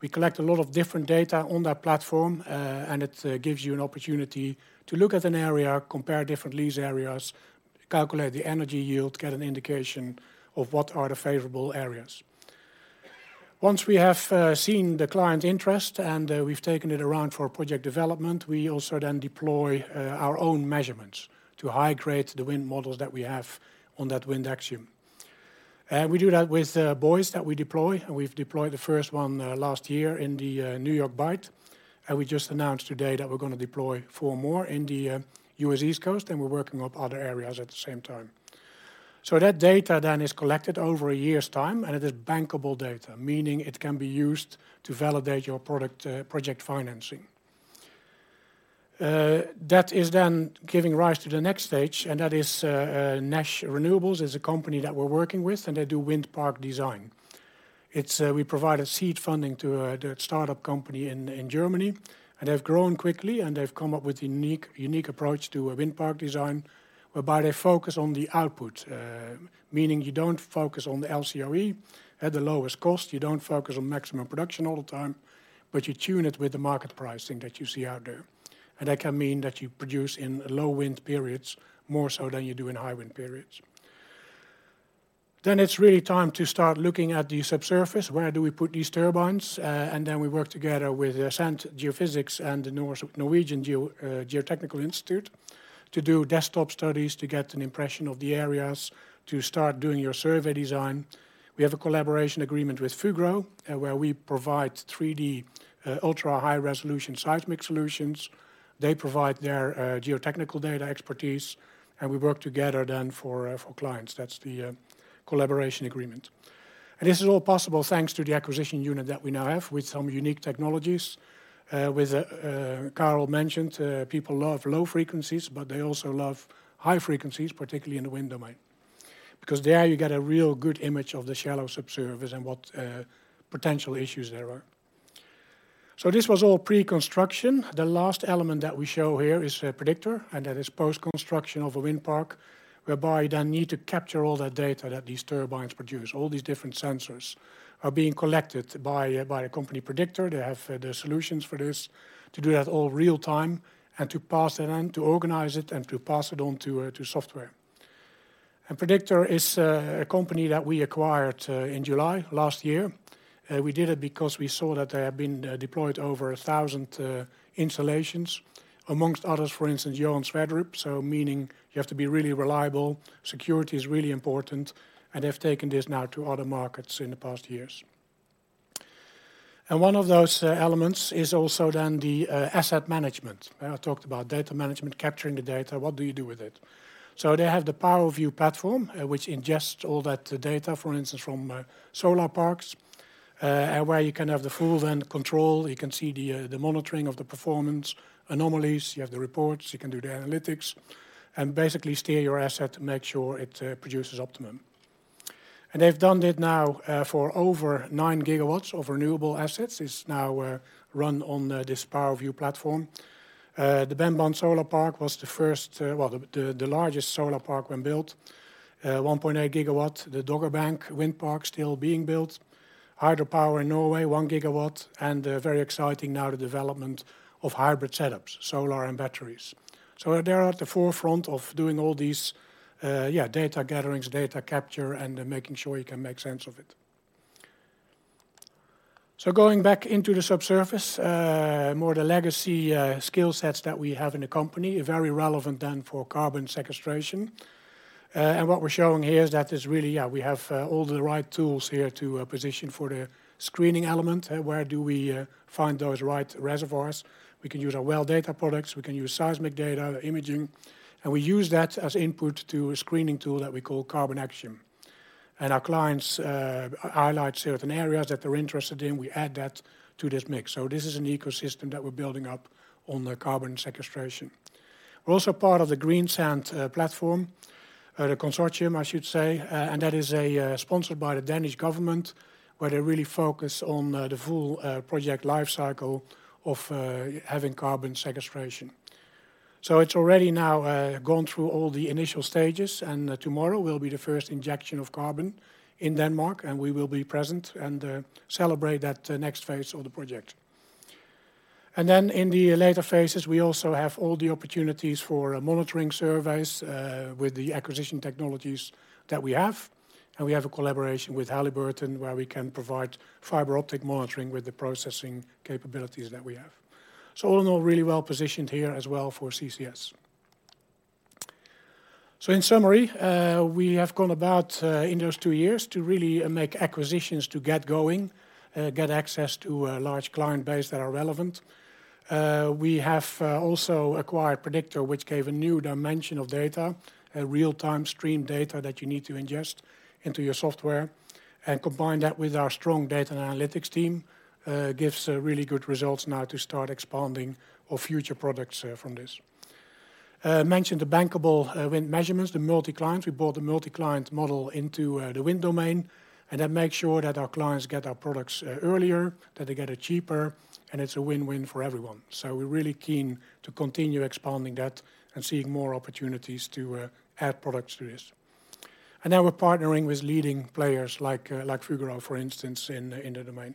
We collect a lot of different data on that platform, and it gives you an opportunity to look at an area, compare different lease areas, calculate the energy yield, get an indication of what are the favorable areas. Once we have seen the client interest and we've taken it around for project development, we also then deploy our own measurements to high-grade the wind models that we have on that Wind AXIOM. We do that with buoys that we deploy, and we've deployed the first one last year in the New York Bight. We just announced today that we're gonna deploy four more in the U.S. East Coast, and we're working up other areas at the same time. That data then is collected over a year's time, and it is bankable data, meaning it can be used to validate your product, project financing. That is then giving rise to the next stage, and that is, NASH Renewables is a company that we're working with, and they do wind park design. It's, we provided seed funding to the startup company in Germany, and they've grown quickly, and they've come up with unique approach to wind park design, whereby they focus on the output, meaning you don't focus on the LCOE at the lowest cost, you don't focus on maximum production all the time, but you tune it with the market pricing that you see out there. That can mean that you produce in low wind periods more so than you do in high wind periods. It's really time to start looking at the subsurface. Where do we put these turbines? Then we work together with SAND Geophysics and the Norwegian Geotechnical Institute to do desktop studies to get an impression of the areas to start doing your survey design. We have a collaboration agreement with Fugro, where we provide 3D, ultra-high-resolution seismic solutions. They provide their geotechnical data expertise, and we work together then for clients. That's the collaboration agreement. This is all possible thanks to the acquisition unit that we now have with some unique technologies, with Carel mentioned, people love low frequencies, but they also love high frequencies, particularly in the wind domain. Because there you get a real good image of the shallow subsurface and what potential issues there are. So this was all pre-construction. The last element that we show here is Prediktor, and that is post-construction of a wind park, whereby you then need to capture all that data that these turbines produce. All these different sensors are being collected by the company Prediktor. They have the solutions for this to do that all real time and to pass it and to organize it and to pass it on to software. Prediktor is a company that we acquired in July last year. We did it because we saw that they have been deployed over 1,000 installations, amongst others, for instance, so meaning you have to be really reliable, security is really important, and they've taken this now to other markets in the past years. One of those elements is also then the asset management. I talked about data management, capturing the data, what do you do with it? They have the PowerView platform, which ingests all that data, for instance, from solar parks, and where you can have the full then control. You can see the monitoring of the performance anomalies. You have the reports, you can do the analytics, and basically steer your asset to make sure it produces optimum. They've done it now for over 9 GW of renewable assets. It's now run on this PowerView platform. The Benban Solar Park was the largest solar park when built. 1.8 GW. The Dogger Bank wind park still being built. Hydropower in Norway, 1 GW, and very exciting now, the development of hybrid setups, solar and batteries. They're at the forefront of doing all these data gatherings, data capture, and then making sure you can make sense of it. Going back into the subsurface, more the legacy skill sets that we have in the company are very relevant then for carbon sequestration. What we're showing here is that is really, yeah, we have all the right tools here to position for the screening element. Where do we find those right reservoirs? We can use our well data products. We can use seismic data, imaging, and we use that as input to a screening tool that we call Carbon AXIOM. Our clients highlight certain areas that they're interested in. We add that to this mix. This is an ecosystem that we're building up on the carbon sequestration. We're also part of the Greensand platform, the consortium, I should say. That is sponsored by the Danish government, where they really focus on the full project life cycle of having carbon sequestration. It's already now gone through all the initial stages, tomorrow will be the first injection of carbon in Denmark, we will be present and celebrate that next phase of the project. In the later phases, we also have all the opportunities for monitoring surveys with the acquisition technologies that we have. We have a collaboration with Halliburton where we can provide fiber optic monitoring with the processing capabilities that we have. All in all, really well positioned here as well for CCS. In summary, we have gone about in those two years to really make acquisitions to get going, get access to a large client base that are relevant. We have also acquired Prediktor, which gave a new dimension of data, a real-time stream data that you need to ingest into your software. Combine that with our strong data and analytics team, gives really good results now to start expanding our future products from this. Mentioned the bankable wind measurements, the multi-client. We brought the multi-client model into the wind domain, and that makes sure that our clients get our products earlier, that they get it cheaper, and it's a win-win for everyone. We're really keen to continue expanding that and seeing more opportunities to add products to this. Now we're partnering with leading players like Fugro, for instance, in the domain.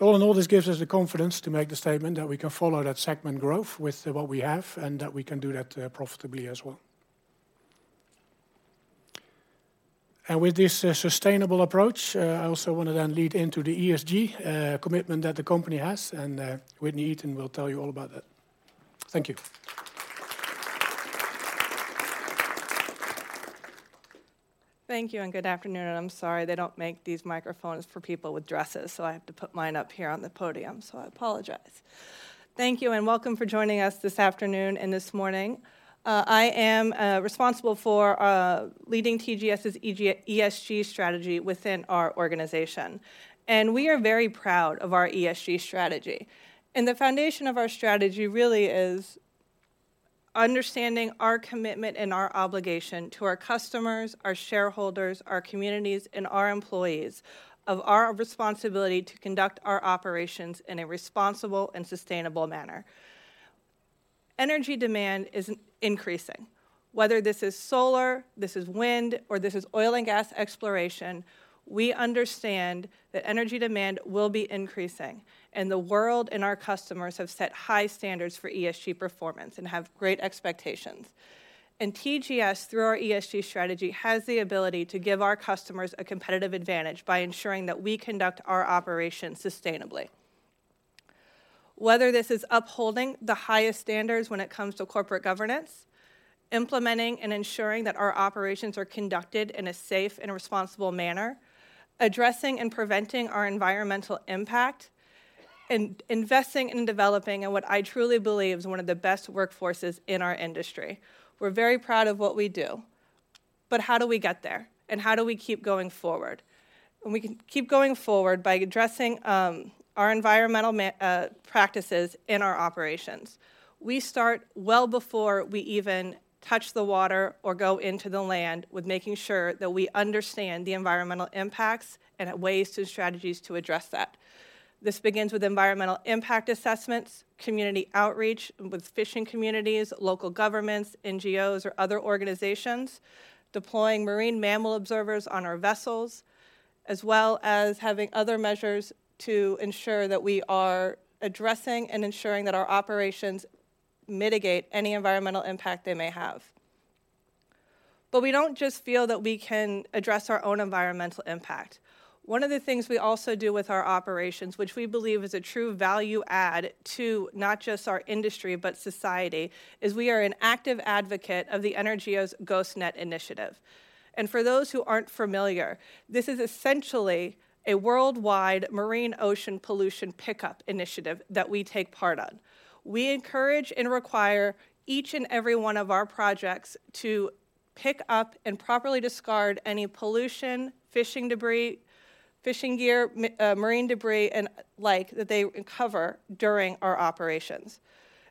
All in all, this gives us the confidence to make the statement that we can follow that segment growth with what we have and that we can do that profitably as well. With this sustainable approach, I also want to then lead into the ESG commitment that the company has, and Whitney Eaton will tell you all about that. Thank you. Thank you, good afternoon. I'm sorry they don't make these microphones for people with dresses. I have to put mine up here on the podium. I apologize. Thank you, welcome for joining us this afternoon and this morning. I am responsible for leading TGS's ESG strategy within our organization. We are very proud of our ESG strategy. The foundation of our strategy really is understanding our commitment and our obligation to our customers, our shareholders, our communities, and our employees of our responsibility to conduct our operations in a responsible and sustainable manner. Energy demand is increasing. Whether this is solar, this is wind, or this is oil and gas exploration, we understand that energy demand will be increasing. The world and our customers have set high standards for ESG performance and have great expectations. TGS, through our ESG strategy, has the ability to give our customers a competitive advantage by ensuring that we conduct our operations sustainably. Whether this is upholding the highest standards when it comes to corporate governance, implementing and ensuring that our operations are conducted in a safe and responsible manner, addressing and preventing our environmental impact, investing and developing in what I truly believe is one of the best workforces in our industry. We're very proud of what we do. How do we get there? How do we keep going forward? We can keep going forward by addressing our environmental practices in our operations. We start well before we even touch the water or go into the land with making sure that we understand the environmental impacts and ways to, strategies to address that. This begins with environmental impact assessments, community outreach with fishing communities, local governments, NGOs, or other organizations, deploying marine mammal observers on our vessels, as well as having other measures to ensure that we are addressing and ensuring that our operations mitigate any environmental impact they may have. We don't just feel that we can address our own environmental impact. One of the things we also do with our operations, which we believe is a true value add to not just our industry, but society, is we are an active advocate of the EnerGeo's Ghost Nets Initiative. For those who aren't familiar, this is essentially a worldwide marine ocean pollution pickup initiative that we take part on. We encourage and require each and every one of our projects to pick up and properly discard any pollution, fishing debris, fishing gear, marine debris and the like that they cover during our operations.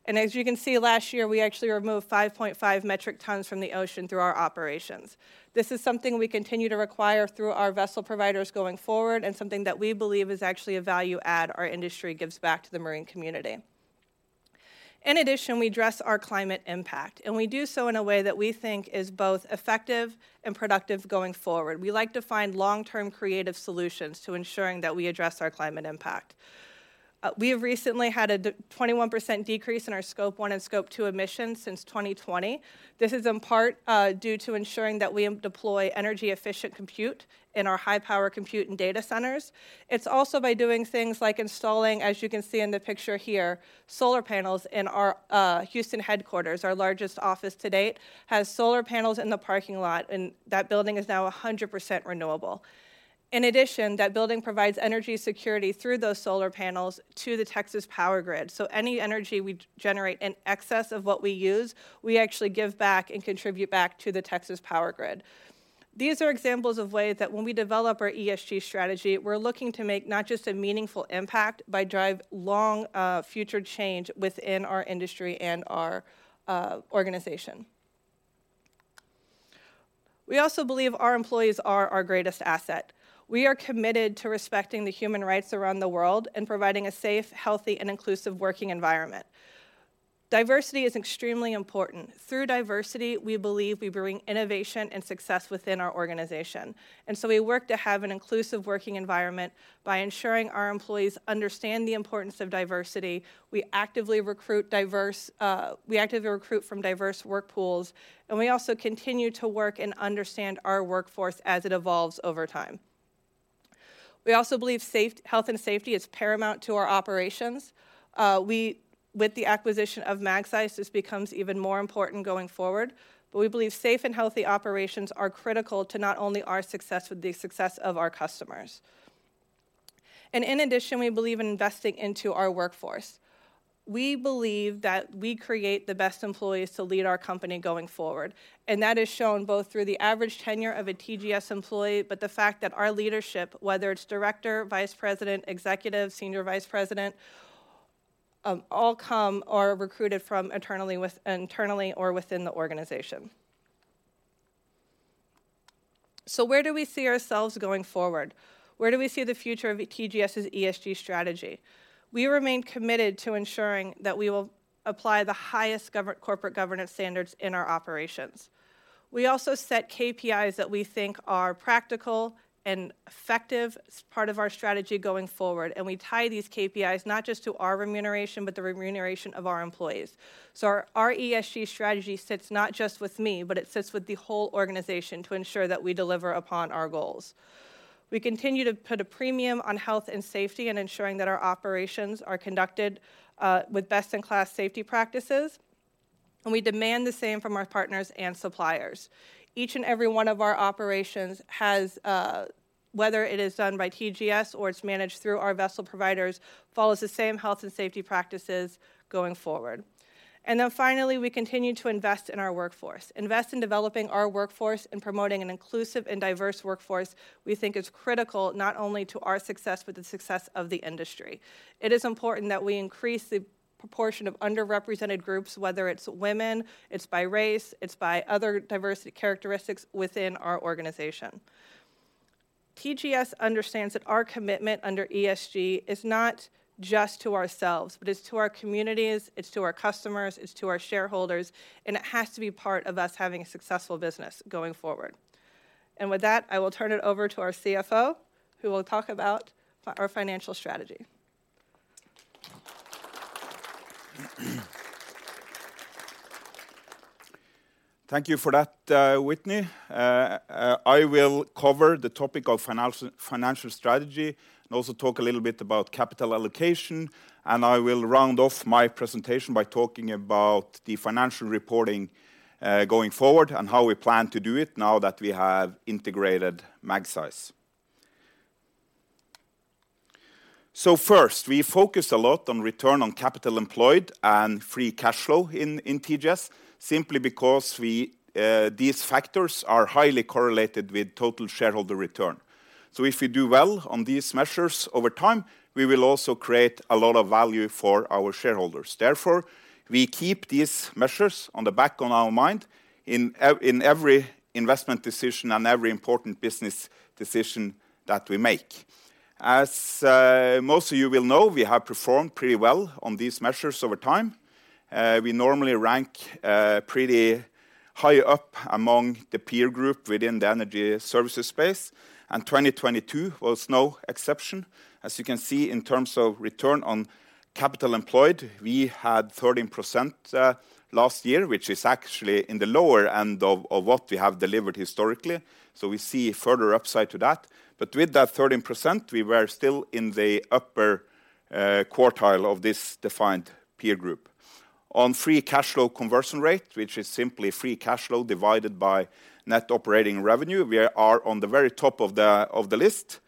As you can see, last year we actually removed 5.5 metric tons from the ocean through our operations. This is something we continue to require through our vessel providers going forward and something that we believe is actually a value add our industry gives back to the marine community. In addition, we address our climate impact, and we do so in a way that we think is both effective and productive going forward. We like to find long-term creative solutions to ensuring that we address our climate impact. We have recently had a 21% decrease in our scope one and scope two emissions since 2020. This is in part due to ensuring that we deploy energy-efficient compute in our high-power compute and data centers. It's also by doing things like installing, as you can see in the picture here, solar panels in our Houston headquarters. Our largest office to date has solar panels in the parking lot, and that building is now 100% renewable. In addition, that building provides energy security through those solar panels to the Texas power grid. Any energy we generate in excess of what we use, we actually give back and contribute back to the Texas power grid. These are examples of ways that when we develop our ESG strategy, we're looking to make not just a meaningful impact, but drive long future change within our industry and our organization. We also believe our employees are our greatest asset. We are committed to respecting the human rights around the world and providing a safe, healthy, and inclusive working environment. Diversity is extremely important. Through diversity, we believe we bring innovation and success within our organization, we work to have an inclusive working environment by ensuring our employees understand the importance of diversity. We actively recruit from diverse work pools, and we also continue to work and understand our workforce as it evolves over time. We also believe health and safety is paramount to our operations. We, with the acquisition of Magseis, this becomes even more important going forward. We believe safe and healthy operations are critical to not only our success, but the success of our customers. In addition, we believe in investing into our workforce. We believe that we create the best employees to lead our company going forward, that is shown both through the average tenure of a TGS employee, but the fact that our leadership, whether it's Director, Vice President, Executive, Senior Vice President, all come or are recruited from internally or within the organization. Where do we see ourselves going forward? Where do we see the future of TGS's ESG strategy? We remain committed to ensuring that we will apply the highest corporate governance standards in our operations. We also set KPIs that we think are practical and effective as part of our strategy going forward, we tie these KPIs not just to our remuneration, but the remuneration of our employees. Our ESG strategy sits not just with me, but it sits with the whole organization to ensure that we deliver upon our goals. We continue to put a premium on health and safety and ensuring that our operations are conducted with best-in-class safety practices, and we demand the same from our partners and suppliers. Each and every one of our operations has, whether it is done by TGS or it's managed through our vessel providers, follows the same health and safety practices going forward. Finally, we continue to invest in our workforce. Invest in developing our workforce and promoting an inclusive and diverse workforce we think is critical not only to our success, but the success of the industry. It is important that we increase the proportion of underrepresented groups, whether it's women, it's by race, it's by other diversity characteristics within our organization. TGS understands that our commitment under ESG is not just to ourselves, but it's to our communities, it's to our customers, it's to our shareholders, and it has to be part of us having a successful business going forward. With that, I will turn it over to our CFO, who will talk about our financial strategy. Thank you for that, Whitney. I will cover the topic of financial strategy and also talk a little bit about capital allocation, and I will round off my presentation by talking about the financial reporting going forward and how we plan to do it now that we have integrated Magseis. First, we focus a lot on return on capital employed and free cash flow in TGS simply because these factors are highly correlated with total shareholder return. If we do well on these measures over time, we will also create a lot of value for our shareholders. Therefore, we keep these measures on the back of our mind in every investment decision and every important business decision that we make. As most of you will know, we have performed pretty well on these measures over time. We normally rank pretty high up among the peer group within the energy services space, 2022 was no exception. As you can see, in terms of return on capital employed, we had 13% last year, which is actually in the lower end of what we have delivered historically. We see further upside to that. With that 13%, we were still in the upper quartile of this defined peer group. On free cash flow conversion rate, which is simply free cash flow divided by net operating revenue, we are on the very top of the list,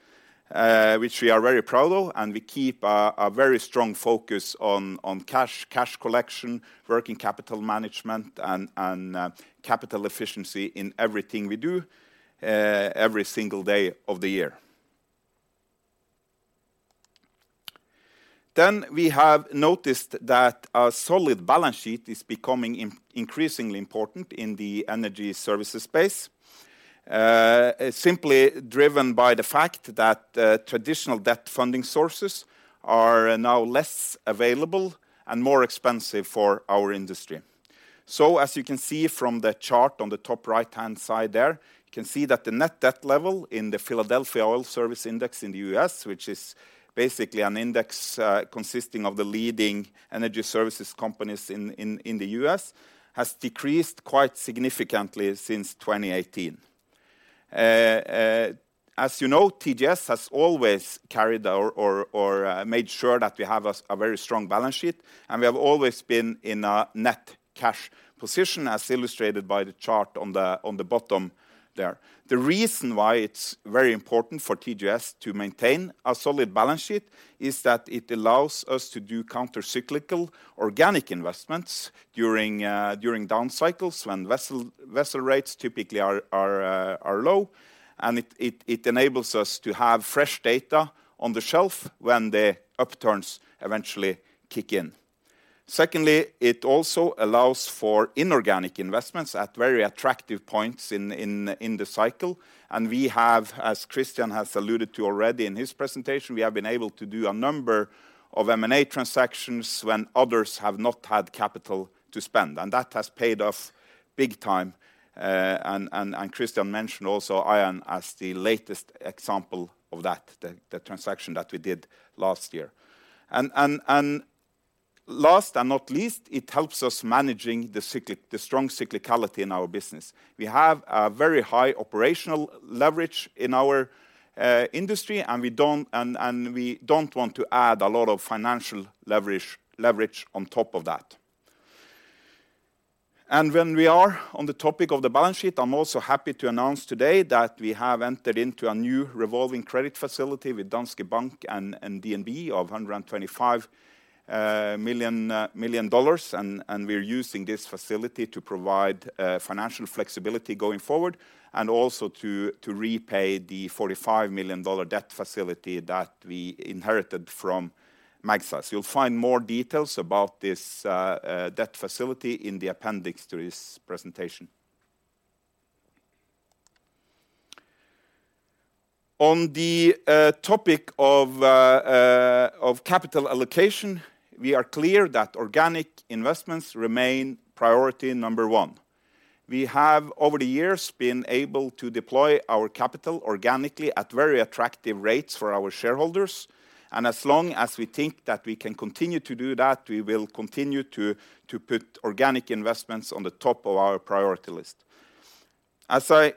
which we are very proud of, and we keep a very strong focus on cash collection, working capital management and capital efficiency in everything we do every single day of the year. We have noticed that our solid balance sheet is becoming increasingly important in the energy services space, simply driven by the fact that traditional debt funding sources are now less available and more expensive for our industry. As you can see from the chart on the top right-hand side there, you can see that the net debt level in the Philadelphia Oil Service Index in the U.S., which is basically an index consisting of the leading energy services companies in the U.S., has decreased quite significantly since 2018. As you know, TGS has always carried or made sure that we have a very strong balance sheet, and we have always been in a net cash position, as illustrated by the chart on the bottom there. The reason why it's very important for TGS to maintain a solid balance sheet is that it allows us to do countercyclical organic investments during down cycles when vessel rates typically are low, and it enables us to have fresh data on the shelf when the upturns eventually kick in. Secondly, it also allows for inorganic investments at very attractive points in the cycle. We have, as Kristian has alluded to already in his presentation, we have been able to do a number of M&A transactions when others have not had capital to spend, and that has paid off big time. Kristian mentioned also ION as the latest example of that, the transaction that we did last year. Last and not least, it helps us managing the strong cyclicality in our business. We have a very high operational leverage in our industry, and we don't want to add a lot of financial leverage on top of that. When we are on the topic of the balance sheet, I'm also happy to announce today that we have entered into a new revolving credit facility with Danske Bank and DNB of $125 million and we're using this facility to provide financial flexibility going forward and also to repay the $45 million debt facility that we inherited from Magseis. You'll find more details about this debt facility in the appendix to this presentation. On the topic of capital allocation, we are clear that organic investments remain priority number one. We have, over the years, been able to deploy our capital organically at very attractive rates for our shareholders, and as long as we think that we can continue to do that, we will continue to put organic investments on the top of our priority list. As I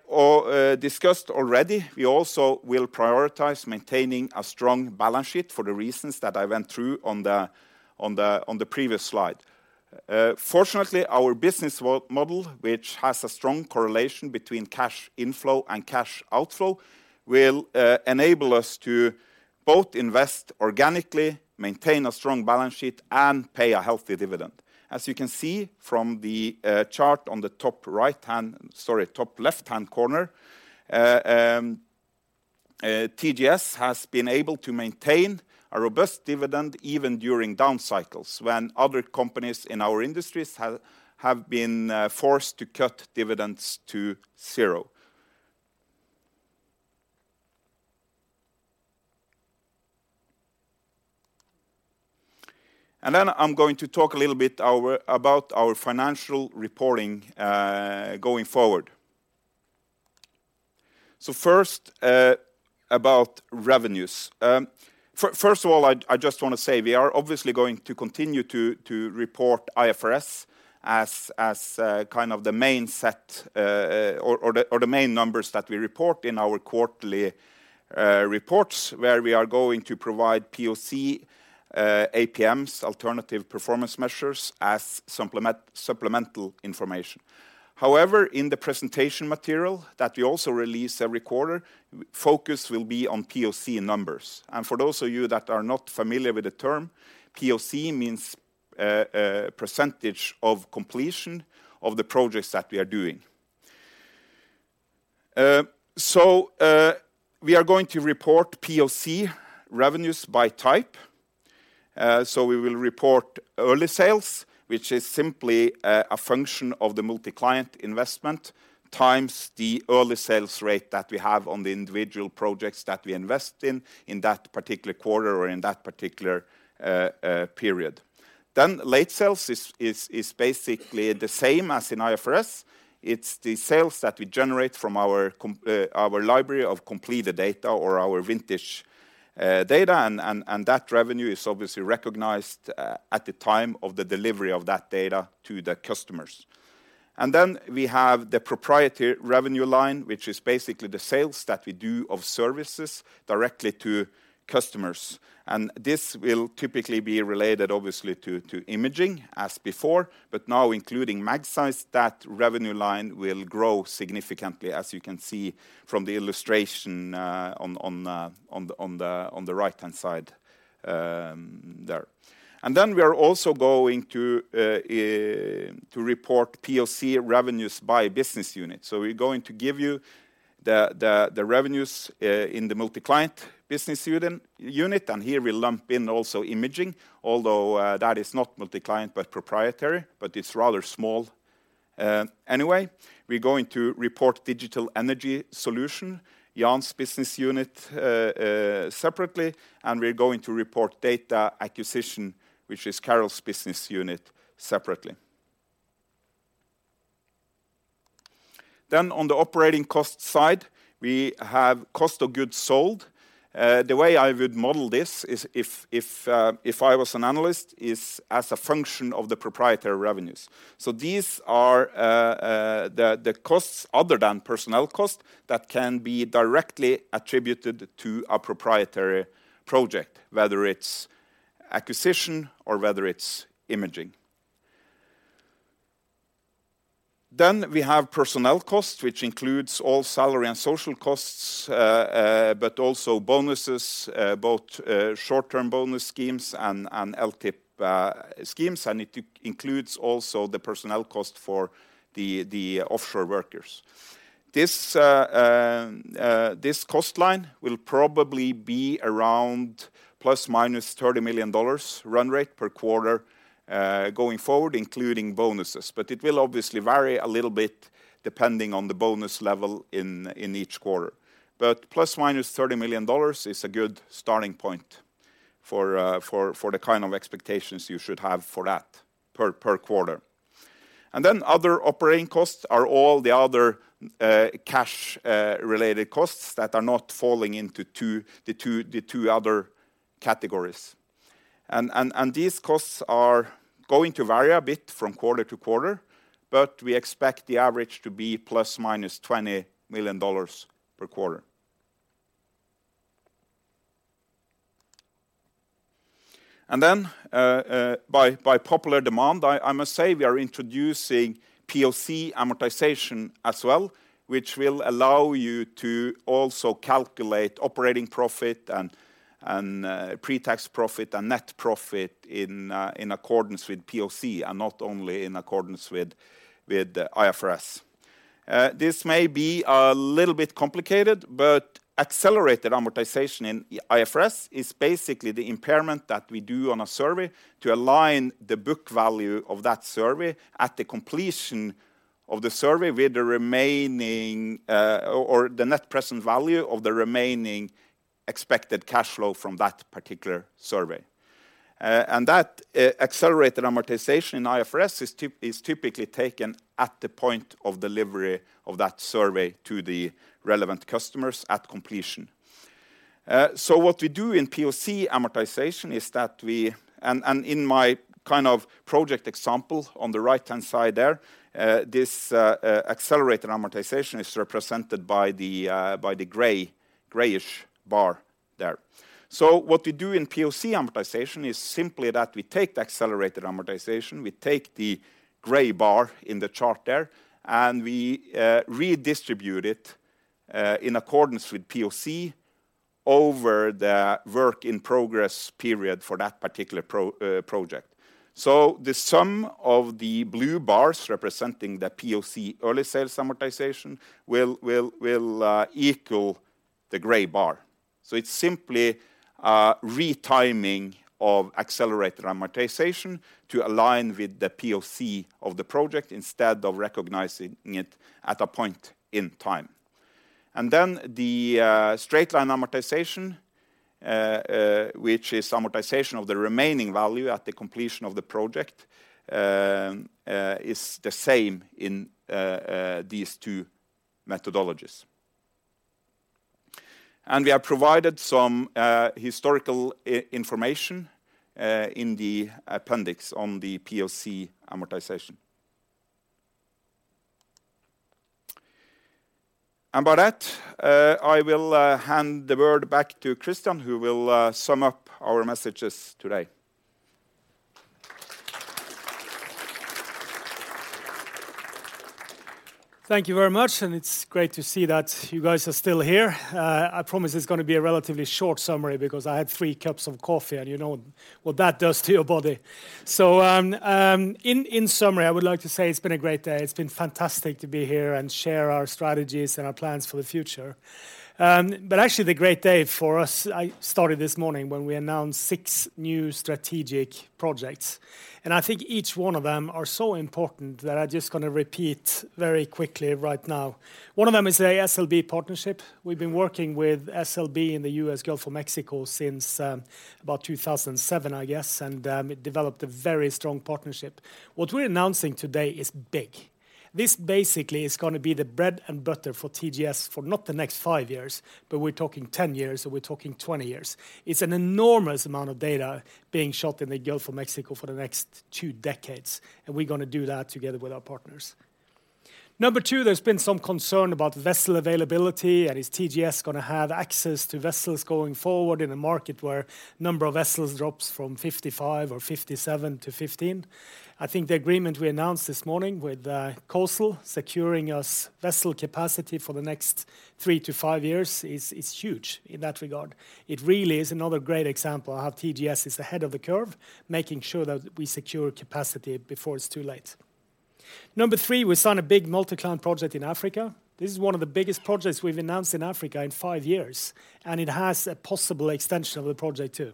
discussed already, we also will prioritize maintaining a strong balance sheet for the reasons that I went through on the previous slide. Fortunately, our business model, which has a strong correlation between cash inflow and cash outflow, will enable us to both invest organically, maintain a strong balance sheet and pay a healthy dividend. As you can see from the chart on the top right-hand sorry, top left-hand corner, TGS has been able to maintain a robust dividend even during down cycles when other companies in our industries have been forced to cut dividends to zero. I'm going to talk a little bit about our financial reporting going forward. First, about revenues. First of all, I just want to say we are obviously going to continue to report IFRS as kind of the main set or the main numbers that we report in our quarterly reports where we are going to provide POC APMs, alternative performance measures, as supplemental information. However, in the presentation material that we also release every quarter, focus will be on POC numbers. For those of you that are not familiar with the term, POC means percentage of completion of the projects that we are doing. We are going to report POC revenues by type. So we will report early sales, which is simply a function of the multi-client investment times the early sales rate that we have on the individual projects that we invest in that particular quarter or in that particular period. Late sales is basically the same as in IFRS. It's the sales that we generate from our library of completed data or our vintage data and that revenue is obviously recognized at the time of the delivery of that data to the customers. We have the proprietary revenue line, which is basically the sales that we do of services directly to customers. This will typically be related obviously to imaging as before, but now including Magseis, that revenue line will grow significantly as you can see from the illustration on the right-hand side there. We are also going to report POC revenues by business unit. We're going to give you the revenues in the multi-client business unit, and here we lump in also imaging although that is not multi-client but proprietary, but it's rather small. Anyway, we're going to report Digital Energy Solutions, Jan's business unit, separately, and we're going to report data acquisition, which is Carel's business unit separately. On the operating cost side, we have cost of goods sold. The way I would model this is if I was an analyst, is as a function of the Proprietary Revenues. These are the costs other than personnel cost that can be directly attributed to a Proprietary Project, whether it's acquisition or whether it's imaging. We have personnel costs, which includes all salary and social costs, but also bonuses, both short-term bonus schemes and LTIP schemes, and it includes also the personnel cost for the offshore workers. This cost line will probably be around ±$30 million run rate per quarter going forward, including bonuses. It will obviously vary a little bit depending on the bonus level in each quarter. ±$30 million is a good starting point for the kind of expectations you should have for that per quarter. other operating costs are all the other cash related costs that are not falling into two other categories. these costs are going to vary a bit from quarter to quarter, but we expect the average to be ±$20 million per quarter. then by popular demand, I must say we are introducing POC amortization as well, which will allow you to also calculate operating profit and pre-tax profit and net profit in accordance with POC and not only in accordance with IFRS. This may be a little bit complicated, but accelerated amortization in IFRS is basically the impairment that we do on a survey to align the book value of that survey at the completion of the survey with the remaining, or the net present value of the remaining expected cash flow from that particular survey. That accelerated amortization in IFRS is typically taken at the point of delivery of that survey to the relevant customers at completion. What we do in POC amortization is that we. In my kind of project example on the right-hand side there, this accelerated amortization is represented by the gray, grayish bar there. What we do in POC amortization is simply that we take the accelerated amortization, we take the gray bar in the chart there, and we redistribute it in accordance with POC over the work in progress period for that particular project. The sum of the blue bars representing the POC early sales amortization will equal the gray bar. It's simply retiming of accelerated amortization to align with the POC of the project instead of recognizing it at a point in time. The straight line amortization, which is amortization of the remaining value at the completion of the project, is the same in these two methodologies. We have provided some historical information in the appendix on the POC amortization. By that, I will hand the word back to Kristian, who will sum up our messages today. Thank you very much. It's great to see that you guys are still here. I promise it's gonna be a relatively short summary because I had three cups of coffee, and you know what that does to your body. In summary, I would like to say it's been a great day. It's been fantastic to be here and share our strategies and our plans for the future. Actually the great day for us, I started this morning when we announced six new strategic projects. I think each one of them are so important that I'm just gonna repeat very quickly right now. One of them is a SLB partnership. We've been working with SLB in the U.S. Gulf of Mexico since about 2007, I guess. It developed a very strong partnership. What we're announcing today is big. This basically is gonna be the bread and butter for TGS for not the next five years, but we're talking 10 years, or we're talking 20 years. It's an enormous amount of data being shot in the Gulf of Mexico for the next two decades, and we're gonna do that together with our partners. Number two, there's been some concern about vessel availability, and is TGS gonna have access to vessels going forward in a market where number of vessels drops from 55 or 57 to 15? I think the agreement we announced this morning with COSL securing us vessel capacity for the next three to five years is huge in that regard. It really is another great example of how TGS is ahead of the curve, making sure that we secure capacity before it's too late. Number three, we signed a big multi-client project in Africa. This is one of the biggest projects we've announced in Africa in five years. It has a possible extension of the project too.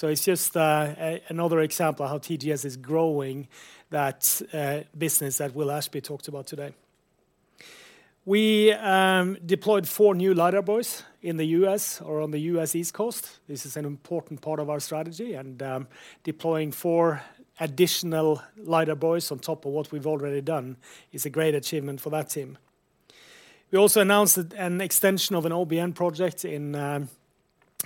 It's just another example of how TGS is growing that business that Will Ashby talked about today. We deployed four new LiDAR buoys in the U.S. or on the U.S. East Coast. This is an important part of our strategy. Deploying four additional LiDAR buoys on top of what we've already done is a great achievement for that team. We also announced an extension of an OBN project in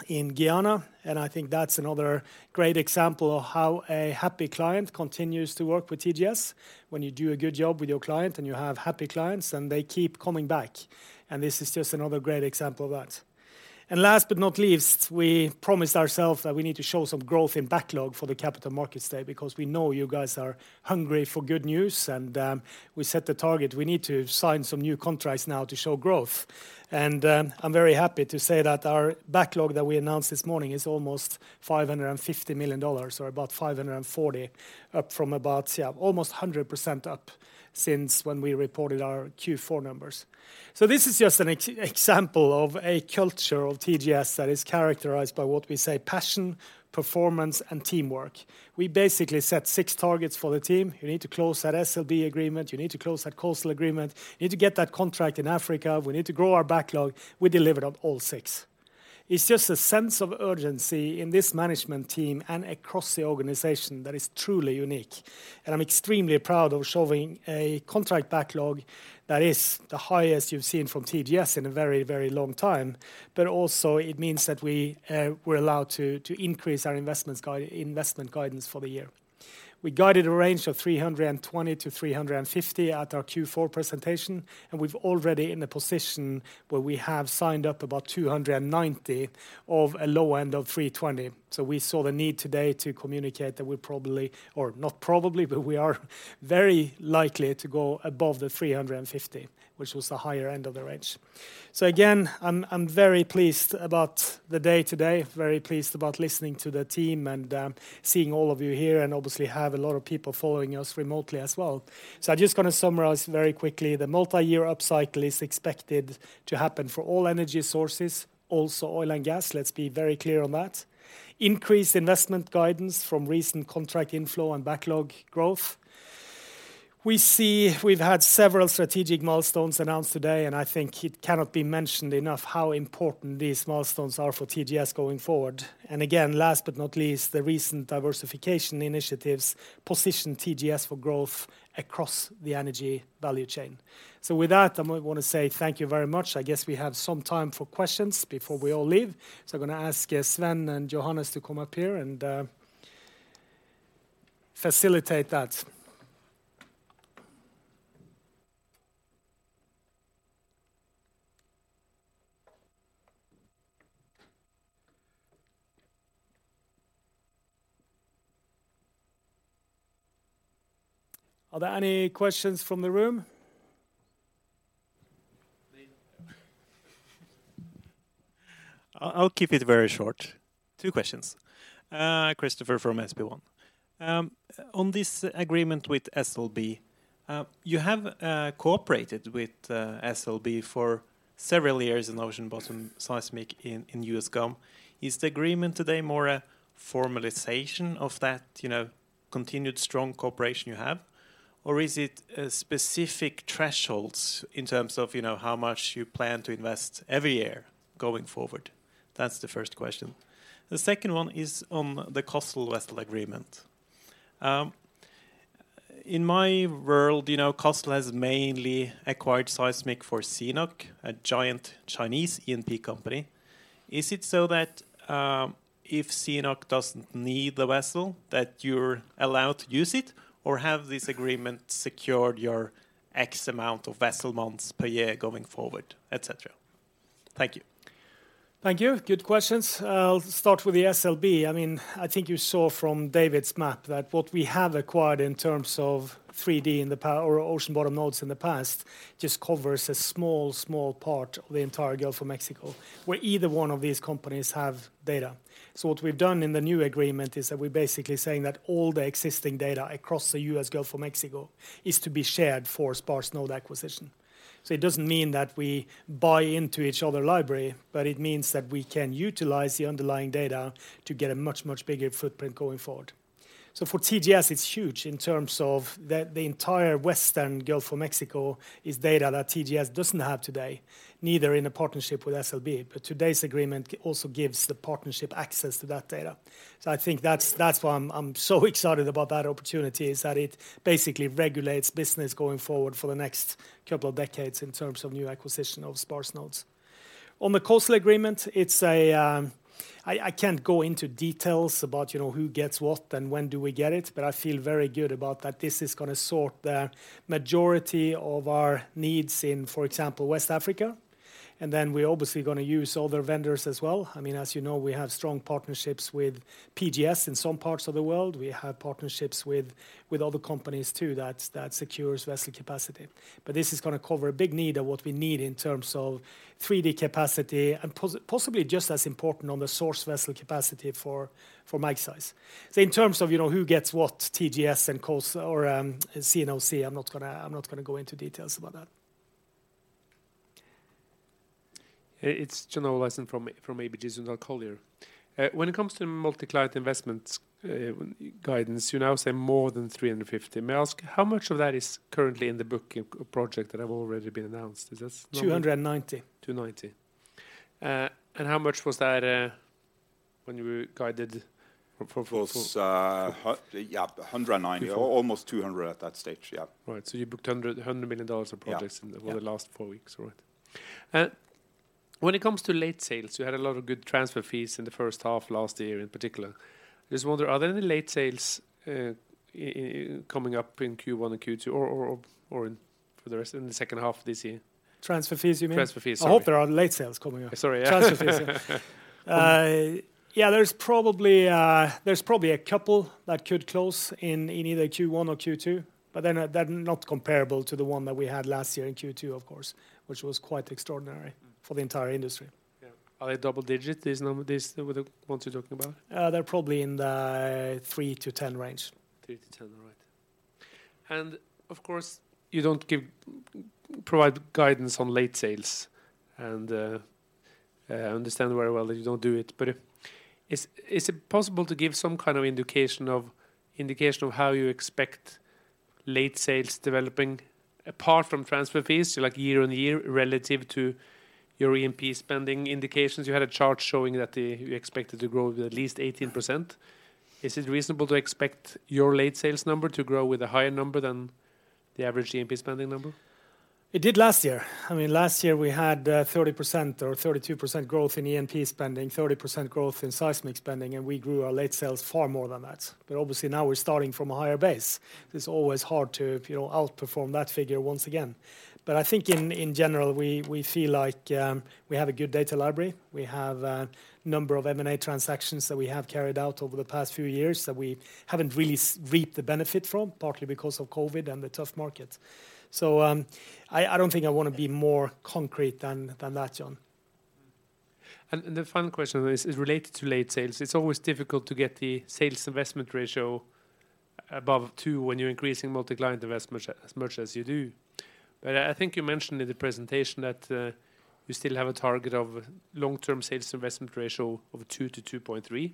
Guyana, and I think that's another great example of how a happy client continues to work with TGS when you do a good job with your client, and you have happy clients, and they keep coming back. This is just another great example of that. Last but not least, we promised ourselves that we need to show some growth in backlog for the Capital Markets Day because we know you guys are hungry for good news, we set the target. We need to sign some new contracts now to show growth. I'm very happy to say that our backlog that we announced this morning is almost $550 million, or about $540 million, up from about, almost 100% up since when we reported our Q4 numbers. This is just an example of a culture of TGS that is characterized by what we say passion, performance, and teamwork. We basically set six targets for the team. You need to close that SLB agreement. You need to close that COSL agreement. You need to get that contract in Africa. We need to grow our backlog. We delivered on all 6. It's just a sense of urgency in this management team and across the organization that is truly unique, and I'm extremely proud of showing a contract backlog that is the highest you've seen from TGS in a very, very long time. Also, it means that we're allowed to increase our investments investment guidance for the year. We guided a range of $320-$350 at our Q4 presentation. We're already in a position where we have signed up about $290 of a low end of $320. We saw the need today to communicate that we probably, or not probably, but we are very likely to go above the $350, which was the higher end of the range. Again, I'm very pleased about the day today, very pleased about listening to the team and seeing all of you here, and obviously have a lot of people following us remotely as well. I'm just gonna summarize very quickly. The multi-year upcycle is expected to happen for all energy sources, also oil and gas. Let's be very clear on that. Increased investment guidance from recent contract inflow and backlog growth. We see we've had several strategic milestones announced today, and I think it cannot be mentioned enough how important these milestones are for TGS going forward. Again, last but not least, the recent diversification initiatives position TGS for growth across the energy value chain. With that, I want to say thank you very much. I guess we have some time for questions before we all leave. I'm gonna ask Sven and Johannes to come up here and facilitate that. Are there any questions from the room? Please. I'll keep it very short. Two questions. Christopher from SB1. On this agreement with SLB, you have cooperated with SLB for several years in ocean bottom seismic in U.S. Gulf. Is the agreement today more a formalization of that, you know, continued strong cooperation you have? Is it specific thresholds in terms of, you know, how much you plan to invest every year going forward? That's the first question. The second one is on the COSL vessel agreement. In my world, you know, COSL has mainly acquired seismic for CNOOC, a giant Chinese E&P company. Is it so that, if CNOOC doesn't need the vessel, that you're allowed to use it, or have this agreement secured your X amount of vessel months per year going forward, et cetera? Thank you. Thank you. Good questions. I'll start with the SLB. I mean, I think you saw from David's map that what we have acquired in terms of 3D in the power or ocean bottom nodes in the past just covers a small part of the entire Gulf of Mexico, where either one of these companies have data. What we've done in the new agreement is that we're basically saying that all the existing data across the U.S. Gulf of Mexico is to be shared for sparse node acquisition. It doesn't mean that we buy into each other library, but it means that we can utilize the underlying data to get a much bigger footprint going forward. For TGS, it's huge in terms of the entire western Gulf of Mexico is data that TGS doesn't have today, neither in a partnership with SLB. Today's agreement also gives the partnership access to that data. I think that's why I'm so excited about that opportunity, is that it basically regulates business going forward for the next couple of decades in terms of new acquisition of sparse nodes. On the COSL agreement, it's a, I can't go into details about, you know, who gets what and when do we get it, but I feel very good about that this is gonna sort the majority of our needs in, for example, West Africa. We're obviously gonna use other vendors as well. I mean, as you know, we have strong partnerships with PGS in some parts of the world. We have partnerships with other companies too that secures vessel capacity. This is gonna cover a big need of what we need in terms of 3D capacity and possibly just as important on the source vessel capacity for Magseis. In terms of, you know, who gets what TGS and COSL or CNOOC, I'm not gonna go into details about that. It's John Olaisen from ABG Sundal Collier. When it comes to multi-client investment guidance, you now say more than $350. May I ask how much of that is currently in the book in project that have already been announced? Is this? 290. $290. How much was that, when you guided for? It was, yeah, 190, or almost 200 at that stage, yeah. Right. You booked $100 million of projects. Yeah. In the last four weeks. All right. When it comes to late sales, you had a lot of good transfer fees in the first half last year in particular. Just wonder, are there any late sales in coming up in Q1 and Q2 or in for the rest in the second half of this year? Transfer fees, you mean? Transfer fees, sorry. I hope there are late sales coming up. Sorry. Transfer fees. Yeah, there's probably a couple that could close in either Q1 or Q2, but they're not comparable to the one that we had last year in Q2, of course, which was quite extraordinary for the entire industry. Yeah. Are they double digit, these these, with the ones you're talking about? They're probably in the 3-10 range. 3-10. All right. Of course, you don't provide guidance on late sales. I understand very well that you don't do it. Is it possible to give some kind of indication of how you expect late sales developing apart from transfer fees, so like year-on-year relative to your E&P spending indications? You had a chart showing that you expected to grow at least 18%. Is it reasonable to expect your late sales number to grow with a higher number than the average E&P spending number? It did last year. I mean, last year we had 30% or 32% growth in E&P spending, 30% growth in seismic spending, and we grew our late sales far more than that. Obviously now we're starting from a higher base. It's always hard to, you know, outperform that figure once again. I think in general, we feel like we have a good data library. We have a number of M&A transactions that we have carried out over the past few years that we haven't really reaped the benefit from, partly because of COVID and the tough market. I don't think I wanna be more concrete than that, John. The final question is related to late sales. It's always difficult to get the sales investment ratio above two when you're increasing multi-client investment as much as you do. But I think you mentioned in the presentation that you still have a target of long-term sales investment ratio of 2-2.3.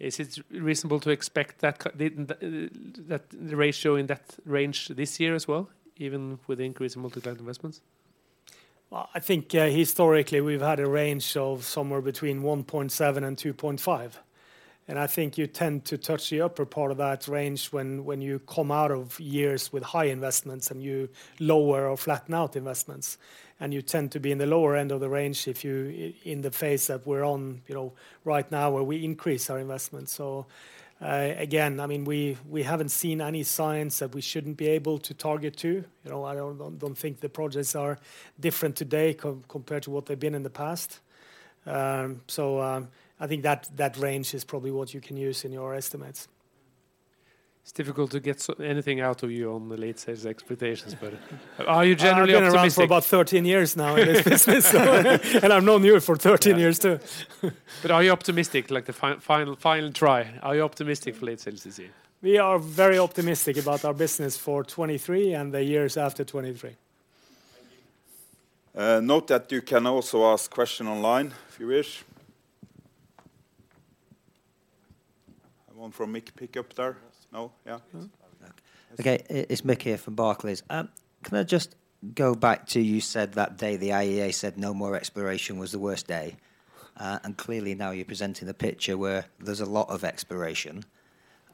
Is it reasonable to expect that the ratio in that range this year as well, even with the increase in multi-client investments? Well, I think, historically, we've had a range of somewhere between 1.7 and 2.5. I think you tend to touch the upper part of that range when you come out of years with high investments and you lower or flatten out investments, and you tend to be in the lower end of the range if you in the phase that we're on, you know, right now, where we increase our investments. Again, I mean, we haven't seen any signs tht we shouldn't be able to target two. You know, I don't think the projects are different today compared to what they've been in the past. I think that range is probably what you can use in your estimates. It's difficult to get so anything out of you on the late sales expectations, but are you generally optimistic? I've been around for about 13 years now in this business, so and I've known you for 13 years too. Are you optimistic, like the final try? Are you optimistic for late sales this year? We are very optimistic about our business for 2023 and the years after 2023. Thank you. Note that you can also ask question online if you wish. One from Mick Pickup there. Yes. No? Yeah. It's probably that. Okay. It's Mick here from Barclays. Can I just go back to you said that day the IEA said no more exploration was the worst day, and clearly now you're presenting a picture where there's a lot of exploration.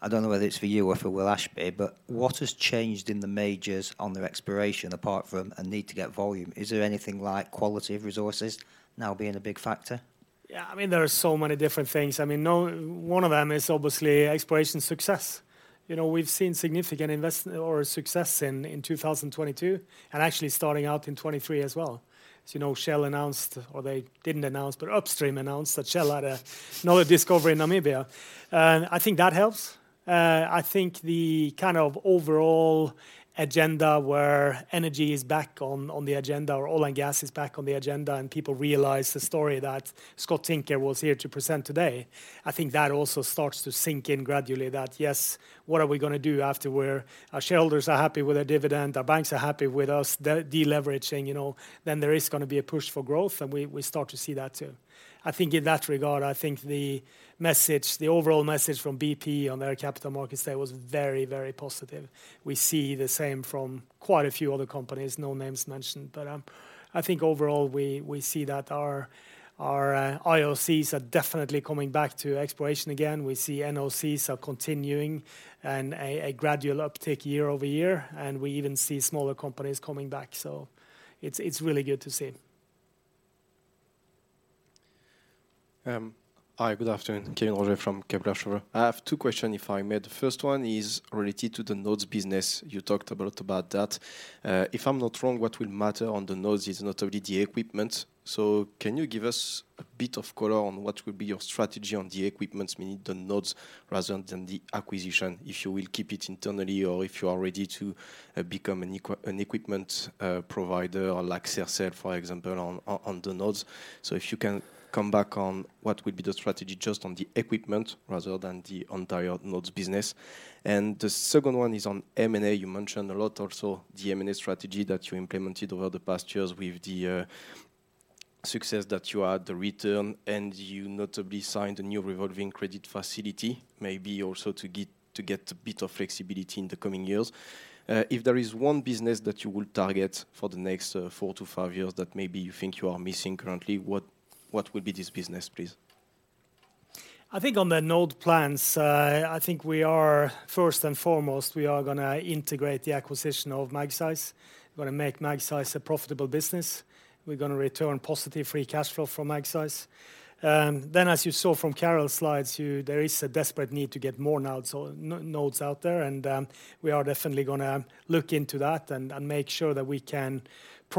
I don't know whether it's for you or for Will Ashby, but what has changed in the majors on their exploration apart from a need to get volume? Is there anything like quality of resources now being a big factor? Yeah, I mean, there are so many different things. I mean, no, one of them is obviously exploration success. You know, we've seen significant or success in 2022, actually starting out in 2023 as well. As you know, Shell announced, or they didn't announce, but upstream announced that Shell had a, another discovery in Namibia. I think that helps. I think the kind of overall agenda where energy is back on the agenda or oil and gas is back on the agenda. People realize the story that Scott Tinker was here to present today. I think that also starts to sink in gradually that, yes, what are we gonna do after where our shareholders are happy with their dividend, our banks are happy with us deleveraging, you know, then there is gonna be a push for growth. We start to see that too. I think in that regard, I think the message, the overall message from BP on their capital markets day was very, very positive. We see the same from quite a few other companies, no names mentioned. I think overall, we see that our IOCs are definitely coming back to exploration again. We see NOCs are continuing and a gradual uptick year-over-year, and we even see smaller companies coming back. It's really good to see. Hi, good afternoon. Kévin Roger from Kepler Cheuvreux. I have two question if I may. The first one is related to the nodes business. You talked a lot about that. If I'm not wrong, what will matter on the nodes is not only the equipment. Can you give us a bit of color on what will be your strategy on the equipment, meaning the nodes rather than the acquisition, if you will keep it internally or if you are ready to become an equipment provider or like Sercel, for example, on the nodes. If you can come back on what will be the strategy just on the equipment rather than the entire nodes business. The second one is on M&A. You mentioned a lot also the M&A strategy that you implemented over the past years with the success that you had, the return, and you notably signed a new revolving credit facility, maybe also to get a bit of flexibility in the coming years. If there is one business that you will target for the next fourive years that maybe you think you are missing currently, what will be this business, please? I think on the node plans, I think we are first and foremost, we are gonna integrate the acquisition of Magseis. We're gonna make Magseis a profitable business. We're gonna return positive free cash flow from Magseis. As you saw from Carel's slides, you, there is a desperate need to get more nodes out there. We are definitely gonna look into that and make sure that we can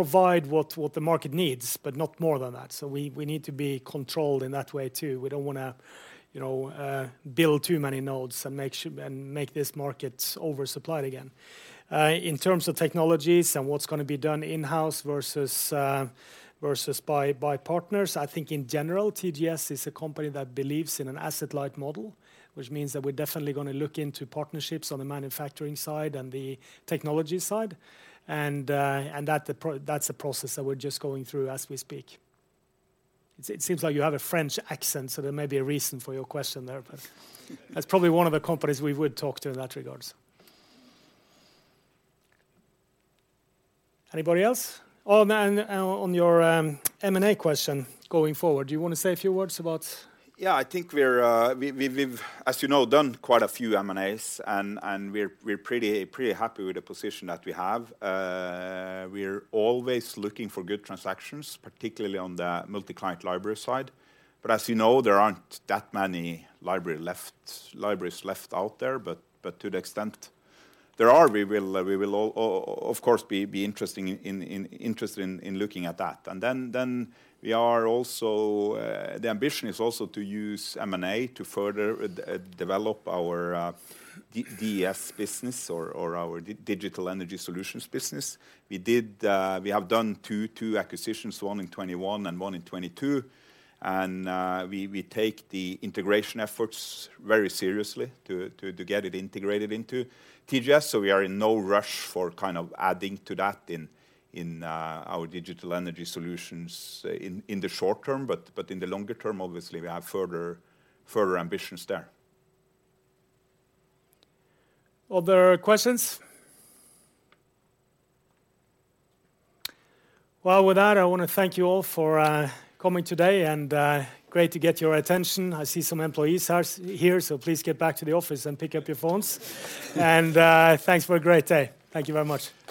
provide what the market needs, but not more than that. We, we need to be controlled in that way too. We don't wanna, you know, build too many nodes and make and make this market oversupplied again. In terms of technologies and what's gonna be done in-house versus by partners, I think in general, TGS is a company that believes in an asset-light model, which means that we're definitely gonna look into partnerships on the manufacturing side and the technology side. That's a process that we're just going through as we speak. It seems like you have a French accent, so there may be a reason for your question there, but that's probably one of the companies we would talk to in that regards. Anybody else? On your M&A question going forward, do you wanna say a few words about. Yeah, I think we've, as you know, done quite a few M&As and we're pretty happy with the position that we have. We're always looking for good transactions, particularly on the multi-client library side. As you know, there aren't that many libraries left out there. To the extent there are, we will of course be interested in looking at that. We are also, the ambition is also to use M&A to further develop our DS business or our Digital Energy Solutions business. We have done two acquisitions, one in 2021 and one in 2022. We take the integration efforts very seriously to get it integrated into TGS. We are in no rush for kind of adding to that in our Digital Energy Solutions in the short term, but in the longer term, obviously we have further ambitions there. Other questions? Well, with that, I wanna thank you all for coming today and great to get your attention. I see some employees are here, so please get back to the office and pick up your phones. Thanks for a great day. Thank you very much.